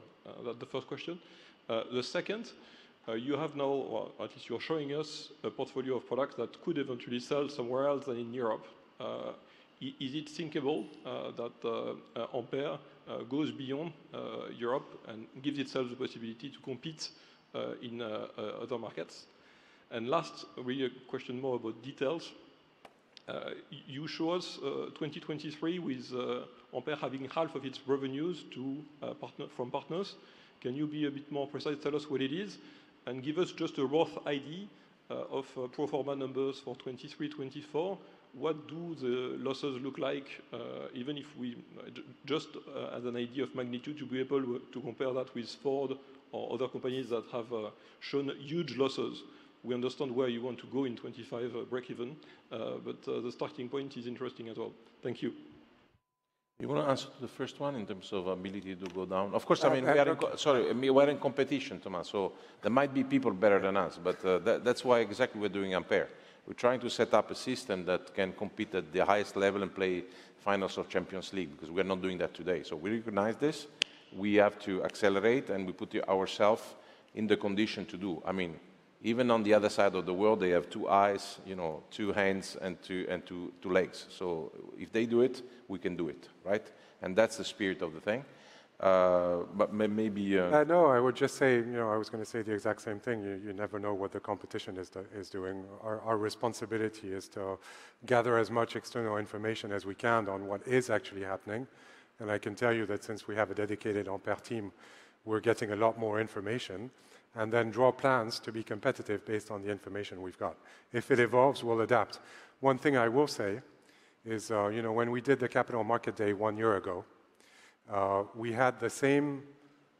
S9: That's the first question. The second, you have now, or at least you're showing us, a portfolio of products that could eventually sell somewhere else than in Europe. Is it thinkable that Ampere goes beyond Europe and gives itself the possibility to compete in other markets? Last, really a question more about details. You show us 2023 with Ampere having half of its revenues to partners from partners. Can you be a bit more precise? Tell us what it is, and give us just a rough idea of pro forma numbers for 2023, 2024. What do the losses look like? Even if we just as an idea of magnitude, to be able to compare that with Ford or other companies that have shown huge losses. We understand where you want to go in 2025 breakeven, but the starting point is interesting as well. Thank you.
S1: You want to answer the first one in terms of ability to go down? Of course, I mean, we are in co-
S9: Yeah.
S1: Sorry, we are in competition, Thomas, so there might be people better than us, but that, that's why exactly we're doing Ampere. We're trying to set up a system that can compete at the highest level and play finals of Champions League, because we're not doing that today. So we recognize this, we have to accelerate, and we put ourself in the condition to do. I mean, even on the other side of the world, they have two eyes, you know, two hands, and two, and two, two legs. So if they do it, we can do it, right? And that's the spirit of the thing.
S3: No, I would just say, you know, I was going to say the exact same thing. You never know what the competition is doing. Our responsibility is to gather as much external information as we can on what is actually happening, and I can tell you that since we have a dedicated Ampere team, we're getting a lot more information, and then draw plans to be competitive based on the information we've got. If it evolves, we'll adapt. One thing I will say is, you know, when we did the Capital Market Day one year ago, we had the same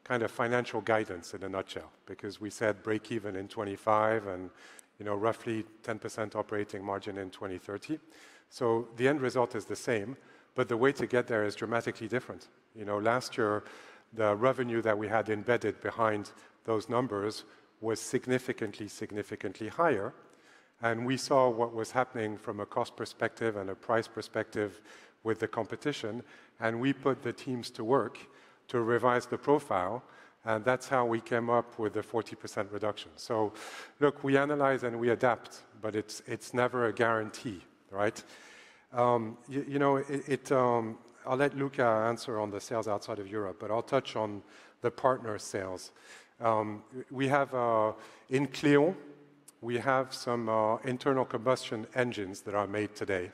S3: kind of financial guidance in a nutshell, because we said breakeven in 2025 and, you know, roughly 10% operating margin in 2030. So the end result is the same, but the way to get there is dramatically different. You know, last year, the revenue that we had embedded behind those numbers was significantly, significantly higher, and we saw what was happening from a cost perspective and a price perspective with the competition, and we put the teams to work to revise the profile, and that's how we came up with a 40% reduction. So look, we analyze and we adapt, but it's, it's never a guarantee, right? You know, it, it. I'll let Luca answer on the sales outside of Europe, but I'll touch on the partner sales. We have, in Cléon, we have some internal combustion engines that are made today,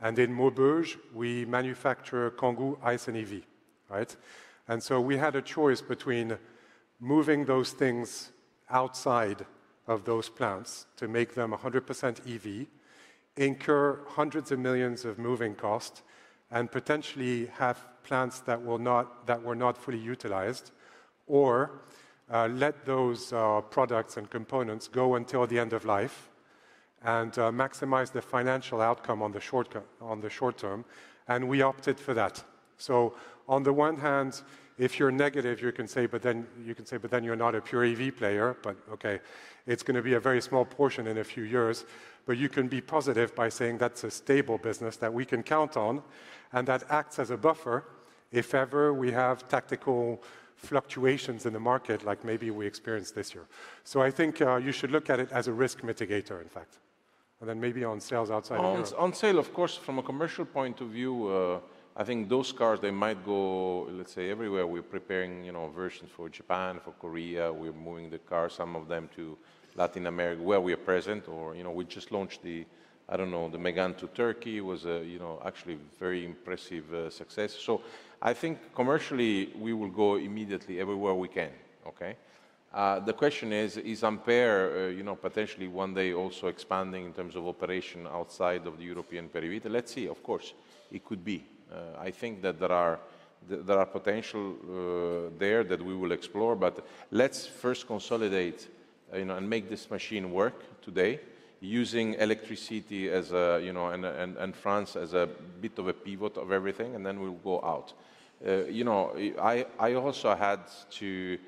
S3: and in Maubeuge, we manufacture Kangoo ICE and EV, right? We had a choice between moving those things outside of those plants to make them 100% EV, incur hundreds of millions EUR of moving costs, and potentially have plants that were not fully utilized, or let those products and components go until the end of life and maximize the financial outcome on the short term, and we opted for that. So on the one hand, if you're negative, you can say, "But then," you can say, "But then you're not a pure EV player." But okay, it's going to be a very small portion in a few years. But you can be positive by saying, "That's a stable business that we can count on, and that acts as a buffer if ever we have tactical fluctuations in the market, like maybe we experienced this year." So I think, you should look at it as a risk mitigator, in fact. And then maybe on sales outside of Europe.
S1: On sale, of course, from a commercial point of view, I think those cars, they might go, let's say, everywhere. We're preparing, you know, versions for Japan, for Korea. We're moving the cars, some of them, to Latin America, where we are present. Or, you know, we just launched the, I don't know, the Mégane to Turkey. It was a, you know, actually very impressive success. So I think commercially, we will go immediately everywhere we can, okay? The question is, is Ampere, you know, potentially one day also expanding in terms of operation outside of the European periphery? Let's see. Of course, it could be. I think that there are, there are potential, there that we will explore, but let's first consolidate-... You know, and make this machine work today using electricity as a, you know, and France as a bit of a pivot of everything, and then we'll go out. You know, I also had to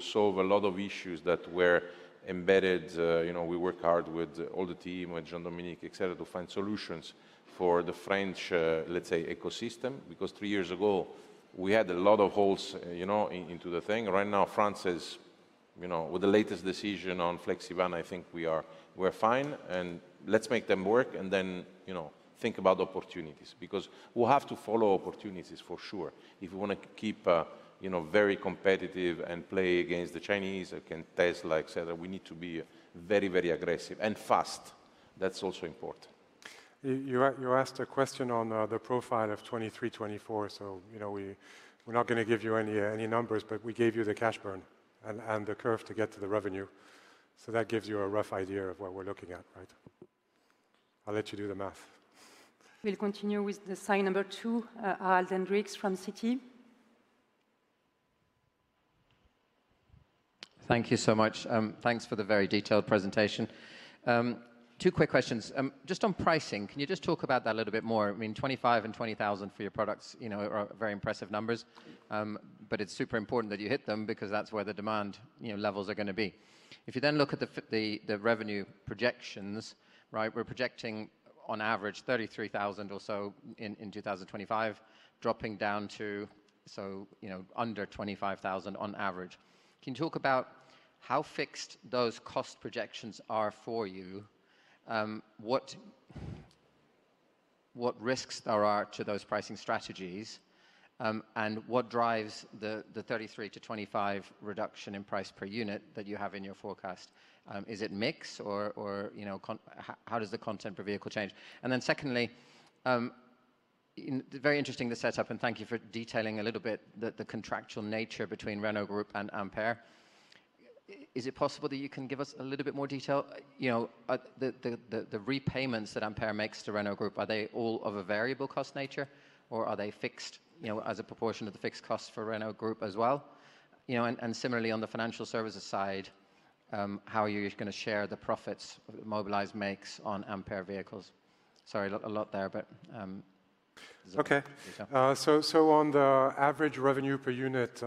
S1: solve a lot of issues that were embedded. You know, we work hard with all the team, with Jean-Dominique, et cetera, to find solutions for the French, let's say, ecosystem. Because three years ago, we had a lot of holes, you know, into the thing. Right now, France is, you know, with the latest decision on FlexEVan, I think we are, we're fine, and let's make them work and then, you know, think about opportunities. Because we'll have to follow opportunities for sure if we wanna keep, you know, very competitive and play against the Chinese and against Tesla, et cetera, we need to be very, very aggressive and fast. That's also important.
S3: You asked a question on the profile of 2023, 2024, so, you know, we're not gonna give you any numbers, but we gave you the cash burn and the curve to get to the revenue. So that gives you a rough idea of what we're looking at, right? I'll let you do the math.
S4: We'll continue with the sign number two, Harald Hendrikse from Citi.
S10: Thank you so much. Thanks for the very detailed presentation. Two quick questions. Just on pricing, can you just talk about that a little bit more? I mean, 25,000 and 20,000 for your products, you know, are very impressive numbers, but it's super important that you hit them because that's where the demand, you know, levels are gonna be. If you then look at the revenue projections, right, we're projecting on average 33,000 or so in 2025, dropping down to, so, you know, under 25,000 on average. Can you talk about how fixed those cost projections are for you? What risks there are to those pricing strategies, and what drives the 33,000-25,000 reduction in price per unit that you have in your forecast? Is it mix or, you know, how does the content per vehicle change? And then secondly, you know, very interesting, the setup, and thank you for detailing a little bit the contractual nature between Renault Group and Ampere. Is it possible that you can give us a little bit more detail? You know, the repayments that Ampere makes to Renault Group, are they all of a variable cost nature, or are they fixed, you know, as a proportion of the fixed cost for Renault Group as well? You know, and similarly, on the financial services side, how are you gonna share the profits Mobilize makes on Ampere vehicles? Sorry, a lot there, but-
S3: Okay.
S10: Yeah.
S3: So on the average revenue per unit,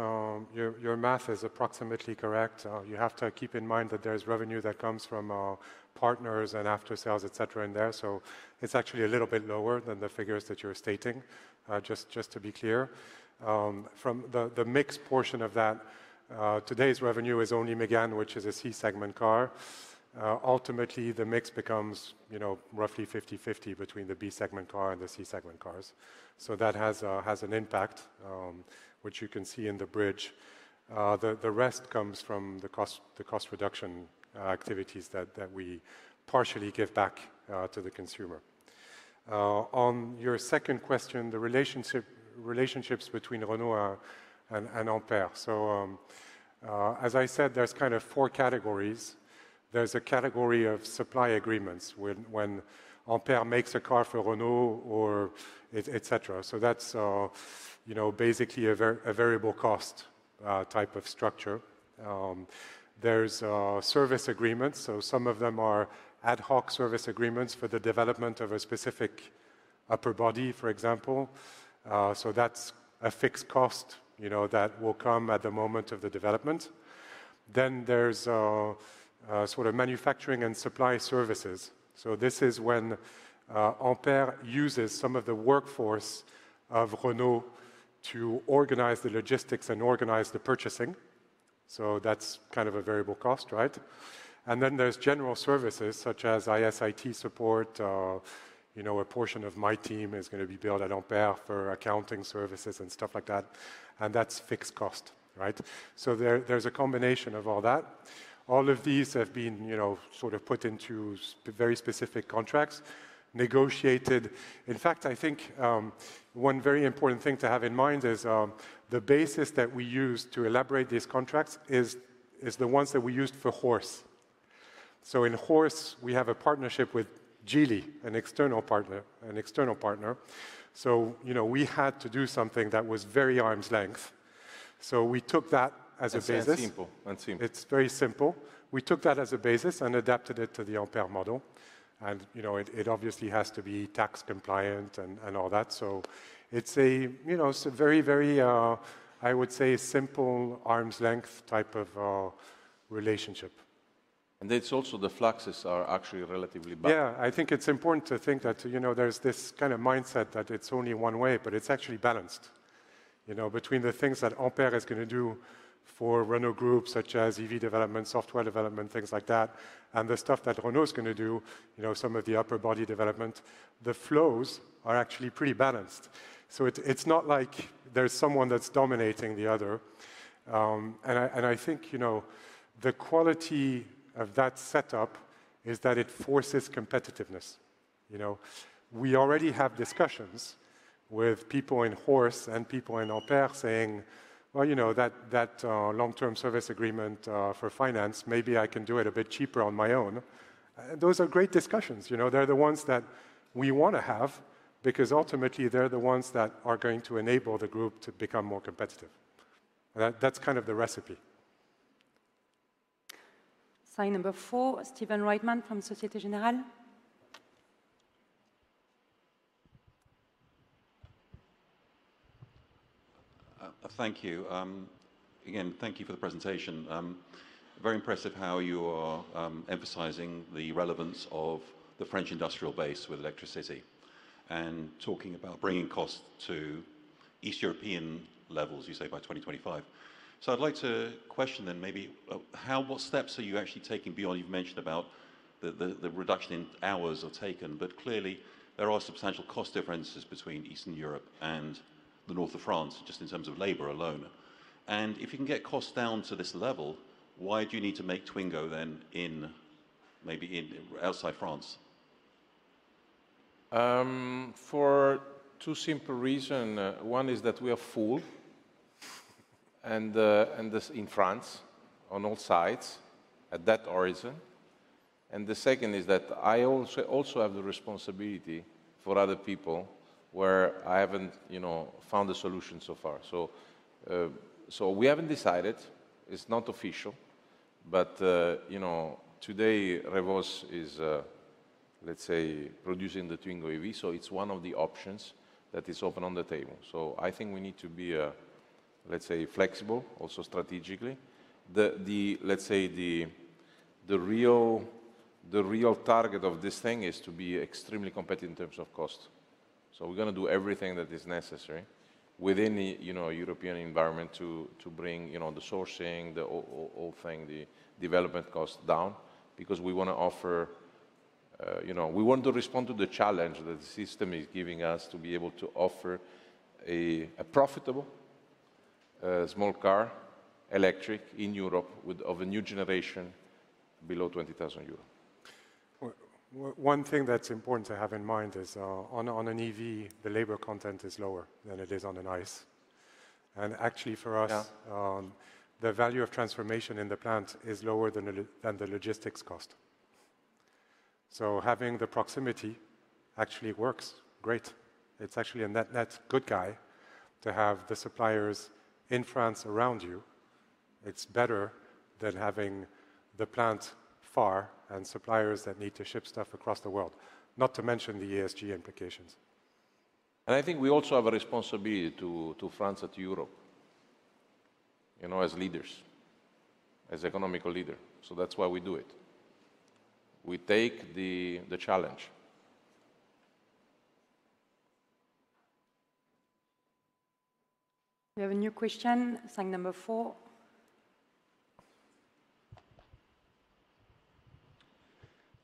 S3: your math is approximately correct. You have to keep in mind that there's revenue that comes from partners and aftersales, et cetera, in there, so it's actually a little bit lower than the figures that you're stating, just to be clear. From the mixed portion of that, today's revenue is only Mégane, which is a C-segment car. Ultimately, the mix becomes, you know, roughly 50/50 between the B-segment car and the C-segment cars. So that has an impact, which you can see in the bridge. The rest comes from the cost reduction activities that we partially give back to the consumer. On your second question, the relationship between Renault and Ampere. So, as I said, there's kind of four categories. There's a category of supply agreements, when Ampere makes a car for Renault or etc. So that's, you know, basically a variable cost type of structure. There's service agreements, so some of them are ad hoc service agreements for the development of a specific upper body, for example. So that's a fixed cost, you know, that will come at the moment of the development. Then there's sort of manufacturing and supply services. So this is when Ampere uses some of the workforce of Renault to organize the logistics and organize the purchasing, so that's kind of a variable cost, right? And then there's general services, such as IS/IT support, you know, a portion of my team is gonna be billed at Ampere for accounting services and stuff like that, and that's fixed cost, right? So there, there's a combination of all that. All of these have been, you know, sort of put into very specific contracts, negotiated. In fact, I think, one very important thing to have in mind is, the basis that we use to elaborate these contracts is, is the ones that we used for Horse. So in Horse, we have a partnership with Geely, an external partner, an external partner. So, you know, we had to do something that was very arm's length. So we took that as a basis.
S1: It's very simple and simple.
S3: It's very simple. We took that as a basis and adapted it to the Ampere model, and, you know, it, it obviously has to be tax compliant and, and all that. So it's a, you know, it's a very, very, I would say, simple arm's length type of relationship.
S1: It's also, the fluxes are actually relatively balanced.
S3: Yeah, I think it's important to think that, you know, there's this kind of mindset that it's only one way, but it's actually balanced, you know, between the things that Ampere is gonna do for Renault Group, such as EV development, software development, things like that, and the stuff that Renault is gonna do, you know, some of the upper body development, the flows are actually pretty balanced. So it, it's not like there's someone that's dominating the other. I think, you know, the quality of that setup is that it forces competitiveness. You know, we already have discussions with people in Horse and people in Ampere saying, "Well, you know, that long-term service agreement for finance, maybe I can do it a bit cheaper on my own." Those are great discussions, you know? They're the ones that we wanna have.
S1: Because ultimately, they're the ones that are going to enable the group to become more competitive. That, that's kind of the recipe.
S4: Sign number four, Stephen Reitman from Société Générale.
S11: Thank you. Again, thank you for the presentation. Very impressive how you are emphasizing the relevance of the French industrial base with ElectriCity and talking about bringing costs to Eastern European levels, you say by 2025. So I'd like to question then maybe how, what steps are you actually taking beyond. You've mentioned about the, the, the reduction in hours are taken, but clearly, there are substantial cost differences between Eastern Europe and the north of France, just in terms of labor alone. And if you can get costs down to this level, why do you need to make Twingo then in, maybe in, outside France?
S1: For two simple reason. One is that we are full, and, and this in France, on all sides, at that horizon. And the second is that I also, also have the responsibility for other people where I haven't, you know, found a solution so far. So, so we haven't decided, it's not official, but, you know, today, Revoz is, let's say, producing the Twingo EV, so it's one of the options that is open on the table. So I think we need to be, let's say, flexible, also strategically. The, the, let's say, the, the real, the real target of this thing is to be extremely competitive in terms of cost. We're gonna do everything that is necessary within the, you know, European environment to bring, you know, the sourcing, the whole thing, the development cost down because we wanna offer, you know, we want to respond to the challenge that the system is giving us to be able to offer a profitable small car, electric, in Europe of a new generation below 20,000 euros.
S3: One thing that's important to have in mind is, on an EV, the labor content is lower than it is on an ICE. And actually, for us-
S1: Yeah
S3: the value of transformation in the plant is lower than the logistics cost. So having the proximity actually works great. It's actually a net, net good guy to have the suppliers in France around you. It's better than having the plant far and suppliers that need to ship stuff across the world, not to mention the ESG implications.
S1: I think we also have a responsibility to France and to Europe, you know, as leaders, as economic leader. So that's why we do it. We take the challenge.
S4: We have a new question, sign number four.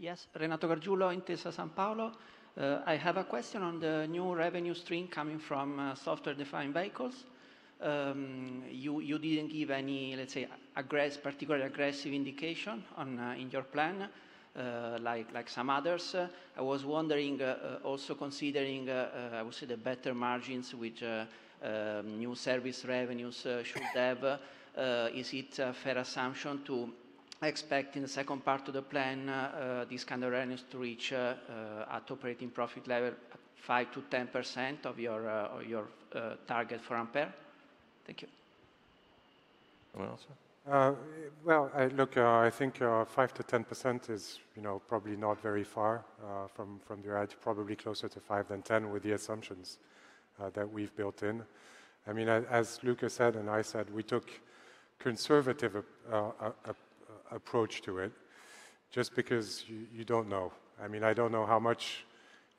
S12: Yes, Renato Gargiulo, Intesa Sanpaolo. I have a question on the new revenue stream coming from software-defined vehicles. You didn't give any, let's say, particular aggressive indication on in your plan, like some others. I was wondering, also considering, I would say, the better margins which new service revenues should have, is it a fair assumption to expect in the second part of the plan, this kind of revenues to reach, at operating profit level, 5%-10% of your of your target for Ampere? Thank you.
S1: Anyone else?
S3: Well, look, I think 5%-10% is, you know, probably not very far from your add, probably closer to 5% than 10% with the assumptions that we've built in. I mean, as Luca said, and I said, we took conservative approach to it, just because you don't know. I mean, I don't know how much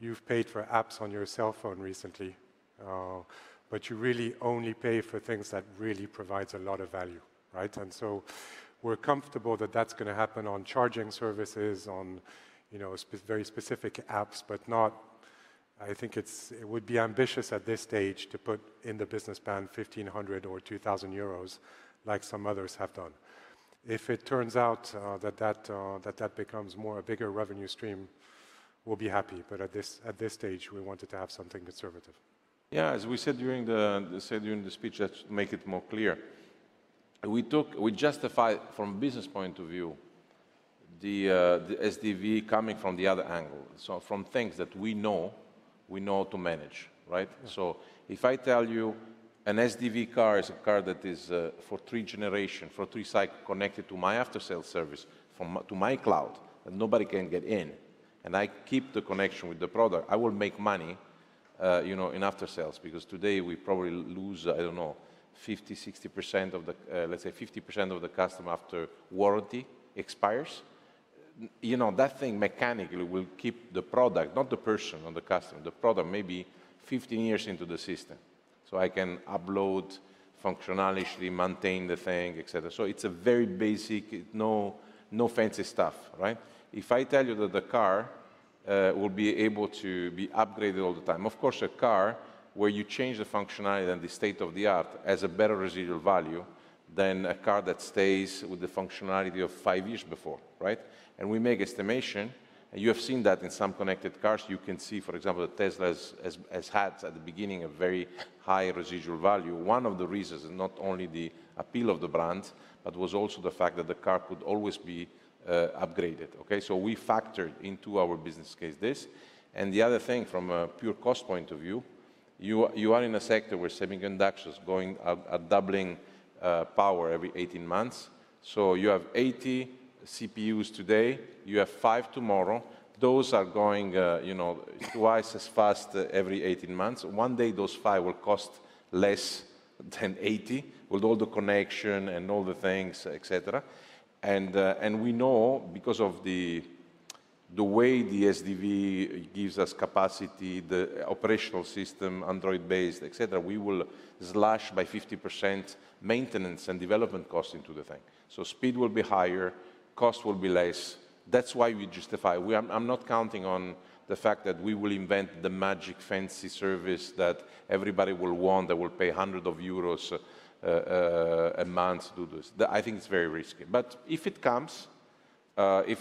S3: you've paid for apps on your cell phone recently, but you really only pay for things that really provides a lot of value, right? And so we're comfortable that that's gonna happen on charging services, on, you know, very specific apps, but not. I think it would be ambitious at this stage to put in the business plan 1,500 or 2,000 euros, like some others have done. If it turns out that that becomes a bigger revenue stream, we'll be happy, but at this stage, we wanted to have something conservative.
S1: Yeah, as we said during the speech, let's make it more clear. We justify from business point of view, the SDV coming from the other angle, so from things that we know, we know how to manage, right?
S3: Mm.
S1: So if I tell you an SDV car is a car that is for three generation, for three cycle, connected to my after-sale service, from to my cloud, and nobody can get in, and I keep the connection with the product, I will make money, you know, in aftersales, because today we probably lose, I don't know, 50%, 60% of the, let's say 50% of the customer after warranty expires. You know, that thing mechanically will keep the product, not the person or the customer, the product, maybe 15 years into the system. So I can upload functionality, maintain the thing, et cetera. So it's a very basic, no, no fancy stuff, right? If I tell you that the car will be able to be upgraded all the time, of course, a car where you change the functionality and the state-of-the-art has a better residual value than a car that stays with the functionality of five years before, right? And we make estimation, and you have seen that in some connected cars. You can see, for example, Tesla's has, has had, at the beginning, a very high residual value. One of the reasons is not only the appeal of the brand, but was also the fact that the car could always be upgraded, okay? So we factored into our business case this. And the other thing, from a pure cost point of view, you are in a sector where semiconductors going at doubling power every 18 months. So you have 80 CPUs today, you have five tomorrow. Those are going, you know, twice as fast every 18 months. One day, those 5 will cost less than 80, with all the connection and all the things, et cetera. And we know because of the way the SDV gives us capacity, the operational system, Android-based, et cetera, we will slash by 50% maintenance and development costs into the thing. So speed will be higher, cost will be less. That's why we justify. I'm not counting on the fact that we will invent the magic fancy service that everybody will want, that will pay EUR 100 a month to do this. I think it's very risky. But if it comes, we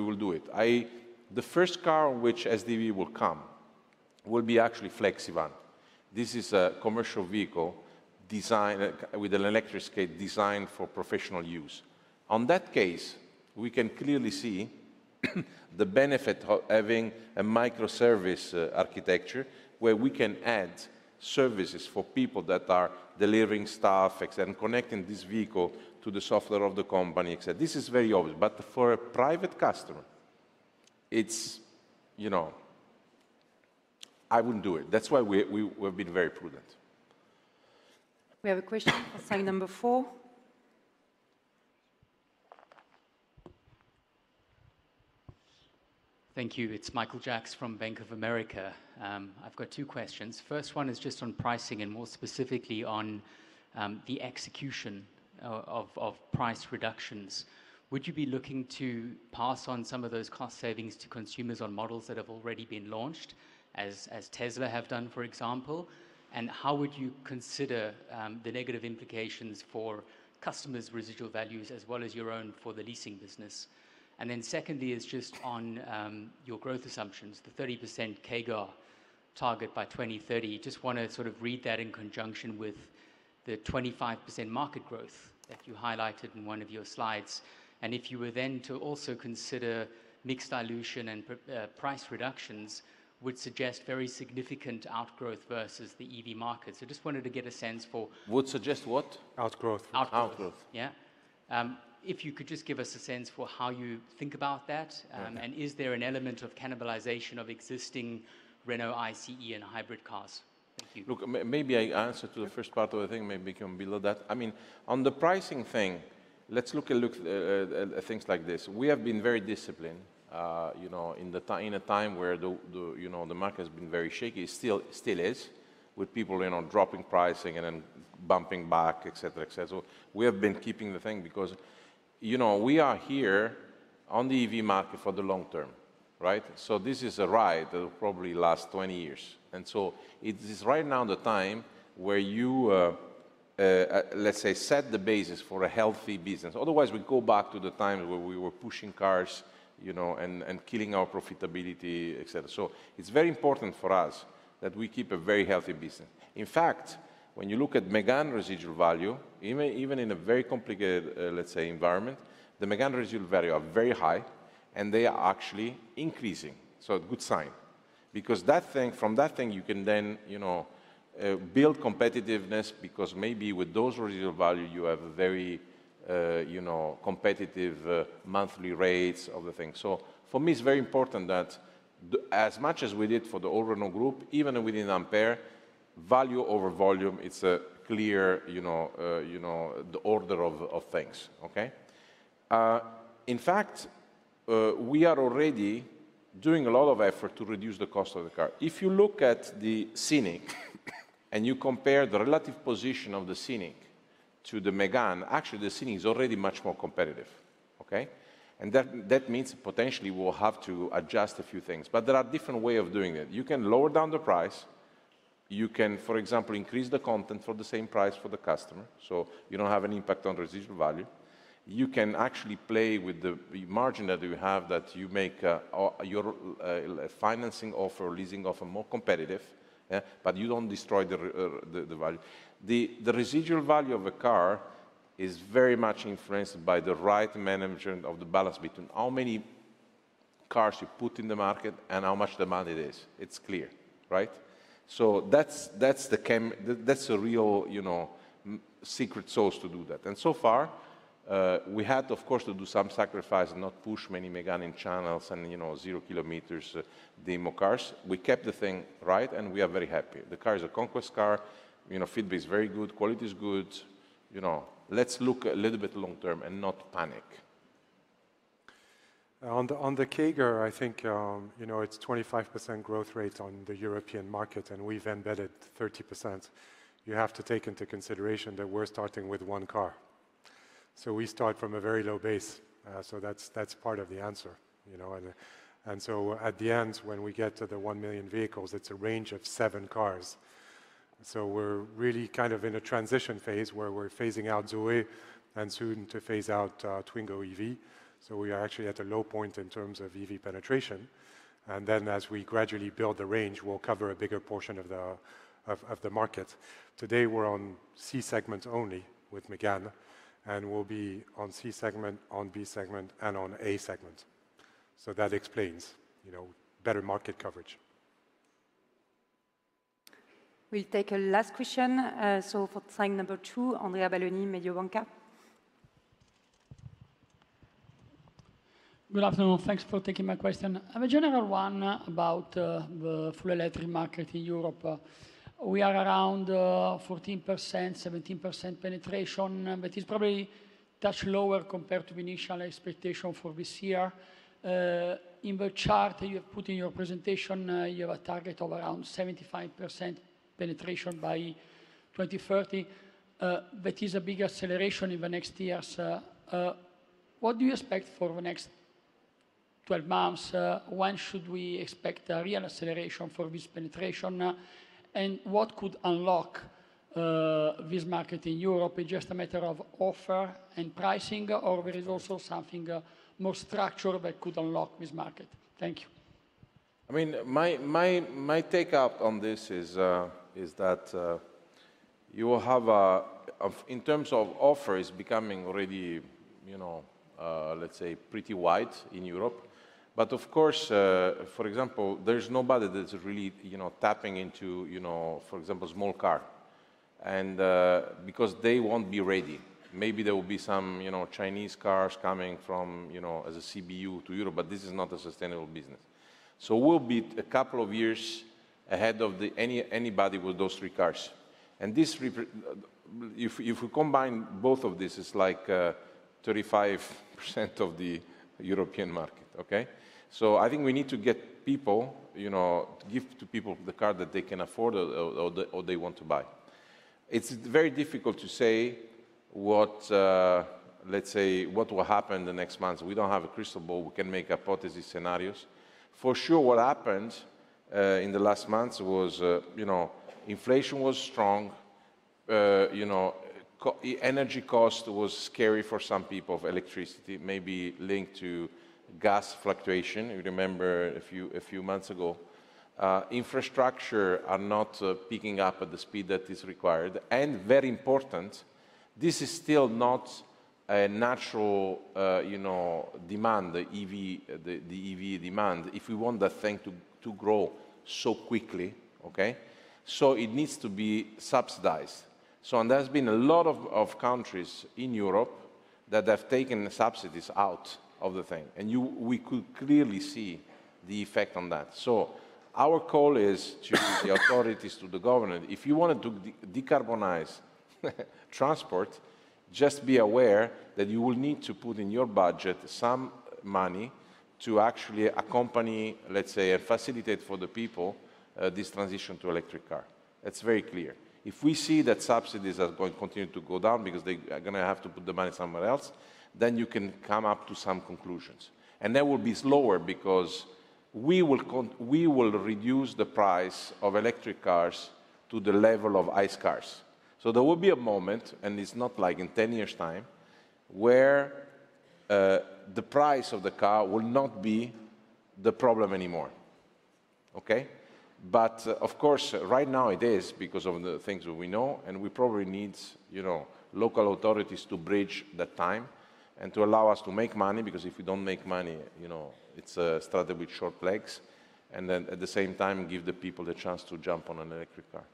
S1: will do it. The first car on which SDV will come will be actually FlexEVan. This is a commercial vehicle designed with an electric skate designed for professional use. In that case, we can clearly see the benefit of having a microservice architecture, where we can add services for people that are delivering stuff, et cetera, and connecting this vehicle to the software of the company, et cetera. This is very obvious, but for a private customer, it's, you know. I wouldn't do it. That's why we've been very prudent.
S4: We have a question, site number four.
S13: Thank you. It's Michael Jacks from Bank of America. I've got two questions. First one is just on pricing, and more specifically on the execution of price reductions. Would you be looking to pass on some of those cost savings to consumers on models that have already been launched, as Tesla have done, for example? And how would you consider the negative implications for customers' residual values, as well as your own for the leasing business? And then secondly, is just on your growth assumptions, the 30% CAGR target by 2030. Just want to sort of read that in conjunction with the 25% market growth that you highlighted in one of your slides. And if you were then to also consider mixed dilution and price reductions, would suggest very significant outgrowth versus the EV market. Just wanted to get a sense for-
S1: Would suggest what?
S3: Outgrowth.
S13: Outgrowth.
S1: Outgrowth.
S13: Yeah. If you could just give us a sense for how you think about that?
S1: Okay.
S13: Is there an element of cannibalization of existing Renault ICE and hybrid cars? Thank you.
S1: Look, maybe I answer to the first part of the thing, maybe come back to that. I mean, on the pricing thing, let's take a look at things like this. We have been very disciplined, you know, in a time where the, the, you know, the market has been very shaky. It still is, with people, you know, dropping pricing and then bouncing back, et cetera, et cetera. We have been keeping the thing because, you know, we are here on the EV market for the long term, right? So this is a ride that will probably last 20 years. And so it is right now the time where you, let's say, set the basis for a healthy business. Otherwise, we go back to the time where we were pushing cars, you know, and killing our profitability, et cetera. So it's very important for us that we keep a very healthy business. In fact, when you look at Mégane residual value, even in a very complicated, let's say, environment, the Mégane residual value are very high, and they are actually increasing. So a good sign, because that thing, from that thing, you can then, you know, build competitiveness, because maybe with those residual value, you have a very, you know, competitive, monthly rates of the thing. So for me, it's very important that the, as much as we did for the old Renault Group, even within Ampere, value over volume, it's a clear, you know, you know, the order of, of things, okay? In fact, we are already doing a lot of effort to reduce the cost of the car. If you look at the Scenic, and you compare the relative position of the Scenic to the Mégane, actually, the Scenic is already much more competitive, okay? And that means potentially we'll have to adjust a few things, but there are different way of doing it. You can lower down the price. You can, for example, increase the content for the same price for the customer, so you don't have an impact on residual value. You can actually play with the margin that you have that you make your financing offer or leasing offer more competitive, yeah, but you don't destroy the residual value. The residual value of a car is very much influenced by the right management of the balance between how many cars you put in the market and how much demand it is. It's clear, right? So that's the real, you know, secret sauce to do that. And so far, we had, of course, to do some sacrifice and not push many Mégane in channels and, you know, 0 km demo cars. We kept the thing right, and we are very happy. The car is a conquest car. You know, feedback is very good, quality is good. You know, let's look a little bit long term and not panic.
S3: On the CAGR, I think, you know, it's 25% growth rate on the European market, and we've embedded 30%. You have to take into consideration that we're starting with one car. So we start from a very low base, so that's part of the answer, you know, and so at the end, when we get to the 1 million vehicles, it's a range of seven cars. So we're really kind of in a transition phase, where we're phasing out Zoe and soon to phase out Twingo EV. So we are actually at a low point in terms of EV penetration, and then as we gradually build the range, we'll cover a bigger portion of the market. Today, we're on C segment only with Mégane, and we'll be on C segment, on B segment, and on A segment. So that explains, you know, better market coverage.
S4: We'll take a last question. So for line number two, Andrea Balloni, Mediobanca.
S14: Good afternoon. Thanks for taking my question. I have a general one about the full electric market in Europe. We are around 14%, 17% penetration, but it's probably a touch lower compared to the initial expectation for this year. In the chart you have put in your presentation, you have a target of around 75% penetration by 2030. That is a big acceleration in the next years. What do you expect for the next 12 months? When should we expect a real acceleration for this penetration? And what could unlock this market in Europe? It's just a matter of offer and pricing, or there is also something more structural that could unlock this market? Thank you.
S1: I mean, my take on this is that you will have a. In terms of offer, it's becoming already, you know, let's say pretty wide in Europe. But of course, for example, there's nobody that's really, you know, tapping into, you know, for example, small car, and because they won't be ready. Maybe there will be some, you know, Chinese cars coming from, you know, as a CBU to Europe, but this is not a sustainable business. So we'll be a couple of years ahead of anybody with those three cars. And if we combine both of these, it's like 35% of the European market, okay? So I think we need to get people, you know, give to people the car that they can afford or they want to buy. It's very difficult to say what, let's say, what will happen in the next months. We don't have a crystal ball. We can make hypothesis scenarios. For sure, what happened in the last months was, you know, inflation was strong. You know, the energy cost was scary for some people of electricity, maybe linked to gas fluctuation. You remember a few months ago. Infrastructure are not picking up at the speed that is required, and very important, this is still not a natural, you know, demand, the EV demand, if we want that thing to grow so quickly, okay? So it needs to be subsidized. And there's been a lot of countries in Europe that have taken the subsidies out of the thing, and we could clearly see the effect on that. So our call is to the authorities, to the government, if you wanted to decarbonize transport, just be aware that you will need to put in your budget some money to actually accompany, let's say, facilitate for the people, this transition to electric car. That's very clear. If we see that subsidies are going to continue to go down because they are gonna have to put the money somewhere else, then you can come up to some conclusions. And that will be slower because we will reduce the price of electric cars to the level of ICE cars. So there will be a moment, and it's not like in 10 years' time, where, the price of the car will not be the problem anymore, okay? But, of course, right now it is because of the things that we know, and we probably need, you know, local authorities to bridge that time and to allow us to make money, because if we don't make money, you know, it's a strategy with short legs, and then, at the same time, give the people the chance to jump on an electric car.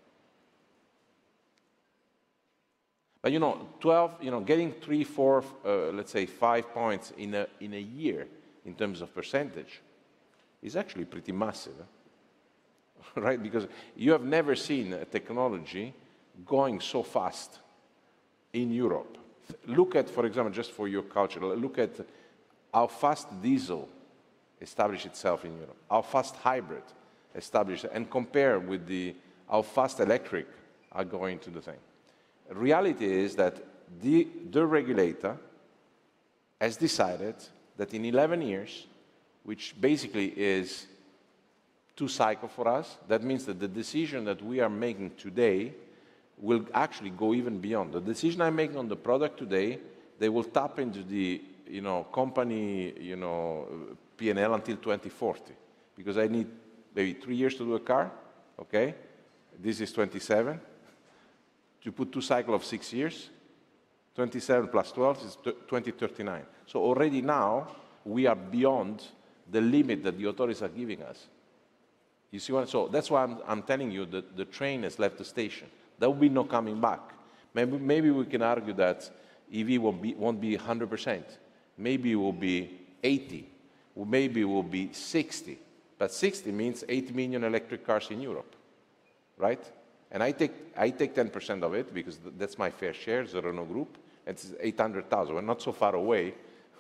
S1: But, you know, twelve, you know, getting three, four, let's say five points in a, in a year in terms of percentage is actually pretty massive, right? Because you have never seen a technology going so fast in Europe. Look at, for example, just for your culture, look at how fast diesel established itself in Europe, how fast hybrid established, and compare with the how fast electric are going to the thing. The reality is that the, the regulator has decided that in 11 years, which basically is two cycle for us, that means that the decision that we are making today will actually go even beyond. The decision I'm making on the product today, they will tap into the, you know, company, you know, P&L until 2040. Because I need maybe three years to do a car, okay? This is 2027. To put two cycle of six years, 2027 + 12 = 2039. So already now, we are beyond the limit that the authorities are giving us. You see what I. So that's why I'm, I'm telling you that the train has left the station. There will be no coming back. Maybe, maybe we can argue that EV will be won't be 100%. Maybe it will be 80, or maybe it will be 60, but 60 means 80 million electric cars in Europe, right? And I take, I take 10% of it because that's my fair share as Renault Group, it's 800,000. We're not so far away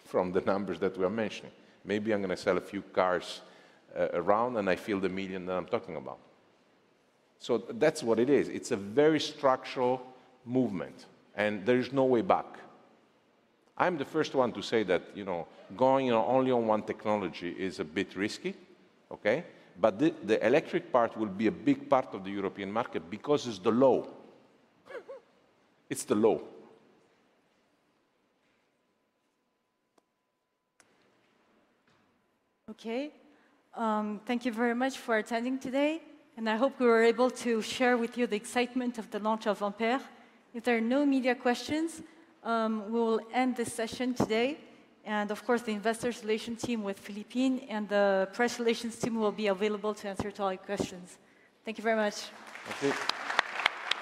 S1: from the numbers that we are mentioning. Maybe I'm going to sell a few cars around, and I fill the 1 million that I'm talking about. So that's what it is. It's a very structural movement, and there is no way back. I'm the first one to say that, you know, going only on one technology is a bit risky, okay? But the electric part will be a big part of the European market because it's the law. It's the law.
S4: Okay. Thank you very much for attending today, and I hope we were able to share with you the excitement of the launch of Ampere. If there are no media questions, we will end this session today, and of course, the investor relations team with Philippine and the press relations team will be available to answer all your questions. Thank you very much.
S1: Thank you.